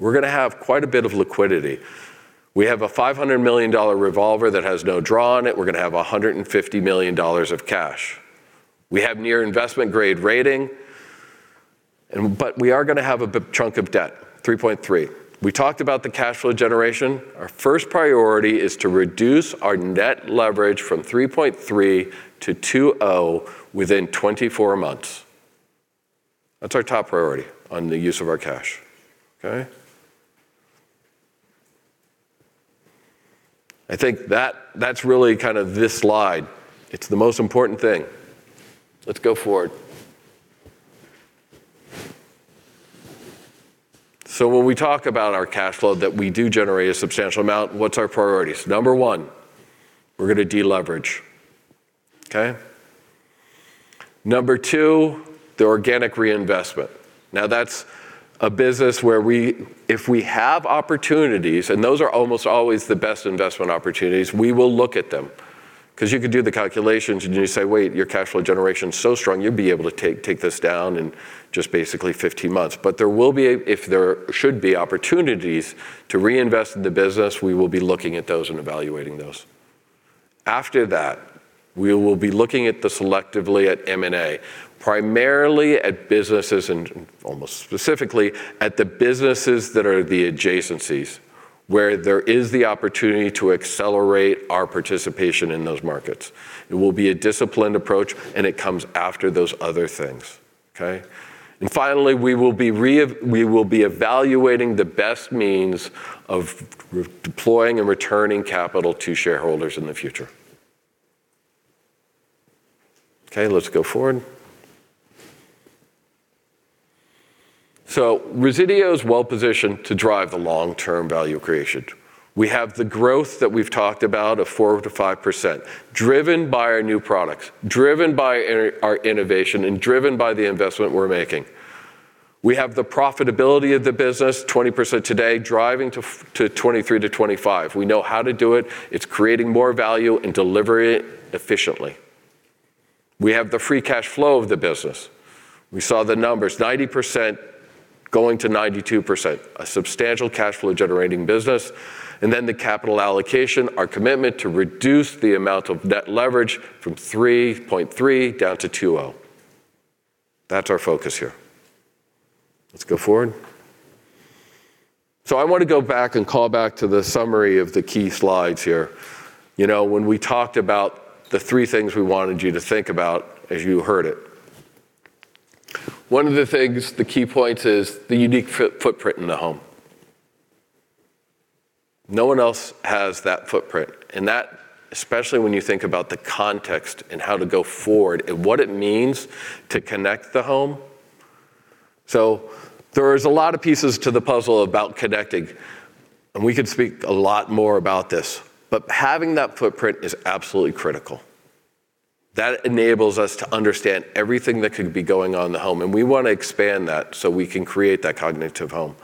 We're going to have quite a bit of liquidity. We have a $500 million revolver that has no draw on it. We're going to have $150 million of cash. We have near investment grade rating. We are going to have a big chunk of debt, 3.3. We talked about the cash flow generation. Our first priority is to reduce our net leverage from 3.3 - 2.0 within 24 months. That's our top priority on the use of our cash. Okay. I think that's really this slide. It's the most important thing. Let's go forward. When we talk about our cash flow, that we do generate a substantial amount, what's our priorities? Number one, we're going to de-leverage. Okay. Number two, the organic reinvestment. That's a business where if we have opportunities, and those are almost always the best investment opportunities, we will look at them. Because you could do the calculations and you say, "Wait, your cash flow generation's so strong, you'd be able to take this down in just basically 15 months." If there should be opportunities to reinvest in the business, we will be looking at those and evaluating those. After that, we will be looking selectively at M&A, primarily at businesses, and almost specifically, at the businesses that are the adjacencies, where there is the opportunity to accelerate our participation in those markets. It will be a disciplined approach, and it comes after those other things. Okay. Finally, we will be evaluating the best means of deploying and returning capital to shareholders in the future. Okay, let's go forward. Resideo is well-positioned to drive the long-term value creation. We have the growth that we've talked about of four percent-five percent, driven by our new products, driven by our innovation, and driven by the investment we're making. We have the profitability of the business, 20% today, driving to 23%-25%. We know how to do it. It's creating more value and delivering it efficiently. We have the free cash flow of the business. We saw the numbers, 90% going to 92%, a substantial cash flow generating business. The capital allocation, our commitment to reduce the amount of net leverage from 3.3 down to 2.0. That's our focus here. Let's go forward. I want to go back and call back to the summary of the key slides here. When we talked about the three things we wanted you to think about as you heard it. One of the things, the key points, is the unique footprint in the home. No one else has that footprint, and that, especially when you think about the context and how to go forward and what it means to connect the home. There's a lot of pieces to the puzzle about connecting, and we could speak a lot more about this. Having that footprint is absolutely critical. That enables us to understand everything that could be going on in the home, and we want to expand that so we can create that cognitive home.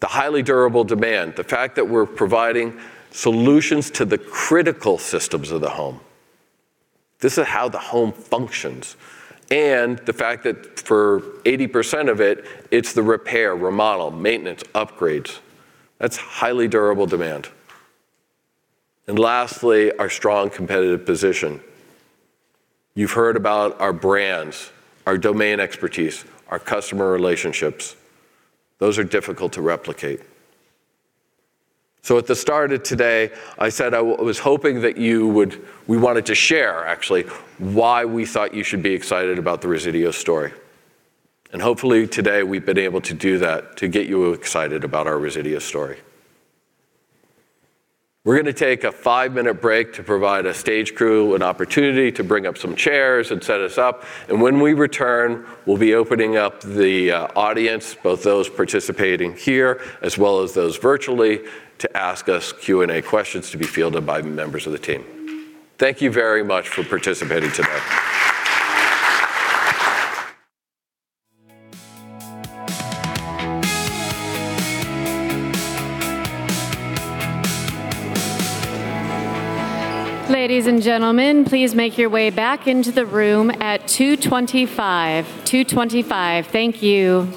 The highly durable demand, the fact that we're providing solutions to the critical systems of the home. This is how the home functions. The fact that for 80% of it's the repair, remodel, maintenance, upgrades. That's highly durable demand. Lastly, our strong competitive position. You've heard about our brands, our domain expertise, our customer relationships. Those are difficult to replicate. At the start of today, I said I was hoping that we wanted to share, actually, why we thought you should be excited about the Resideo story. Hopefully, today, we've been able to do that, to get you excited about our Resideo story. We're going to take a five-minute break to provide a stage crew an opportunity to bring up some chairs and set us up. When we return, we'll be opening up the audience, both those participating here as well as those virtually, to ask us Q&A questions to be fielded by members of the team. Thank you very much for participating today. Ladies and gentlemen, please make your way back into the room at 2:25 P.M. 2:25 P.M. Thank you.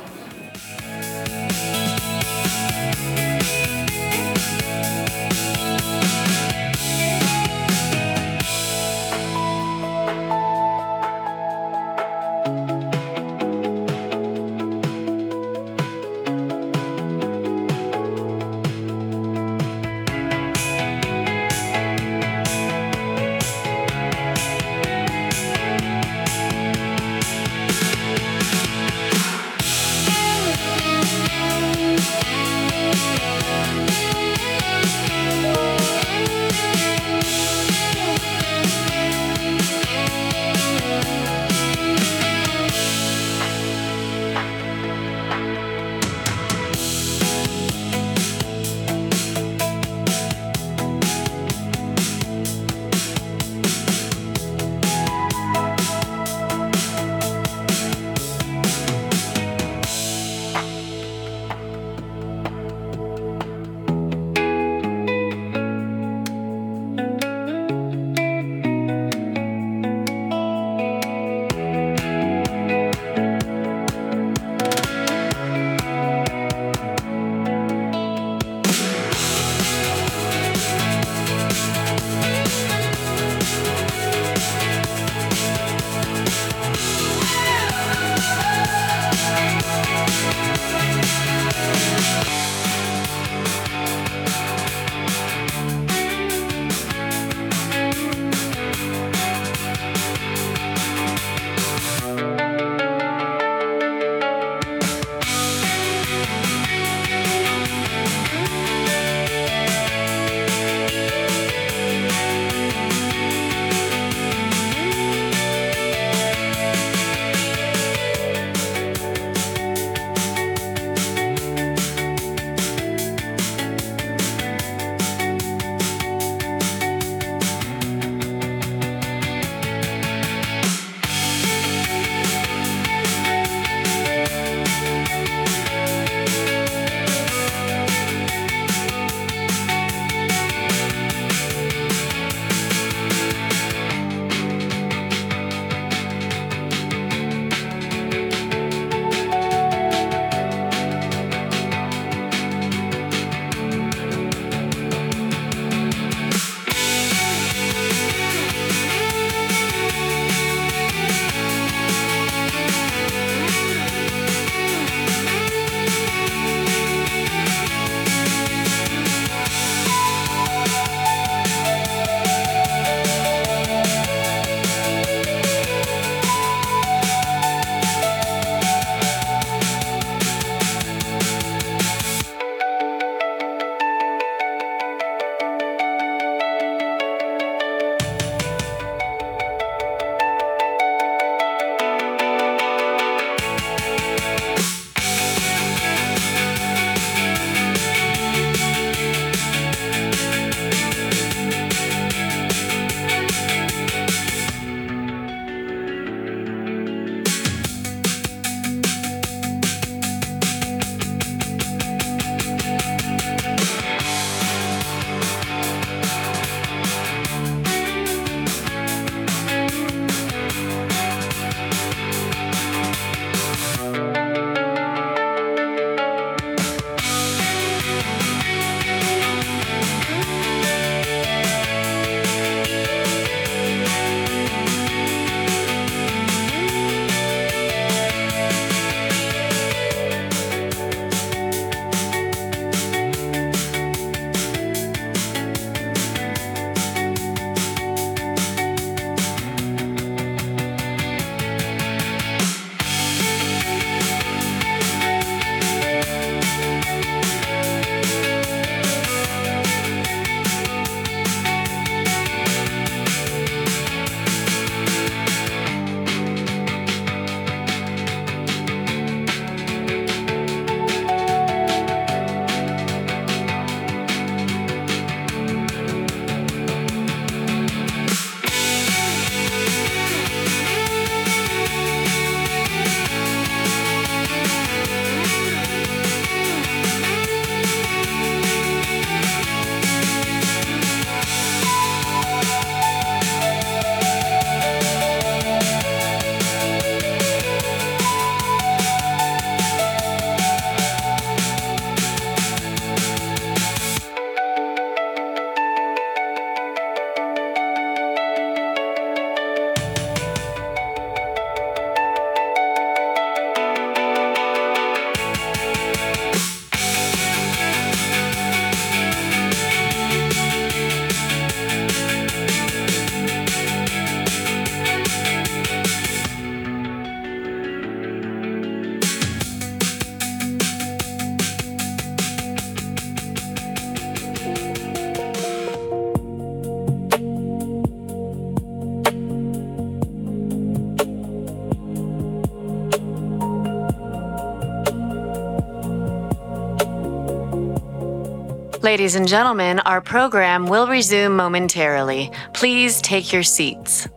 Ladies and gentlemen, our program will resume momentarily. Please take your seats.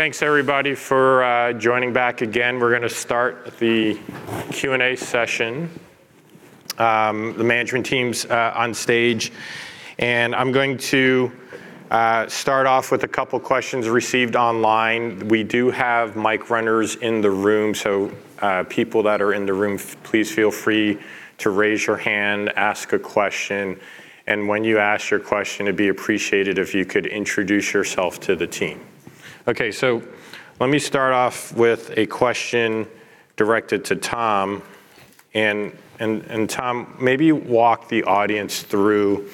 (Break) Okay, thanks everybody for joining back again. We're going to start the Q&A session. The management team's on stage, I'm going to start off with a couple questions received online. We do have mic runners in the room, so people that are in the room, please feel free to raise your hand, ask a question. When you ask your question, it'd be appreciated if you could introduce yourself to the team. Okay, let me start off with a question directed to Tom, and Tom, maybe walk the audience through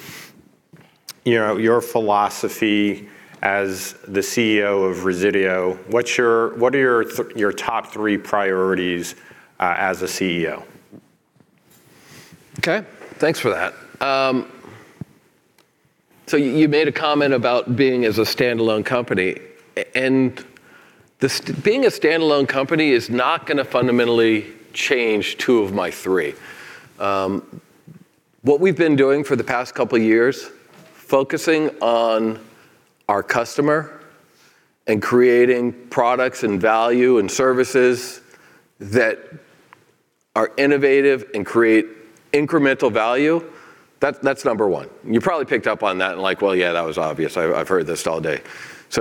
your philosophy as the CEO of Resideo. What are your top three priorities as a CEO? Okay. Thanks for that. You made a comment about being as a standalone company, and being a standalone company is not going to fundamentally change two of my three. What we've been doing for the past couple of years, focusing on our customer and creating products and value and services that are innovative and create incremental value, that's number one. You probably picked up on that and like, "Well, yeah, that was obvious. I've heard this all day."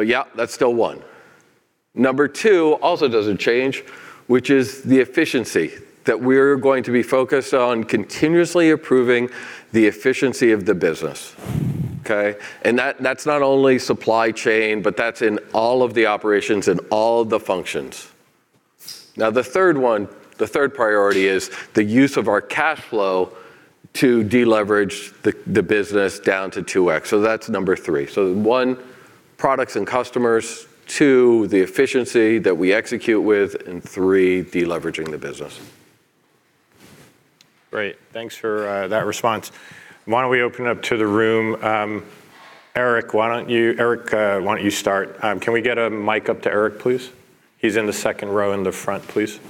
Yeah, that's still one. Number two also doesn't change, which is the efficiency. That we're going to be focused on continuously improving the efficiency of the business. Okay? That's not only supply chain, but that's in all of the operations and all of the functions. Now, the third one, the third priority, is the use of our cash flow to de-leverage the business down to two x. That's number three. One, products and customers, two, the efficiency that we execute with, and three, de-leveraging the business. Great. Thanks for that response. Why don't we open up to the room? Erik, why don't you start? Can we get a mic up to Erik, please? He's in the second row in the front, please.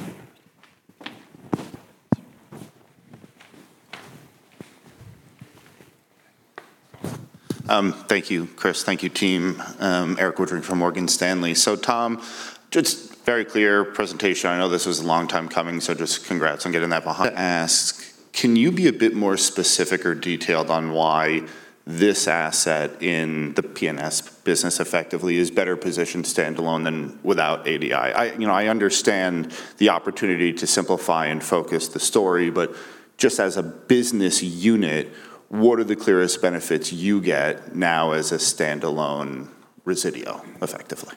Thank you, Chris. Thank you, team. Erik Woodring from Morgan Stanley. Tom, just very clear presentation. I know this was a long time coming, so just congrats on getting that behind us. Can you be a bit more specific or detailed on why this asset in the P&S business effectively is better positioned standalone than without ADI? I understand the opportunity to simplify and focus the story, but just as a business unit, what are the clearest benefits you get now as a standalone Resideo, effectively?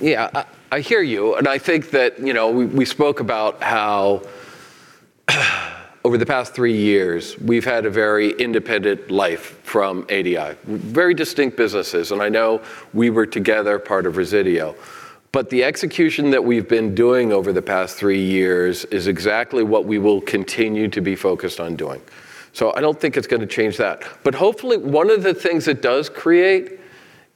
Yeah. I hear you, and I think that we spoke about how over the past three years, we've had a very independent life from ADI. Very distinct businesses, and I know we were together part of Resideo. The execution that we've been doing over the past three years is exactly what we will continue to be focused on doing. I don't think it's going to change that. Hopefully, one of the things it does create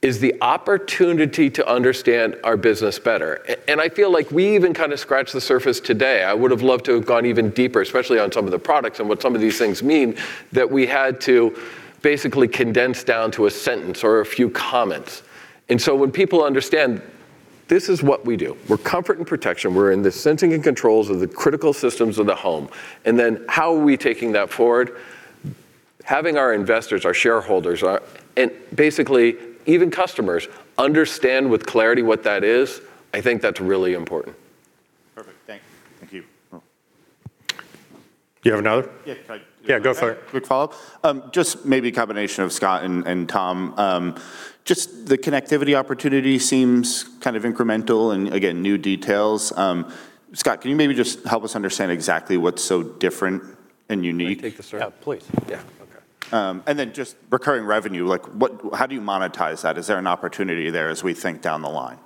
is the opportunity to understand our business better. I feel like we even kind of scratched the surface today. I would've loved to have gone even deeper, especially on some of the products and what some of these things mean, that we had to basically condense down to a sentence or a few comments. When people understand this is what we do. We're comfort and protection. We're in the sensing and controls of the critical systems of the home. How are we taking that forward? Having our investors, our shareholders, and basically even customers understand with clarity what that is, I think that's really important. Perfect. Thank you. You have another? Yeah, can I- Yeah, go for it Maybe a combination of Scott and Tom. The connectivity opportunity seems kind of incremental and again, new details. Scott, can you maybe just help us understand exactly what's so different and unique? Can I take this first? Yeah, please. Yeah. Okay. Recurring revenue, how do you monetize that? Is there an opportunity there as we think down the line?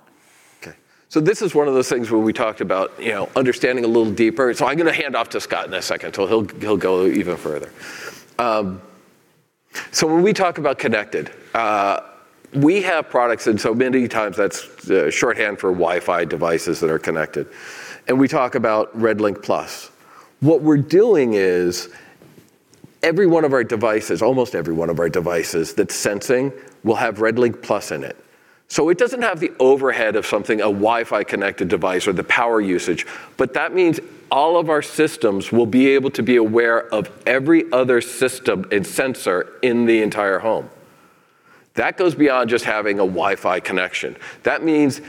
Okay. This is one of those things where we talked about understanding a little deeper. I'm going to hand off to Scott in a second, so he'll go even further. When we talk about connected, we have products, and so many times that's shorthand for Wi-Fi devices that are connected. We talk about RedLINK+. What we're doing is every one of our devices, almost every one of our devices that's sensing, will haveRedLINK+ in it. It doesn't have the overhead of something, a Wi-Fi connected device or the power usage, but that means all of our systems will be able to be aware of every other system and sensor in the entire home. That goes beyond just having a Wi-Fi connection. That means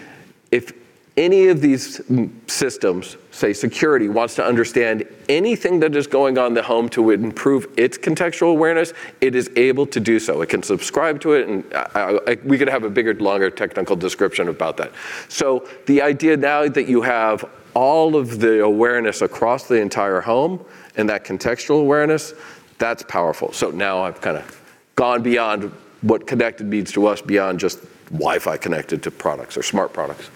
if any of these systems, say security wants to understand anything that is going on in the home to improve its contextual awareness, it is able to do so. It can subscribe to it, we could have a bigger, longer technical description about that. The idea now that you have all of the awareness across the entire home and that contextual awareness, that's powerful. Now I've kind of gone beyond what connected means to us, beyond just Wi-Fi connected to products or smart products.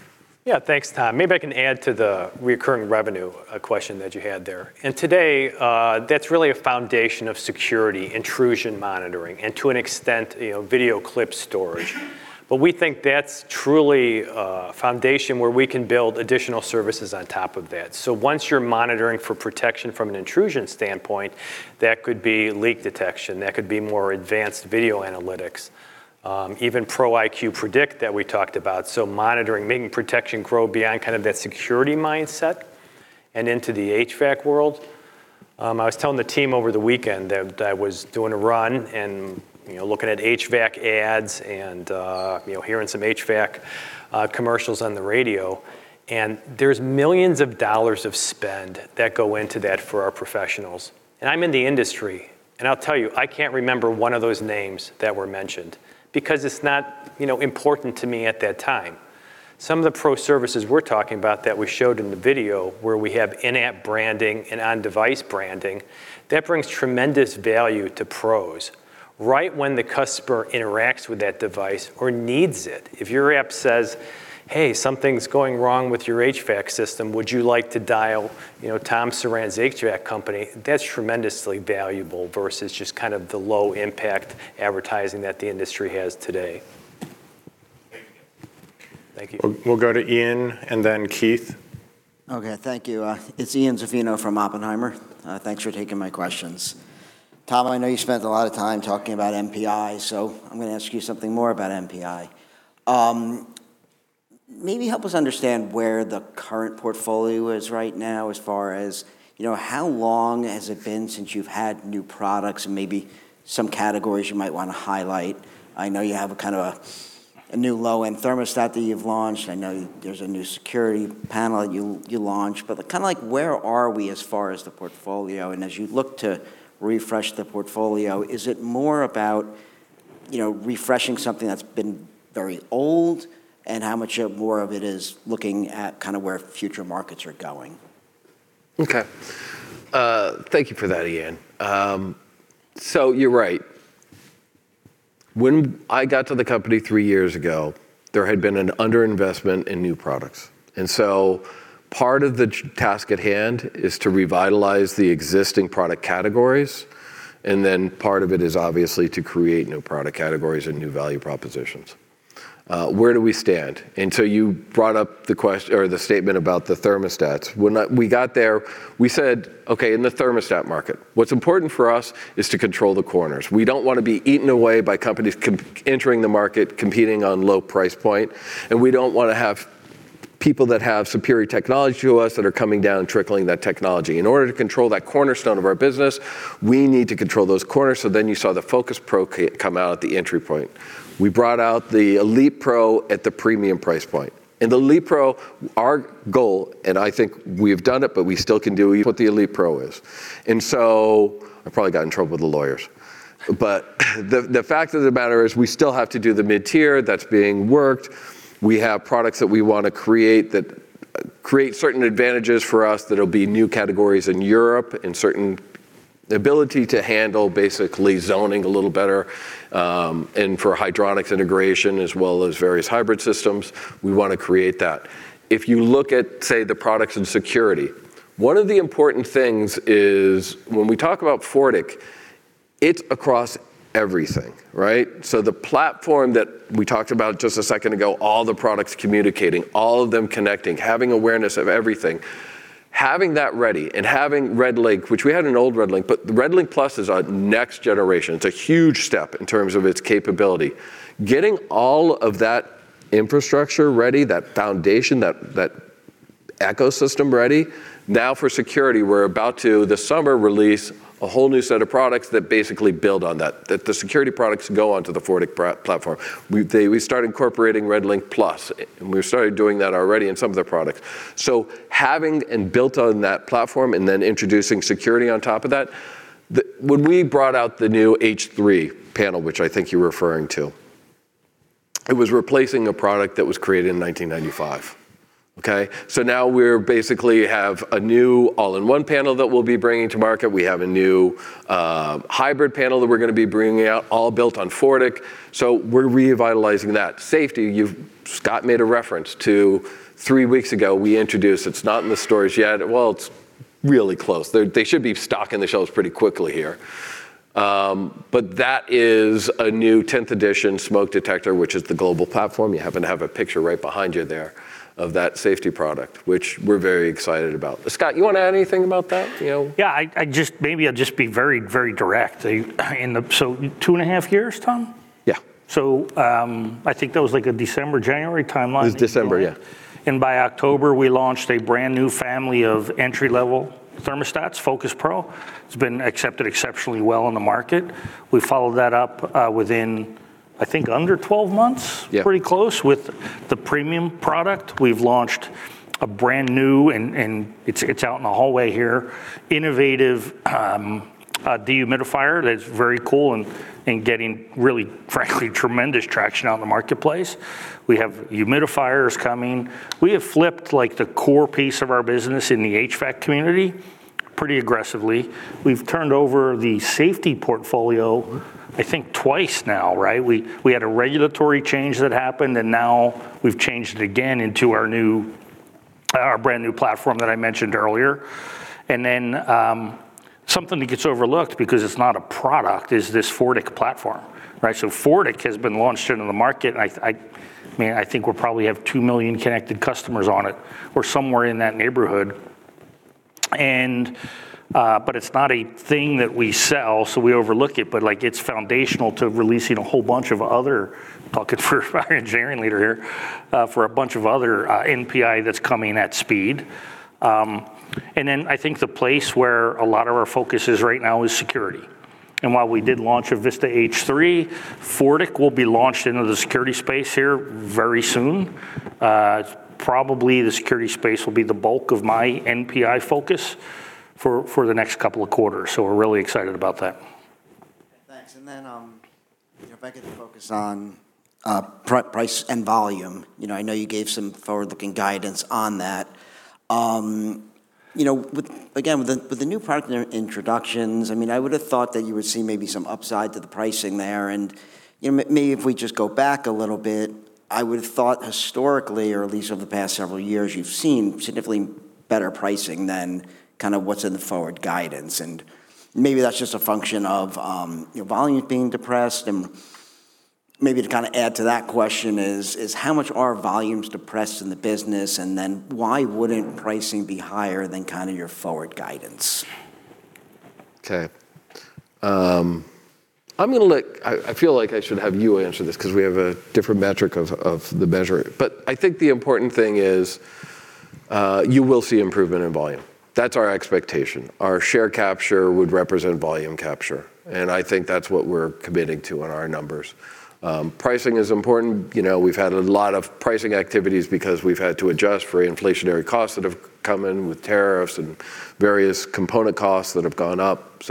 Yeah, thanks, Tom. Maybe I can add to the recurring revenue question that you had there. Today, that's really a foundation of security, intrusion monitoring and to an extent, video clip storage. We think that's truly a foundation where we can build additional services on top of that. Once you're monitoring for protection from an intrusion standpoint, that could be leak detection, that could be more advanced video analytics, even ProIQ Predict that we talked about. Monitoring, making protection grow beyond that security mindset and into the HVAC world. I was telling the team over the weekend that I was doing a run and looking at HVAC ads and hearing some HVAC commercials on the radio, there's millions of dollars of spend that go into that for our professionals. I'm in the industry and I'll tell you, I can't remember one of those names that were mentioned because it's not important to me at that time. Some of the pro services we're talking about that we showed in the video where we have in-app branding and on-device branding, that brings tremendous value to pros right when the customer interacts with that device or needs it. If your app says, "Hey, something's going wrong with your HVAC system, would you like to dial Tom Surran's HVAC company?" That's tremendously valuable versus just the low impact advertising that the industry has today. Thank you. Thank you. We'll go to Ian and then Keith. Okay. Thank you. It's Ian Zaffino from Oppenheimer. Thanks for taking my questions. Tom, I know you spent a lot of time talking about NPI, so I'm going to ask you something more about NPI. Maybe help us understand where the current portfolio is right now as far as how long has it been since you've had new products and maybe some categories you might want to highlight. I know you have a new low-end thermostat that you've launched. I know there's a new security panel you launched, but where are we as far as the portfolio? And as you look to refresh the portfolio, is it more about refreshing something that's been very old and how much more of it is looking at where future markets are going? Okay. Thank you for that, Ian. You're right. When I got to the company three years ago, there had been an under-investment in new products. Part of the task at hand is to revitalize the existing product categories, and then part of it is obviously to create new product categories and new value propositions. Where do we stand? You brought up the statement about the thermostats. When we got there, we said, okay, in the thermostat market, what's important for us is to control the corners. We don't want to be eaten away by companies entering the market, competing on low price point, and we don't want to have people that have superior technology to us that are coming down and trickling that technology. In order to control that cornerstone of our business, we need to control those corners. You saw the FocusPRO come out at the entry point. We brought out the ElitePRO at the premium price point. The ElitePRO, our goal, and I think we've done it, but we still can do what the ElitePRO is. I probably got in trouble with the lawyers, but the fact of the matter is we still have to do the mid-tier that's being worked. We have products that we want to create that create certain advantages for us, that'll be new categories in Europe, and certain ability to handle basically zoning a little better, and for hydronics integration as well as various hybrid systems, we want to create that. If you look at, say, the products in security, one of the important things is when we talk about FORTIQ, it's across everything, right? The platform that we talked about just a second ago, all the products communicating, all of them connecting, having awareness of everything, having that ready, and having RedLINK, which we had an old RedLINK, but RedLINK+ is our next generation. It's a huge step in terms of its capability. Getting all of that infrastructure ready, that foundation, that ecosystem ready, now for security, we're about to, this summer, release a whole new set of products that basically build on that. The security products go onto the FORTIQ platform. We start incorporating RedLINK+, and we started doing that already in some of the products. Having and built on that platform and then introducing security on top of that. When we brought out the new H3 panel, which I think you're referring to, it was replacing a product that was created in 1995, okay? Now we basically have a new all-in-one panel that we'll be bringing to market. We have a new hybrid panel that we're going to be bringing out, all built on FORTIQ. We're revitalizing that. Safety, Scott made a reference to three weeks ago, we introduced, it's not in the stores yet. Well, it's really close. They should be stocking the shelves pretty quickly here. But that is a new 10th edition smoke detector, which is the global platform. You happen to have a picture right behind you there of that safety product, which we're very excited about. Scott, you want to add anything about that? Yeah, maybe I'll just be very direct. Two and a half years, Tom? Yeah. I think that was like a December, January timeline. It was December, yeah. By October, we launched a brand new family of entry level thermostats, FocusPRO. It's been accepted exceptionally well in the market. I think under 12 months? Yeah. Pretty close with the premium product. We've launched a brand new, innovative dehumidifier that's very cool and getting really, frankly, tremendous traction out in the marketplace. We have humidifiers coming. We have flipped the core piece of our business in the HVAC community pretty aggressively. We've turned over the safety portfolio, I think twice now, right? We had a regulatory change that happened. We've changed it again into our brand new platform that I mentioned earlier. Something that gets overlooked because it's not a product is this FORTIQ platform. FORTIQ has been launched into the market, and I think we'll probably have 2 million connected customers on it or somewhere in that neighborhood. It's not a thing that we sell, so we overlook it, but it's foundational to releasing a whole bunch of other, talking for our engineering leader here, for a bunch of other NPI that's coming at speed. I think the place where a lot of our focus is right now is security. While we did launch a VISTA H3, FORTIQ will be launched into the security space here very soon. Probably the security space will be the bulk of my NPI focus for the next couple of quarters, so we're really excited about that. Thanks. If I could focus on price and volume. I know you gave some forward-looking guidance on that. Again, with the new partner introductions, I would have thought that you would see maybe some upside to the pricing there. Maybe if we just go back a little bit, I would have thought historically, or at least over the past several years, you've seen significantly better pricing than what's in the forward guidance. Maybe that's just a function of volume being depressed and maybe to add to that question is how much are volumes depressed in the business? Why wouldn't pricing be higher than your forward guidance? I feel like I should have you answer this because we have a different metric of the measure. I think the important thing is, you will see improvement in volume. That's our expectation. Our share capture would represent volume capture, and I think that's what we're committing to in our numbers. Pricing is important. We've had a lot of pricing activities because we've had to adjust for inflationary costs that have come in with tariffs and various component costs that have gone up.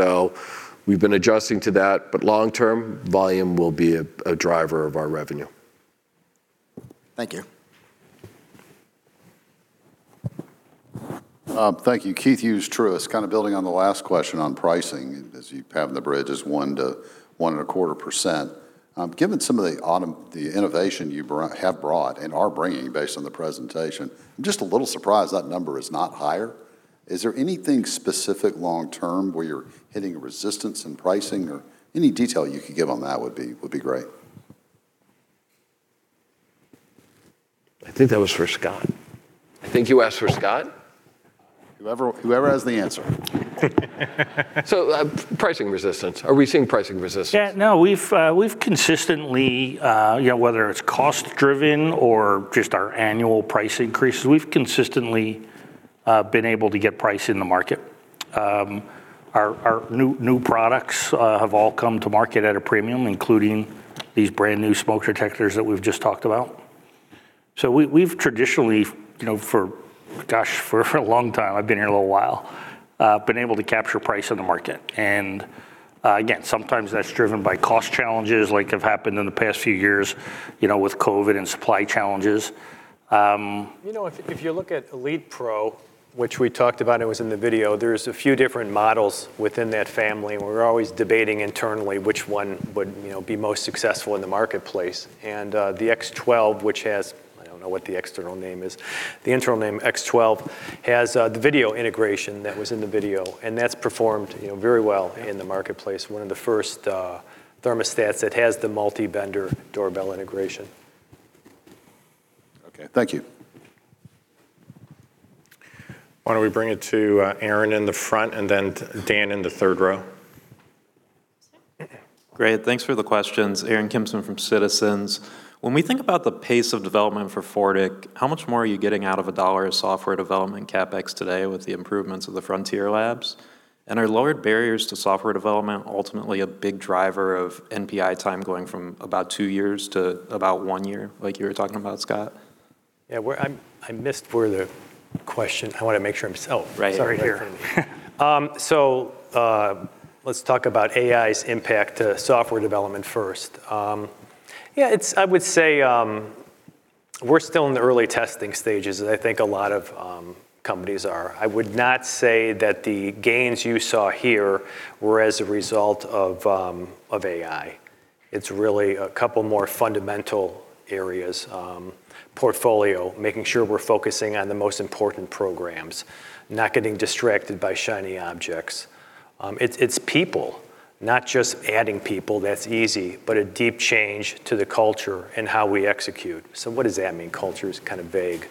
We've been adjusting to that. Long term, volume will be a driver of our revenue. Thank you. Thank you. Keith Hughes, Truist. Kind of building on the last question on pricing as you pound the bridge as 1%-1.25%. Given some of the innovation you have brought and are bringing based on the presentation, I'm just a little surprised that number is not higher. Is there anything specific long term where you're hitting resistance in pricing or any detail you could give on that would be great. I think that was for Scott. I think you asked for Scott? Whoever has the answer. Pricing resistance. Are we seeing pricing resistance? Yeah. No, we've consistently, whether it's cost driven or just our annual price increases, we've consistently been able to get price in the market. Our new products have all come to market at a premium, including these brand new smoke detectors that we've just talked about. We've traditionally, for gosh, for a long time, I've been here a little while, been able to capture price in the market. Again, sometimes that's driven by cost challenges like have happened in the past few years, with COVID and supply challenges. If you look at ElitePRO, which we talked about, it was in the video, there's a few different models within that family, we're always debating internally which one would be most successful in the marketplace. The X12, which has, I don't know what the external name is. The internal name X12 has the video integration that was in the video, that's performed very well in the marketplace. One of the first thermostats that has the multi-vendor doorbell integration. Okay. Thank you. Why don't we bring it to Aaron in the front and then Dan in the third row? Great. Thanks for the questions. Aaron Kimson from Citizens. When we think about the pace of development for FORTIQ, how much more are you getting out of a dollar of software development CapEx today with the improvements of the Frontier Labs? Are lowered barriers to software development ultimately a big driver of NPI time going from about two years to about one year like you were talking about, Scott? Yeah. I missed where the question, I want to make sure. Oh. Right. Sorry. Here. Let's talk about AI's impact to software development first. Yeah, I would say we're still in the early testing stages, as I think a lot of companies are. I would not say that the gains you saw here were as a result of AI. It's really a couple more fundamental areas. Portfolio, making sure we're focusing on the most important programs, not getting distracted by shiny objects. It's people, not just adding people, that's easy, but a deep change to the culture and how we execute. What does that mean? Culture is kind of vague.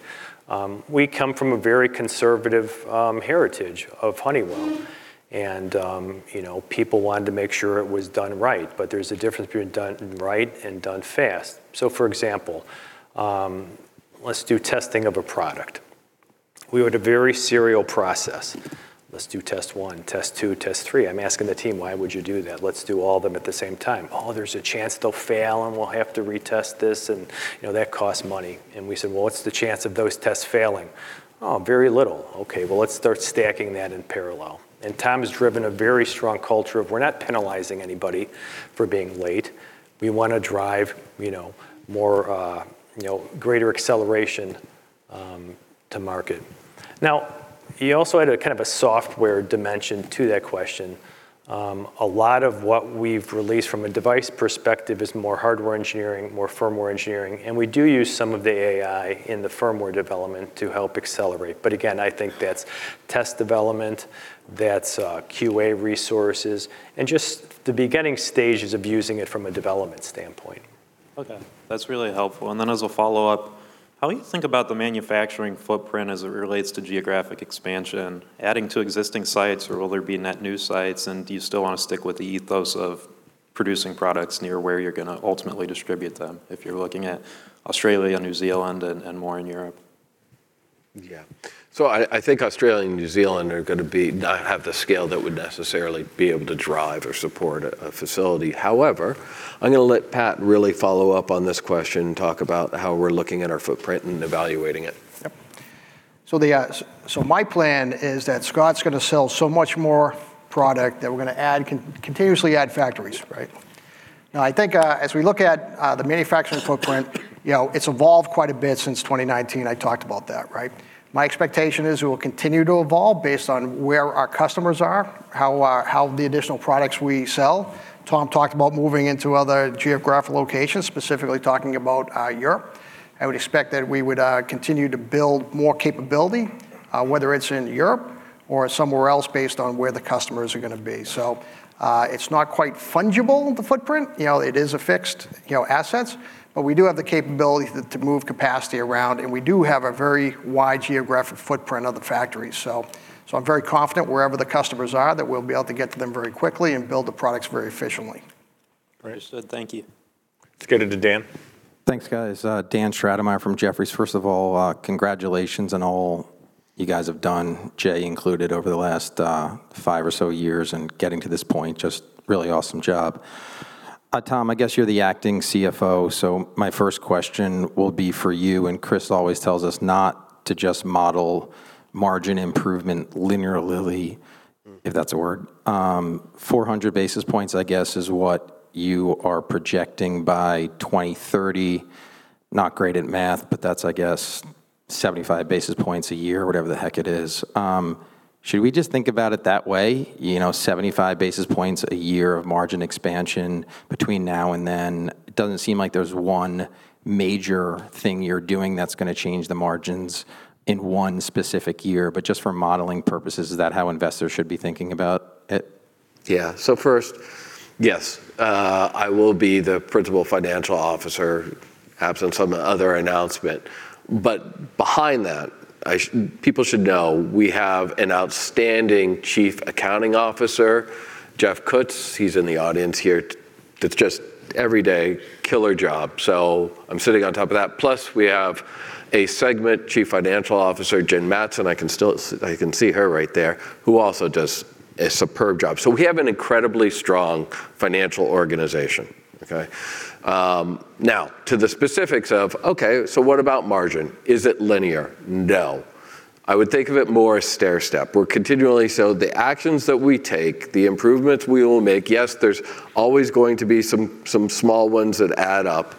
We come from a very conservative heritage of Honeywell, and people wanted to make sure it was done right, but there's a difference between done right and done fast. For example, let's do testing of a product We had a very serial process. Let's do test one, test two, test three. I'm asking the team: Why would you do that? Let's do all of them at the same time. "Oh, there's a chance they'll fail, and we'll have to retest this, and that costs money." We said, "Well, what's the chance of those tests failing?" "Oh, very little." Okay. Well, let's start stacking that in parallel. Tom has driven a very strong culture of we're not penalizing anybody for being late. We want to drive greater acceleration to market. You also had a software dimension to that question. A lot of what we've released from a device perspective is more hardware engineering, more firmware engineering, and we do use some of the AI in the firmware development to help accelerate. Again, I think that's test development, that's QA resources, and just the beginning stages of using it from a development standpoint. That's really helpful. As a follow-up, how do you think about the manufacturing footprint as it relates to geographic expansion, adding to existing sites, or will there be net new sites, and do you still want to stick with the ethos of producing products near where you're going to ultimately distribute them if you're looking at Australia, New Zealand, and more in Europe? I think Australia and New Zealand are going to not have the scale that would necessarily be able to drive or support a facility. However, I'm going to let Pat really follow up on this question and talk about how we're looking at our footprint and evaluating it. My plan is that Scott's going to sell so much more product that we're going to continuously add factories, right? Now, I think as we look at the manufacturing footprint, it's evolved quite a bit since 2019. I talked about that, right? My expectation is it will continue to evolve based on where our customers are, how the additional products we sell. Tom talked about moving into other geographic locations, specifically talking about Europe. I would expect that we would continue to build more capability, whether it's in Europe or somewhere else, based on where the customers are going to be. It's not quite fungible, the footprint. It is a fixed asset, but we do have the capability to move capacity around, and we do have a very wide geographic footprint of the factories. I'm very confident wherever the customers are, that we'll be able to get to them very quickly and build the products very efficiently. Great. Good. Thank you. Let's go to Dan. Thanks, guys. Dan Stratemeier from Jefferies. First of all, congratulations on all you guys have done, Jay included, over the last five or so years and getting to this point. Just really awesome job. Tom, I guess you're the acting CFO, so my first question will be for you. Chris always tells us not to just model margin improvement linearly, if that's a word. 400 basis points, I guess, is what you are projecting by 2030. Not great at math, but that's, I guess, 75 basis points a year, whatever the heck it is. Should we just think about it that way? 75 basis points a year of margin expansion between now and then? It doesn't seem like there's one major thing you're doing that's going to change the margins in one specific year. Just for modeling purposes, is that how investors should be thinking about it? Yeah. First, yes, I will be the Principal Financial Officer absent some other announcement. Behind that, people should know we have an outstanding Chief Accounting Officer, Jeff Cutts. He's in the audience here. That's just every day killer job. I'm sitting on top of that. Plus, we have a Segment Chief Financial Officer, Jen Mattson, I can see her right there, who also does a superb job. We have an incredibly strong financial organization. Okay? Now, to the specifics of, okay, what about margin? Is it linear? No. I would think of it more stairstep. We're continually so. The actions that we take, the improvements we will make, yes, there's always going to be some small ones that add up,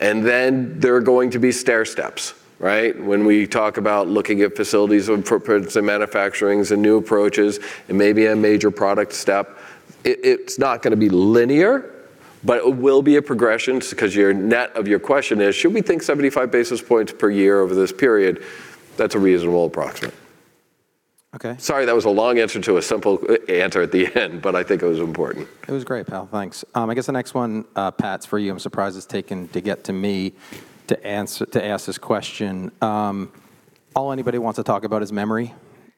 and then there are going to be stairsteps. Right? When we talk about looking at facilities and manufacturing and new approaches and maybe a major product step, it's not going to be linear, but it will be a progression because your net of your question is, should we think 75 basis points per year over this period? That's a reasonable approximate. Okay. Sorry, that was a long answer to a simple answer at the end, but I think it was important. It was great, pal. Thanks. I guess the next one, Pat, it's for you. I'm surprised it's taken to get to me to ask this question. All anybody wants to talk about is memory.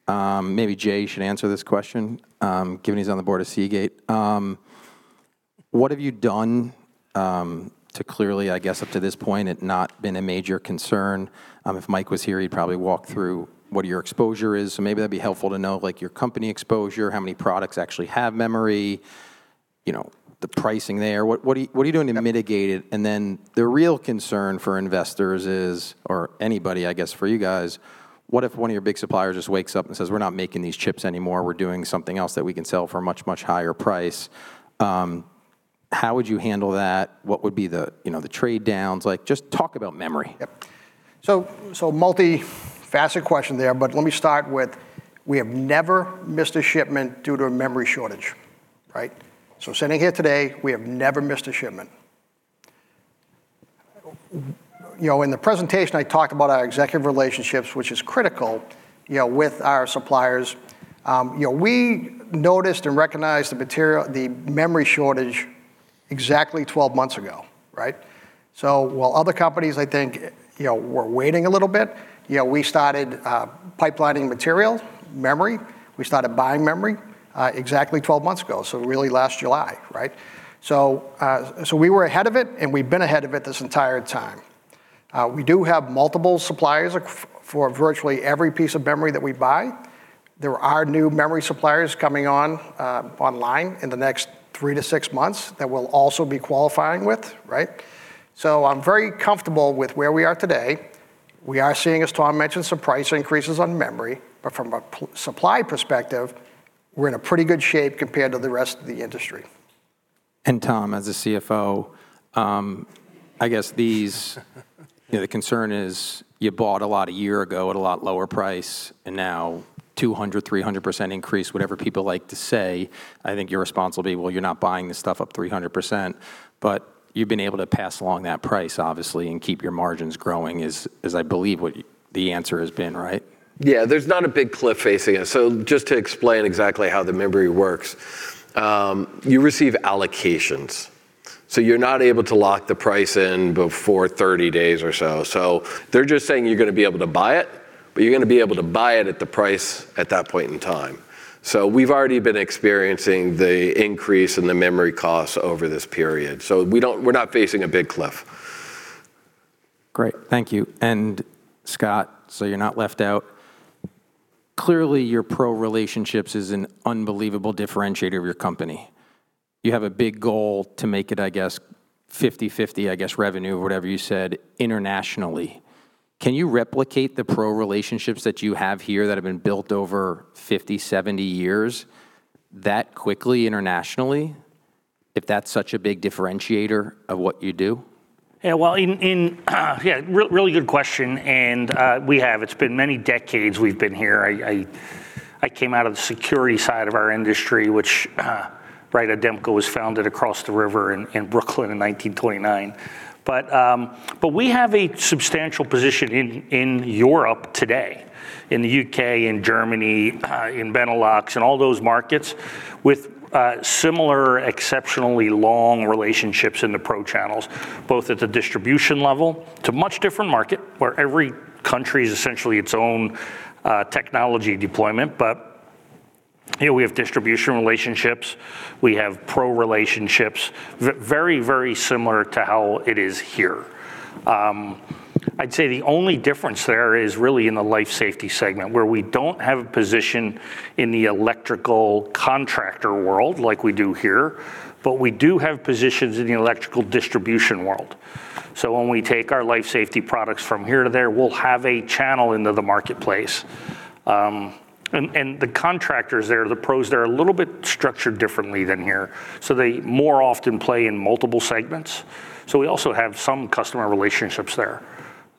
Maybe Jay should answer this question, given he's on the board of Seagate Technology. What have you done to clearly, I guess, up to this point, it not been a major concern. If Mike was here, he'd probably walk through what your exposure is. Maybe that'd be helpful to know, like your company exposure, how many products actually have memory, the pricing there. What are you doing to mitigate it? The real concern for investors is, or anybody, I guess, for you guys, what if one of your big suppliers just wakes up and says, "We're not making these chips anymore. We're doing something else that we can sell for a much, much higher price." How would you handle that? What would be the trade-downs? Just talk about memory. Yep. Multi-faceted question there, but let me start with we have never missed a shipment due to a memory shortage. Right. Sitting here today, we have never missed a shipment. In the presentation, I talked about our executive relationships, which is critical with our suppliers. We noticed and recognized the memory shortage exactly 12 months ago. Right. While other companies, I think, were waiting a little bit, we started pipelining memory. We started buying memory exactly 12 months ago. Really, last July. Right. We were ahead of it, and we've been ahead of it this entire time We do have multiple suppliers for virtually every piece of memory that we buy. There are new memory suppliers coming online in the next three to six months that we'll also be qualifying with. I'm very comfortable with where we are today. We are seeing, as Tom mentioned, some price increases on memory, but from a supply perspective, we're in a pretty good shape compared to the rest of the industry. Tom, as a CFO, I guess the concern is you bought a lot a year ago at a lot lower price, now 200%, 300% increase, whatever people like to say. I think your response will be, well, you're not buying this stuff up 300%, but you've been able to pass along that price, obviously, and keep your margins growing, is I believe what the answer has been, right. Yeah, there's not a big cliff facing us. Just to explain exactly how the memory works, you receive allocations, you're not able to lock the price in before 30 days or so. They're just saying you're going to be able to buy it, but you're going to be able to buy it at the price at that point in time. We've already been experiencing the increase in the memory costs over this period. We're not facing a big cliff. Great, thank you. Scott, so you're not left out. Clearly, your pro relationships is an unbelievable differentiator of your company. You have a big goal to make it, I guess, 50/50, I guess, revenue or whatever you said, internationally. Can you replicate the pro relationships that you have here that have been built over 50, 70 years that quickly internationally, if that's such a big differentiator of what you do? Yeah, really good question. We have. It's been many decades we've been here. I came out of the security side of our industry, which ADEMCO was founded across the river in Brooklyn in 1929. We have a substantial position in Europe today, in the U.K., in Germany, in Benelux, and all those markets with similar exceptionally long relationships in the pro channels, both at the distribution level. It's a much different market, where every country is essentially its own technology deployment. We have distribution relationships, we have pro relationships, very similar to how it is here. I'd say the only difference there is really in the life safety segment, where we don't have a position in the electrical contractor world like we do here, but we do have positions in the electrical distribution world. When we take our life safety products from here to there, we'll have a channel into the marketplace. The contractors there, the pros there, are a little bit structured differently than here, so they more often play in multiple segments. We also have some customer relationships there.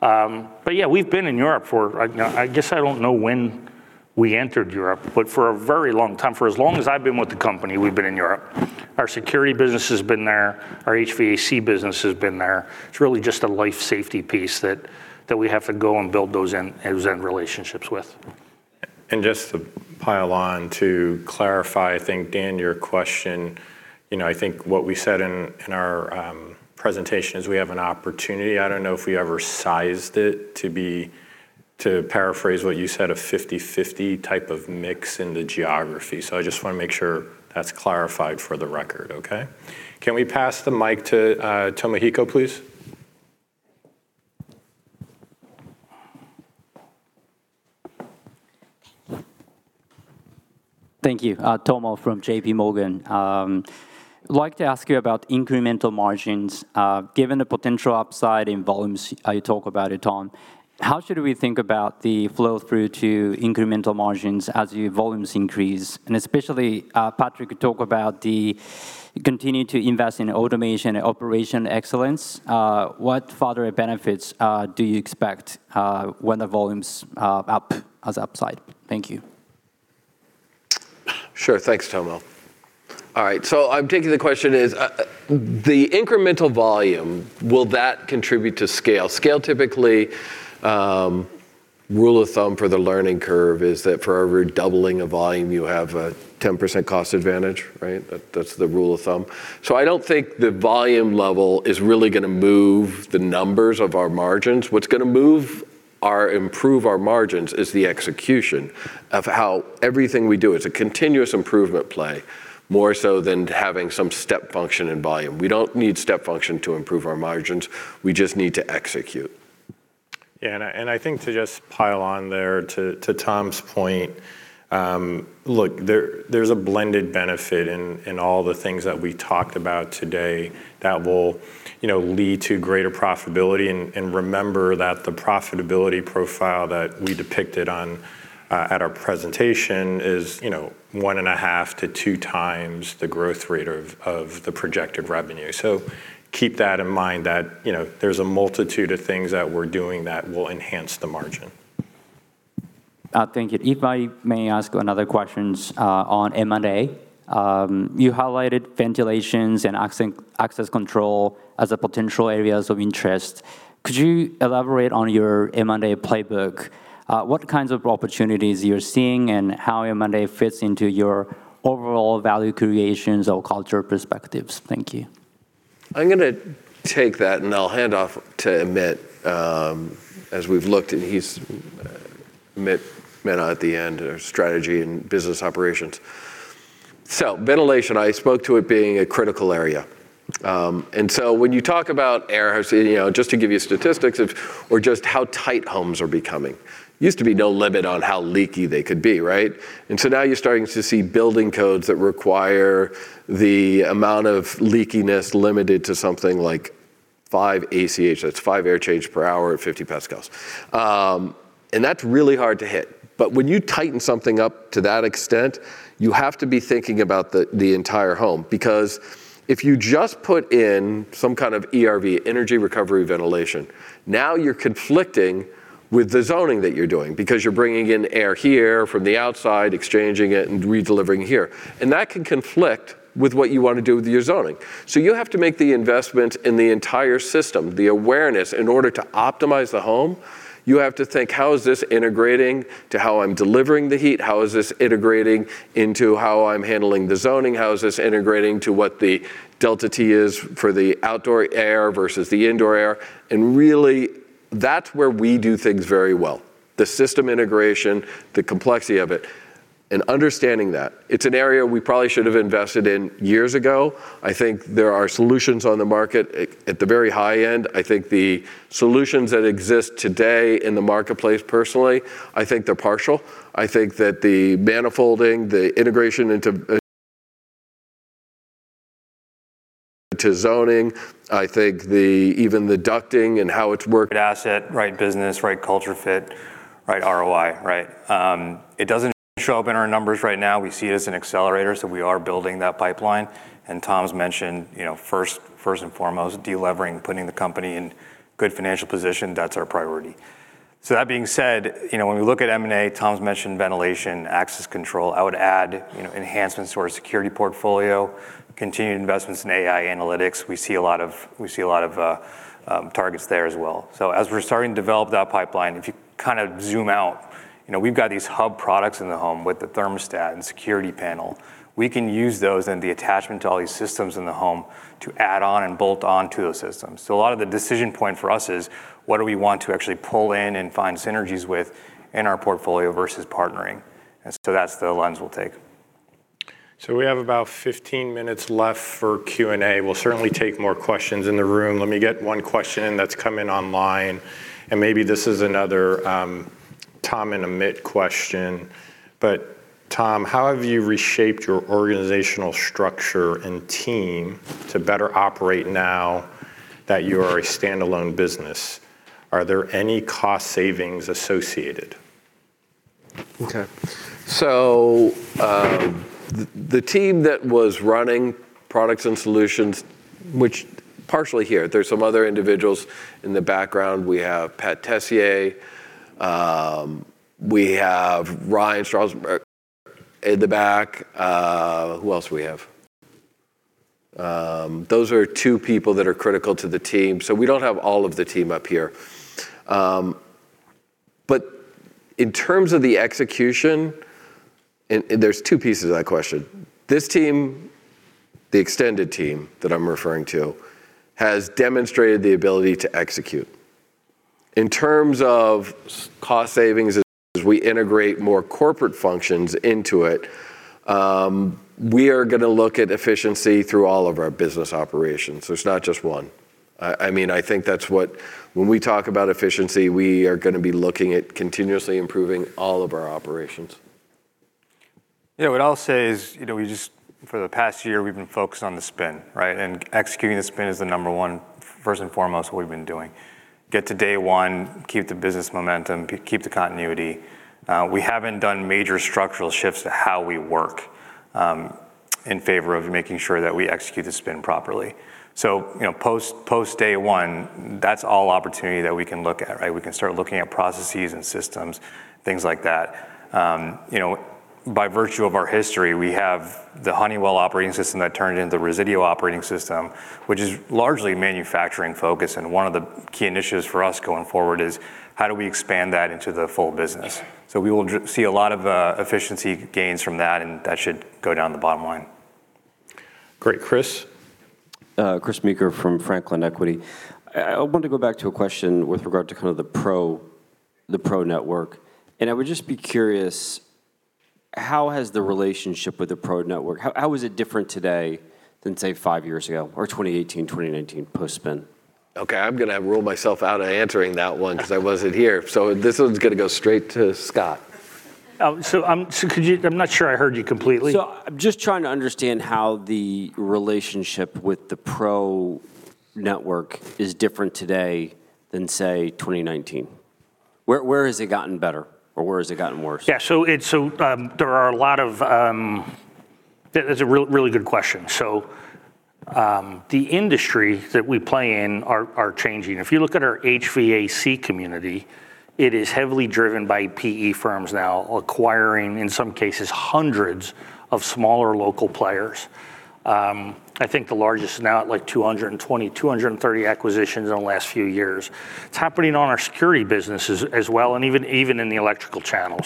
Yeah, we've been in Europe for, I guess I don't know when we entered Europe, but for a very long time. For as long as I've been with the company, we've been in Europe. Our security business has been there, our HVAC business has been there. It's really just a life safety piece that we have to go and build those end relationships with. Just to pile on to clarify, I think, Dan, your question, I think what we said in our presentation is we have an opportunity. I don't know if we ever sized it to paraphrase what you said, a 50/50 type of mix in the geography. I just want to make sure that's clarified for the record, okay? Can we pass the mic to Tomohiko, please? Thank you. Tomo from JP Morgan. I'd like to ask you about incremental margins. Given the potential upside in volumes, you talk about it, Tom, how should we think about the flow through to incremental margins as your volumes increase? Especially Patrick talked about the continue to invest in automation and operation excellence. What further benefits do you expect when the volumes up as upside? Thank you. Sure. Thanks, Tomo. All right, so I'm taking the question is, the incremental volume, will that contribute to scale? Scale typically, rule of thumb for the learning curve is that for every doubling of volume, you have a 10% cost advantage, right? That's the rule of thumb. I don't think the volume level is really going to move the numbers of our margins. What's going to improve our margins is the execution of how everything we do is a continuous improvement play, more so than having some step function in volume. We don't need step function to improve our margins. We just need to execute. Yeah, I think to just pile on there to Tom's point, look, there's a blended benefit in all the things that we talked about today that will lead to greater profitability. Remember that the profitability profile that we depicted at our presentation is one and a half to two times the growth rate of the projected revenue. Keep that in mind that there's a multitude of things that we're doing that will enhance the margin. Thank you. If I may ask another question on M&A. You highlighted ventilation and access control as potential areas of interest. Could you elaborate on your M&A playbook? What kinds of opportunities you're seeing and how M&A fits into your overall value creation or culture perspectives? Thank you. I'm going to take that. I'll hand off to Amit as we've looked. Amit Mehta at the end, our strategy and business operations. Ventilation, I spoke to it being a critical area. When you talk about air, just to give you statistics of or just how tight homes are becoming. Used to be no limit on how leaky they could be. Right. Now you're starting to see building codes that require the amount of leakiness limited to something like five ACH. That's five air change per hour at 50 Pascals. That's really hard to hit. When you tighten something up to that extent, you have to be thinking about the entire home because if you just put in some kind of ERV, energy recovery ventilation, now you're conflicting with the zoning that you're doing because you're bringing in air here from the outside, exchanging it and redelivering here. That can conflict with what you want to do with your zoning. You have to make the investment in the entire system, the awareness. In order to optimize the home, you have to think, how is this integrating to how I'm delivering the heat? How is this integrating into how I'm handling the zoning? How is this integrating to what the delta T is for the outdoor air versus the indoor air? Really that's where we do things very well, the system integration, the complexity of it, and understanding that. It's an area we probably should have invested in years ago. I think there are solutions on the market at the very high end. I think the solutions that exist today in the marketplace, personally, I think they're partial. I think that the manifolding, the integration into zoning, I think even the ducting and how it's worked asset, right business, right culture fit, right ROI. It doesn't show up in our numbers right now. We see it as an accelerator. We are building that pipeline. Tom's mentioned, first and foremost, de-levering, putting the company in good financial position. That's our priority. That being said, when we look at M&A, Tom's mentioned ventilation, access control. I would add enhancements to our security portfolio, continued investments in AI analytics. We see a lot of targets there as well. As we're starting to develop that pipeline, if you zoom out, we've got these hub products in the home with the thermostat and security panel. We can use those and the attachment to all these systems in the home to add on and bolt on to those systems. A lot of the decision point for us is, what do we want to actually pull in and find synergies with in our portfolio versus partnering? That's the lens we'll take. We have about 15 minutes left for Q&A. We'll certainly take more questions in the room. Let me get one question in that's come in online, and maybe this is another Tom and Amit question. Tom, how have you reshaped your organizational structure and team to better operate now that you are a standalone business? Are there any cost savings associated? Okay. The team that was running Products & Solutions, which partially here, there's some other individuals in the background. We have Pat Tessier. We have Ryan Strauser in the back. Who else do we have? Those are two people that are critical to the team, so we don't have all of the team up here. In terms of the execution, and there's two pieces to that question. This team, the extended team that I'm referring to, has demonstrated the ability to execute. In terms of cost savings as we integrate more corporate functions into it, we are going to look at efficiency through all of our business operations. There's not just one. When we talk about efficiency, we are going to be looking at continuously improving all of our operations. Yeah. What I'll say is, for the past year, we've been focused on the spin. Executing the spin is the number one, first and foremost, what we've been doing. Get to day one, keep the business momentum, keep the continuity. We haven't done major structural shifts to how we work in favor of making sure that we execute the spin properly. Post-day one, that's all opportunity that we can look at. We can start looking at processes and systems, things like that. By virtue of our history, we have the Honeywell Operating System that turned into the Resideo operating system, which is largely manufacturing-focused, and one of the key initiatives for us going forward is how do we expand that into the full business? We will see a lot of efficiency gains from that, and that should go down the bottom line. Great. Chris? Chris Meeker from Franklin Equity. I want to go back to a question with regard to kind of the Pro Network. I would just be curious, how has the relationship with the Pro Network, how is it different today than, say, five years ago or 2018, 2019 post-spin? Okay. I'm going to rule myself out of answering that one because I wasn't here. This one's going to go straight to Scott. I'm not sure I heard you completely. I'm just trying to understand how the relationship with the Pro Network is different today than, say, 2019. Where has it gotten better, or where has it gotten worse? Yeah. That's a really good question. The industry that we play in are changing. If you look at our HVAC community, it is heavily driven by PE firms now acquiring, in some cases, hundreds of smaller local players. I think the largest is now at like 220, 230 acquisitions in the last few years. It's happening on our security business as well, and even in the electrical channel.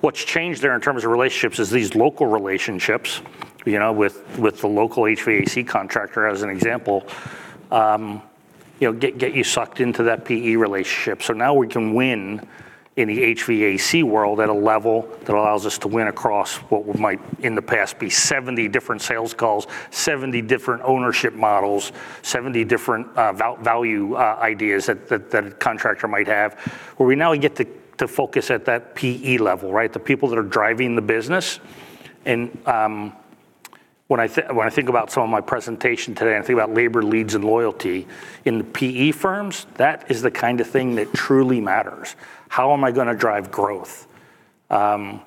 What's changed there in terms of relationships is these local relationships with the local HVAC contractor, as an example get you sucked into that PE relationship. Now we can win in the HVAC world at a level that allows us to win across what might in the past be 70 different sales calls, 70 different ownership models, 70 different value ideas that the contractor might have, where we now get to focus at that PE level, right? The people that are driving the business. When I think about some of my presentation today, and I think about labor leads and loyalty, in the PE firms, that is the kind of thing that truly matters. How am I going to drive growth? Often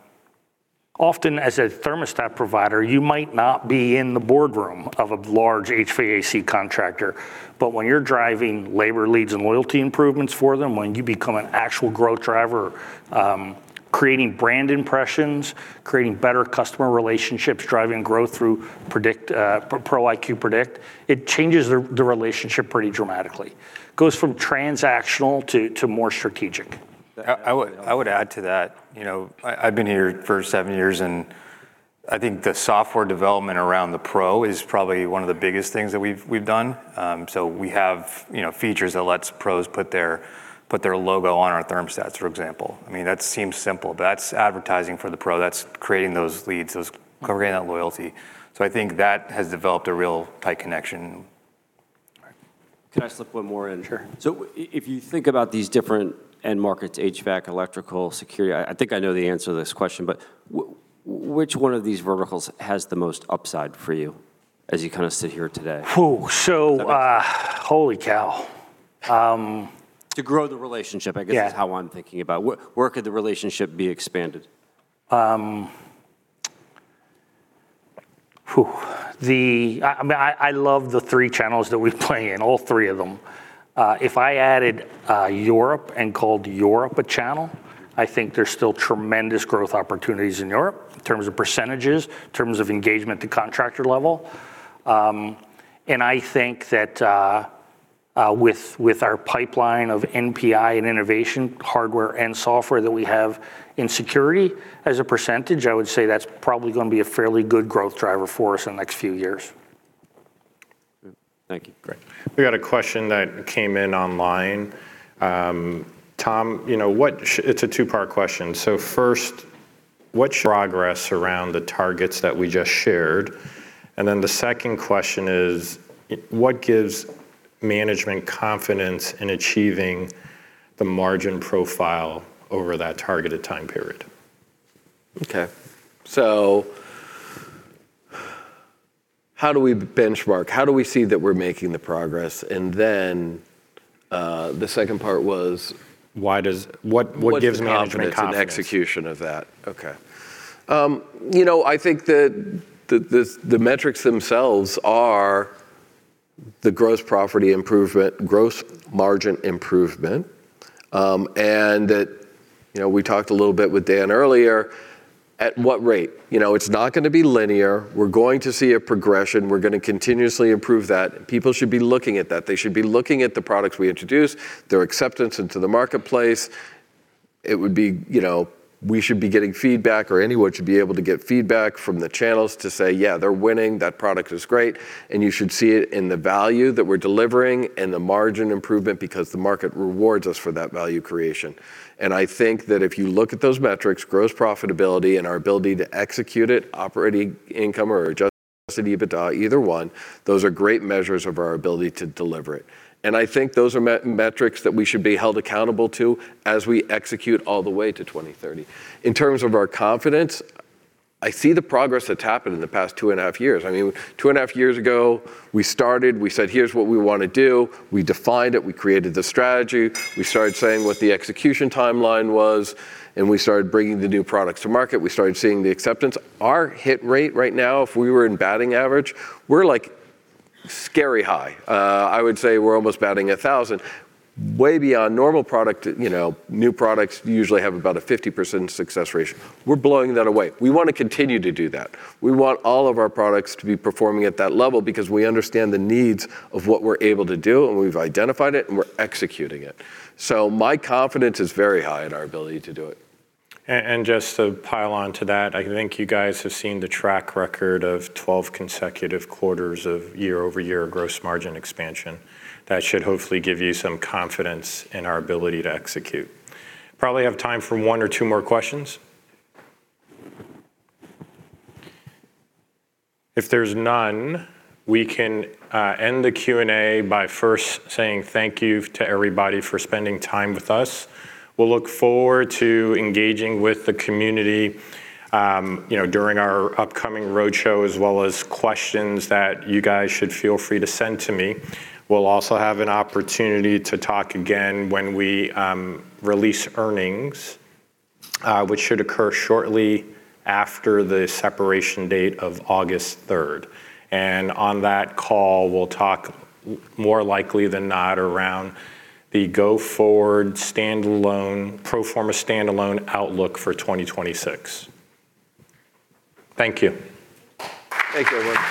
as a thermostat provider, you might not be in the boardroom of a large HVAC contractor, but when you're driving labor leads and loyalty improvements for them, when you become an actual growth driver, creating brand impressions, creating better customer relationships, driving growth through ProIQ Predict, it changes the relationship pretty dramatically. Goes from transactional to more strategic. I would add to that. I've been here for seven years, and I think the software development around the Pro is probably one of the biggest things that we've done. We have features that lets Pros put their logo on our thermostats, for example. That seems simple, but that's advertising for the Pro, that's creating those leads, creating that loyalty. I think that has developed a real tight connection. Can I slip one more in? Sure. If you think about these different end markets, HVAC, electrical, security, I think I know the answer to this question, but which one of these verticals has the most upside for you as you sit here today? Holy cow. To grow the relationship, I guess. Yeah is how I'm thinking about. Where could the relationship be expanded? I love the three channels that we play in, all three of them. If I added Europe and called Europe a channel, I think there's still tremendous growth opportunities in Europe in terms of percentages, in terms of engagement to contractor level. I think that with our pipeline of NPI and innovation, hardware and software that we have in security as a percentage, I would say that's probably going to be a fairly good growth driver for us in the next few years. Thank you. Great. We got a question that came in online. Tom, it's a two-part question. First, what progress around the targets that we just shared? The second question is, what gives management confidence in achieving the margin profile over that targeted time period? How do we benchmark? How do we see that we're making the progress? The second part was? What gives management confidence? What's the confidence and execution of that? I think that the metrics themselves are the gross margin improvement. We talked a little bit with Dan earlier, at what rate? It's not going to be linear. We're going to see a progression. We're going to continuously improve that. People should be looking at that. They should be looking at the products we introduce, their acceptance into the marketplace. We should be getting feedback, or anyone should be able to get feedback from the channels to say, "Yeah, they're winning. That product is great." You should see it in the value that we're delivering and the margin improvement because the market rewards us for that value creation. I think that if you look at those metrics, gross profitability and our ability to execute it, operating income or adjusted EBITDA, either one, those are great measures of our ability to deliver it. I think those are metrics that we should be held accountable to as we execute all the way to 2030. In terms of our confidence, I see the progress that's happened in the past two and a half years. Two and a half years ago, we started, we said, "Here's what we want to do." We defined it, we created the strategy. We started saying what the execution timeline was. We started bringing the new products to market. We started seeing the acceptance. Our hit rate right now, if we were in batting average, we're scary high. I would say we're almost batting 1,000. Way beyond normal product. New products usually have about a 50% success ratio. We're blowing that away. We want to continue to do that. We want all of our products to be performing at that level because we understand the needs of what we're able to do, and we've identified it, and we're executing it. My confidence is very high in our ability to do it. Just to pile on to that, I think you guys have seen the track record of 12 consecutive quarters of year-over-year gross margin expansion. That should hopefully give you some confidence in our ability to execute. Probably have time for one or two more questions. If there's none, we can end the Q&A by first saying thank you to everybody for spending time with us. We'll look forward to engaging with the community during our upcoming roadshow, as well as questions that you guys should feel free to send to me. We'll also have an opportunity to talk again when we release earnings, which should occur shortly after the separation date of August 3rd. On that call, we'll talk more likely than not around the go-forward pro forma standalone outlook for 2026. Thank you. Thank you, everyone.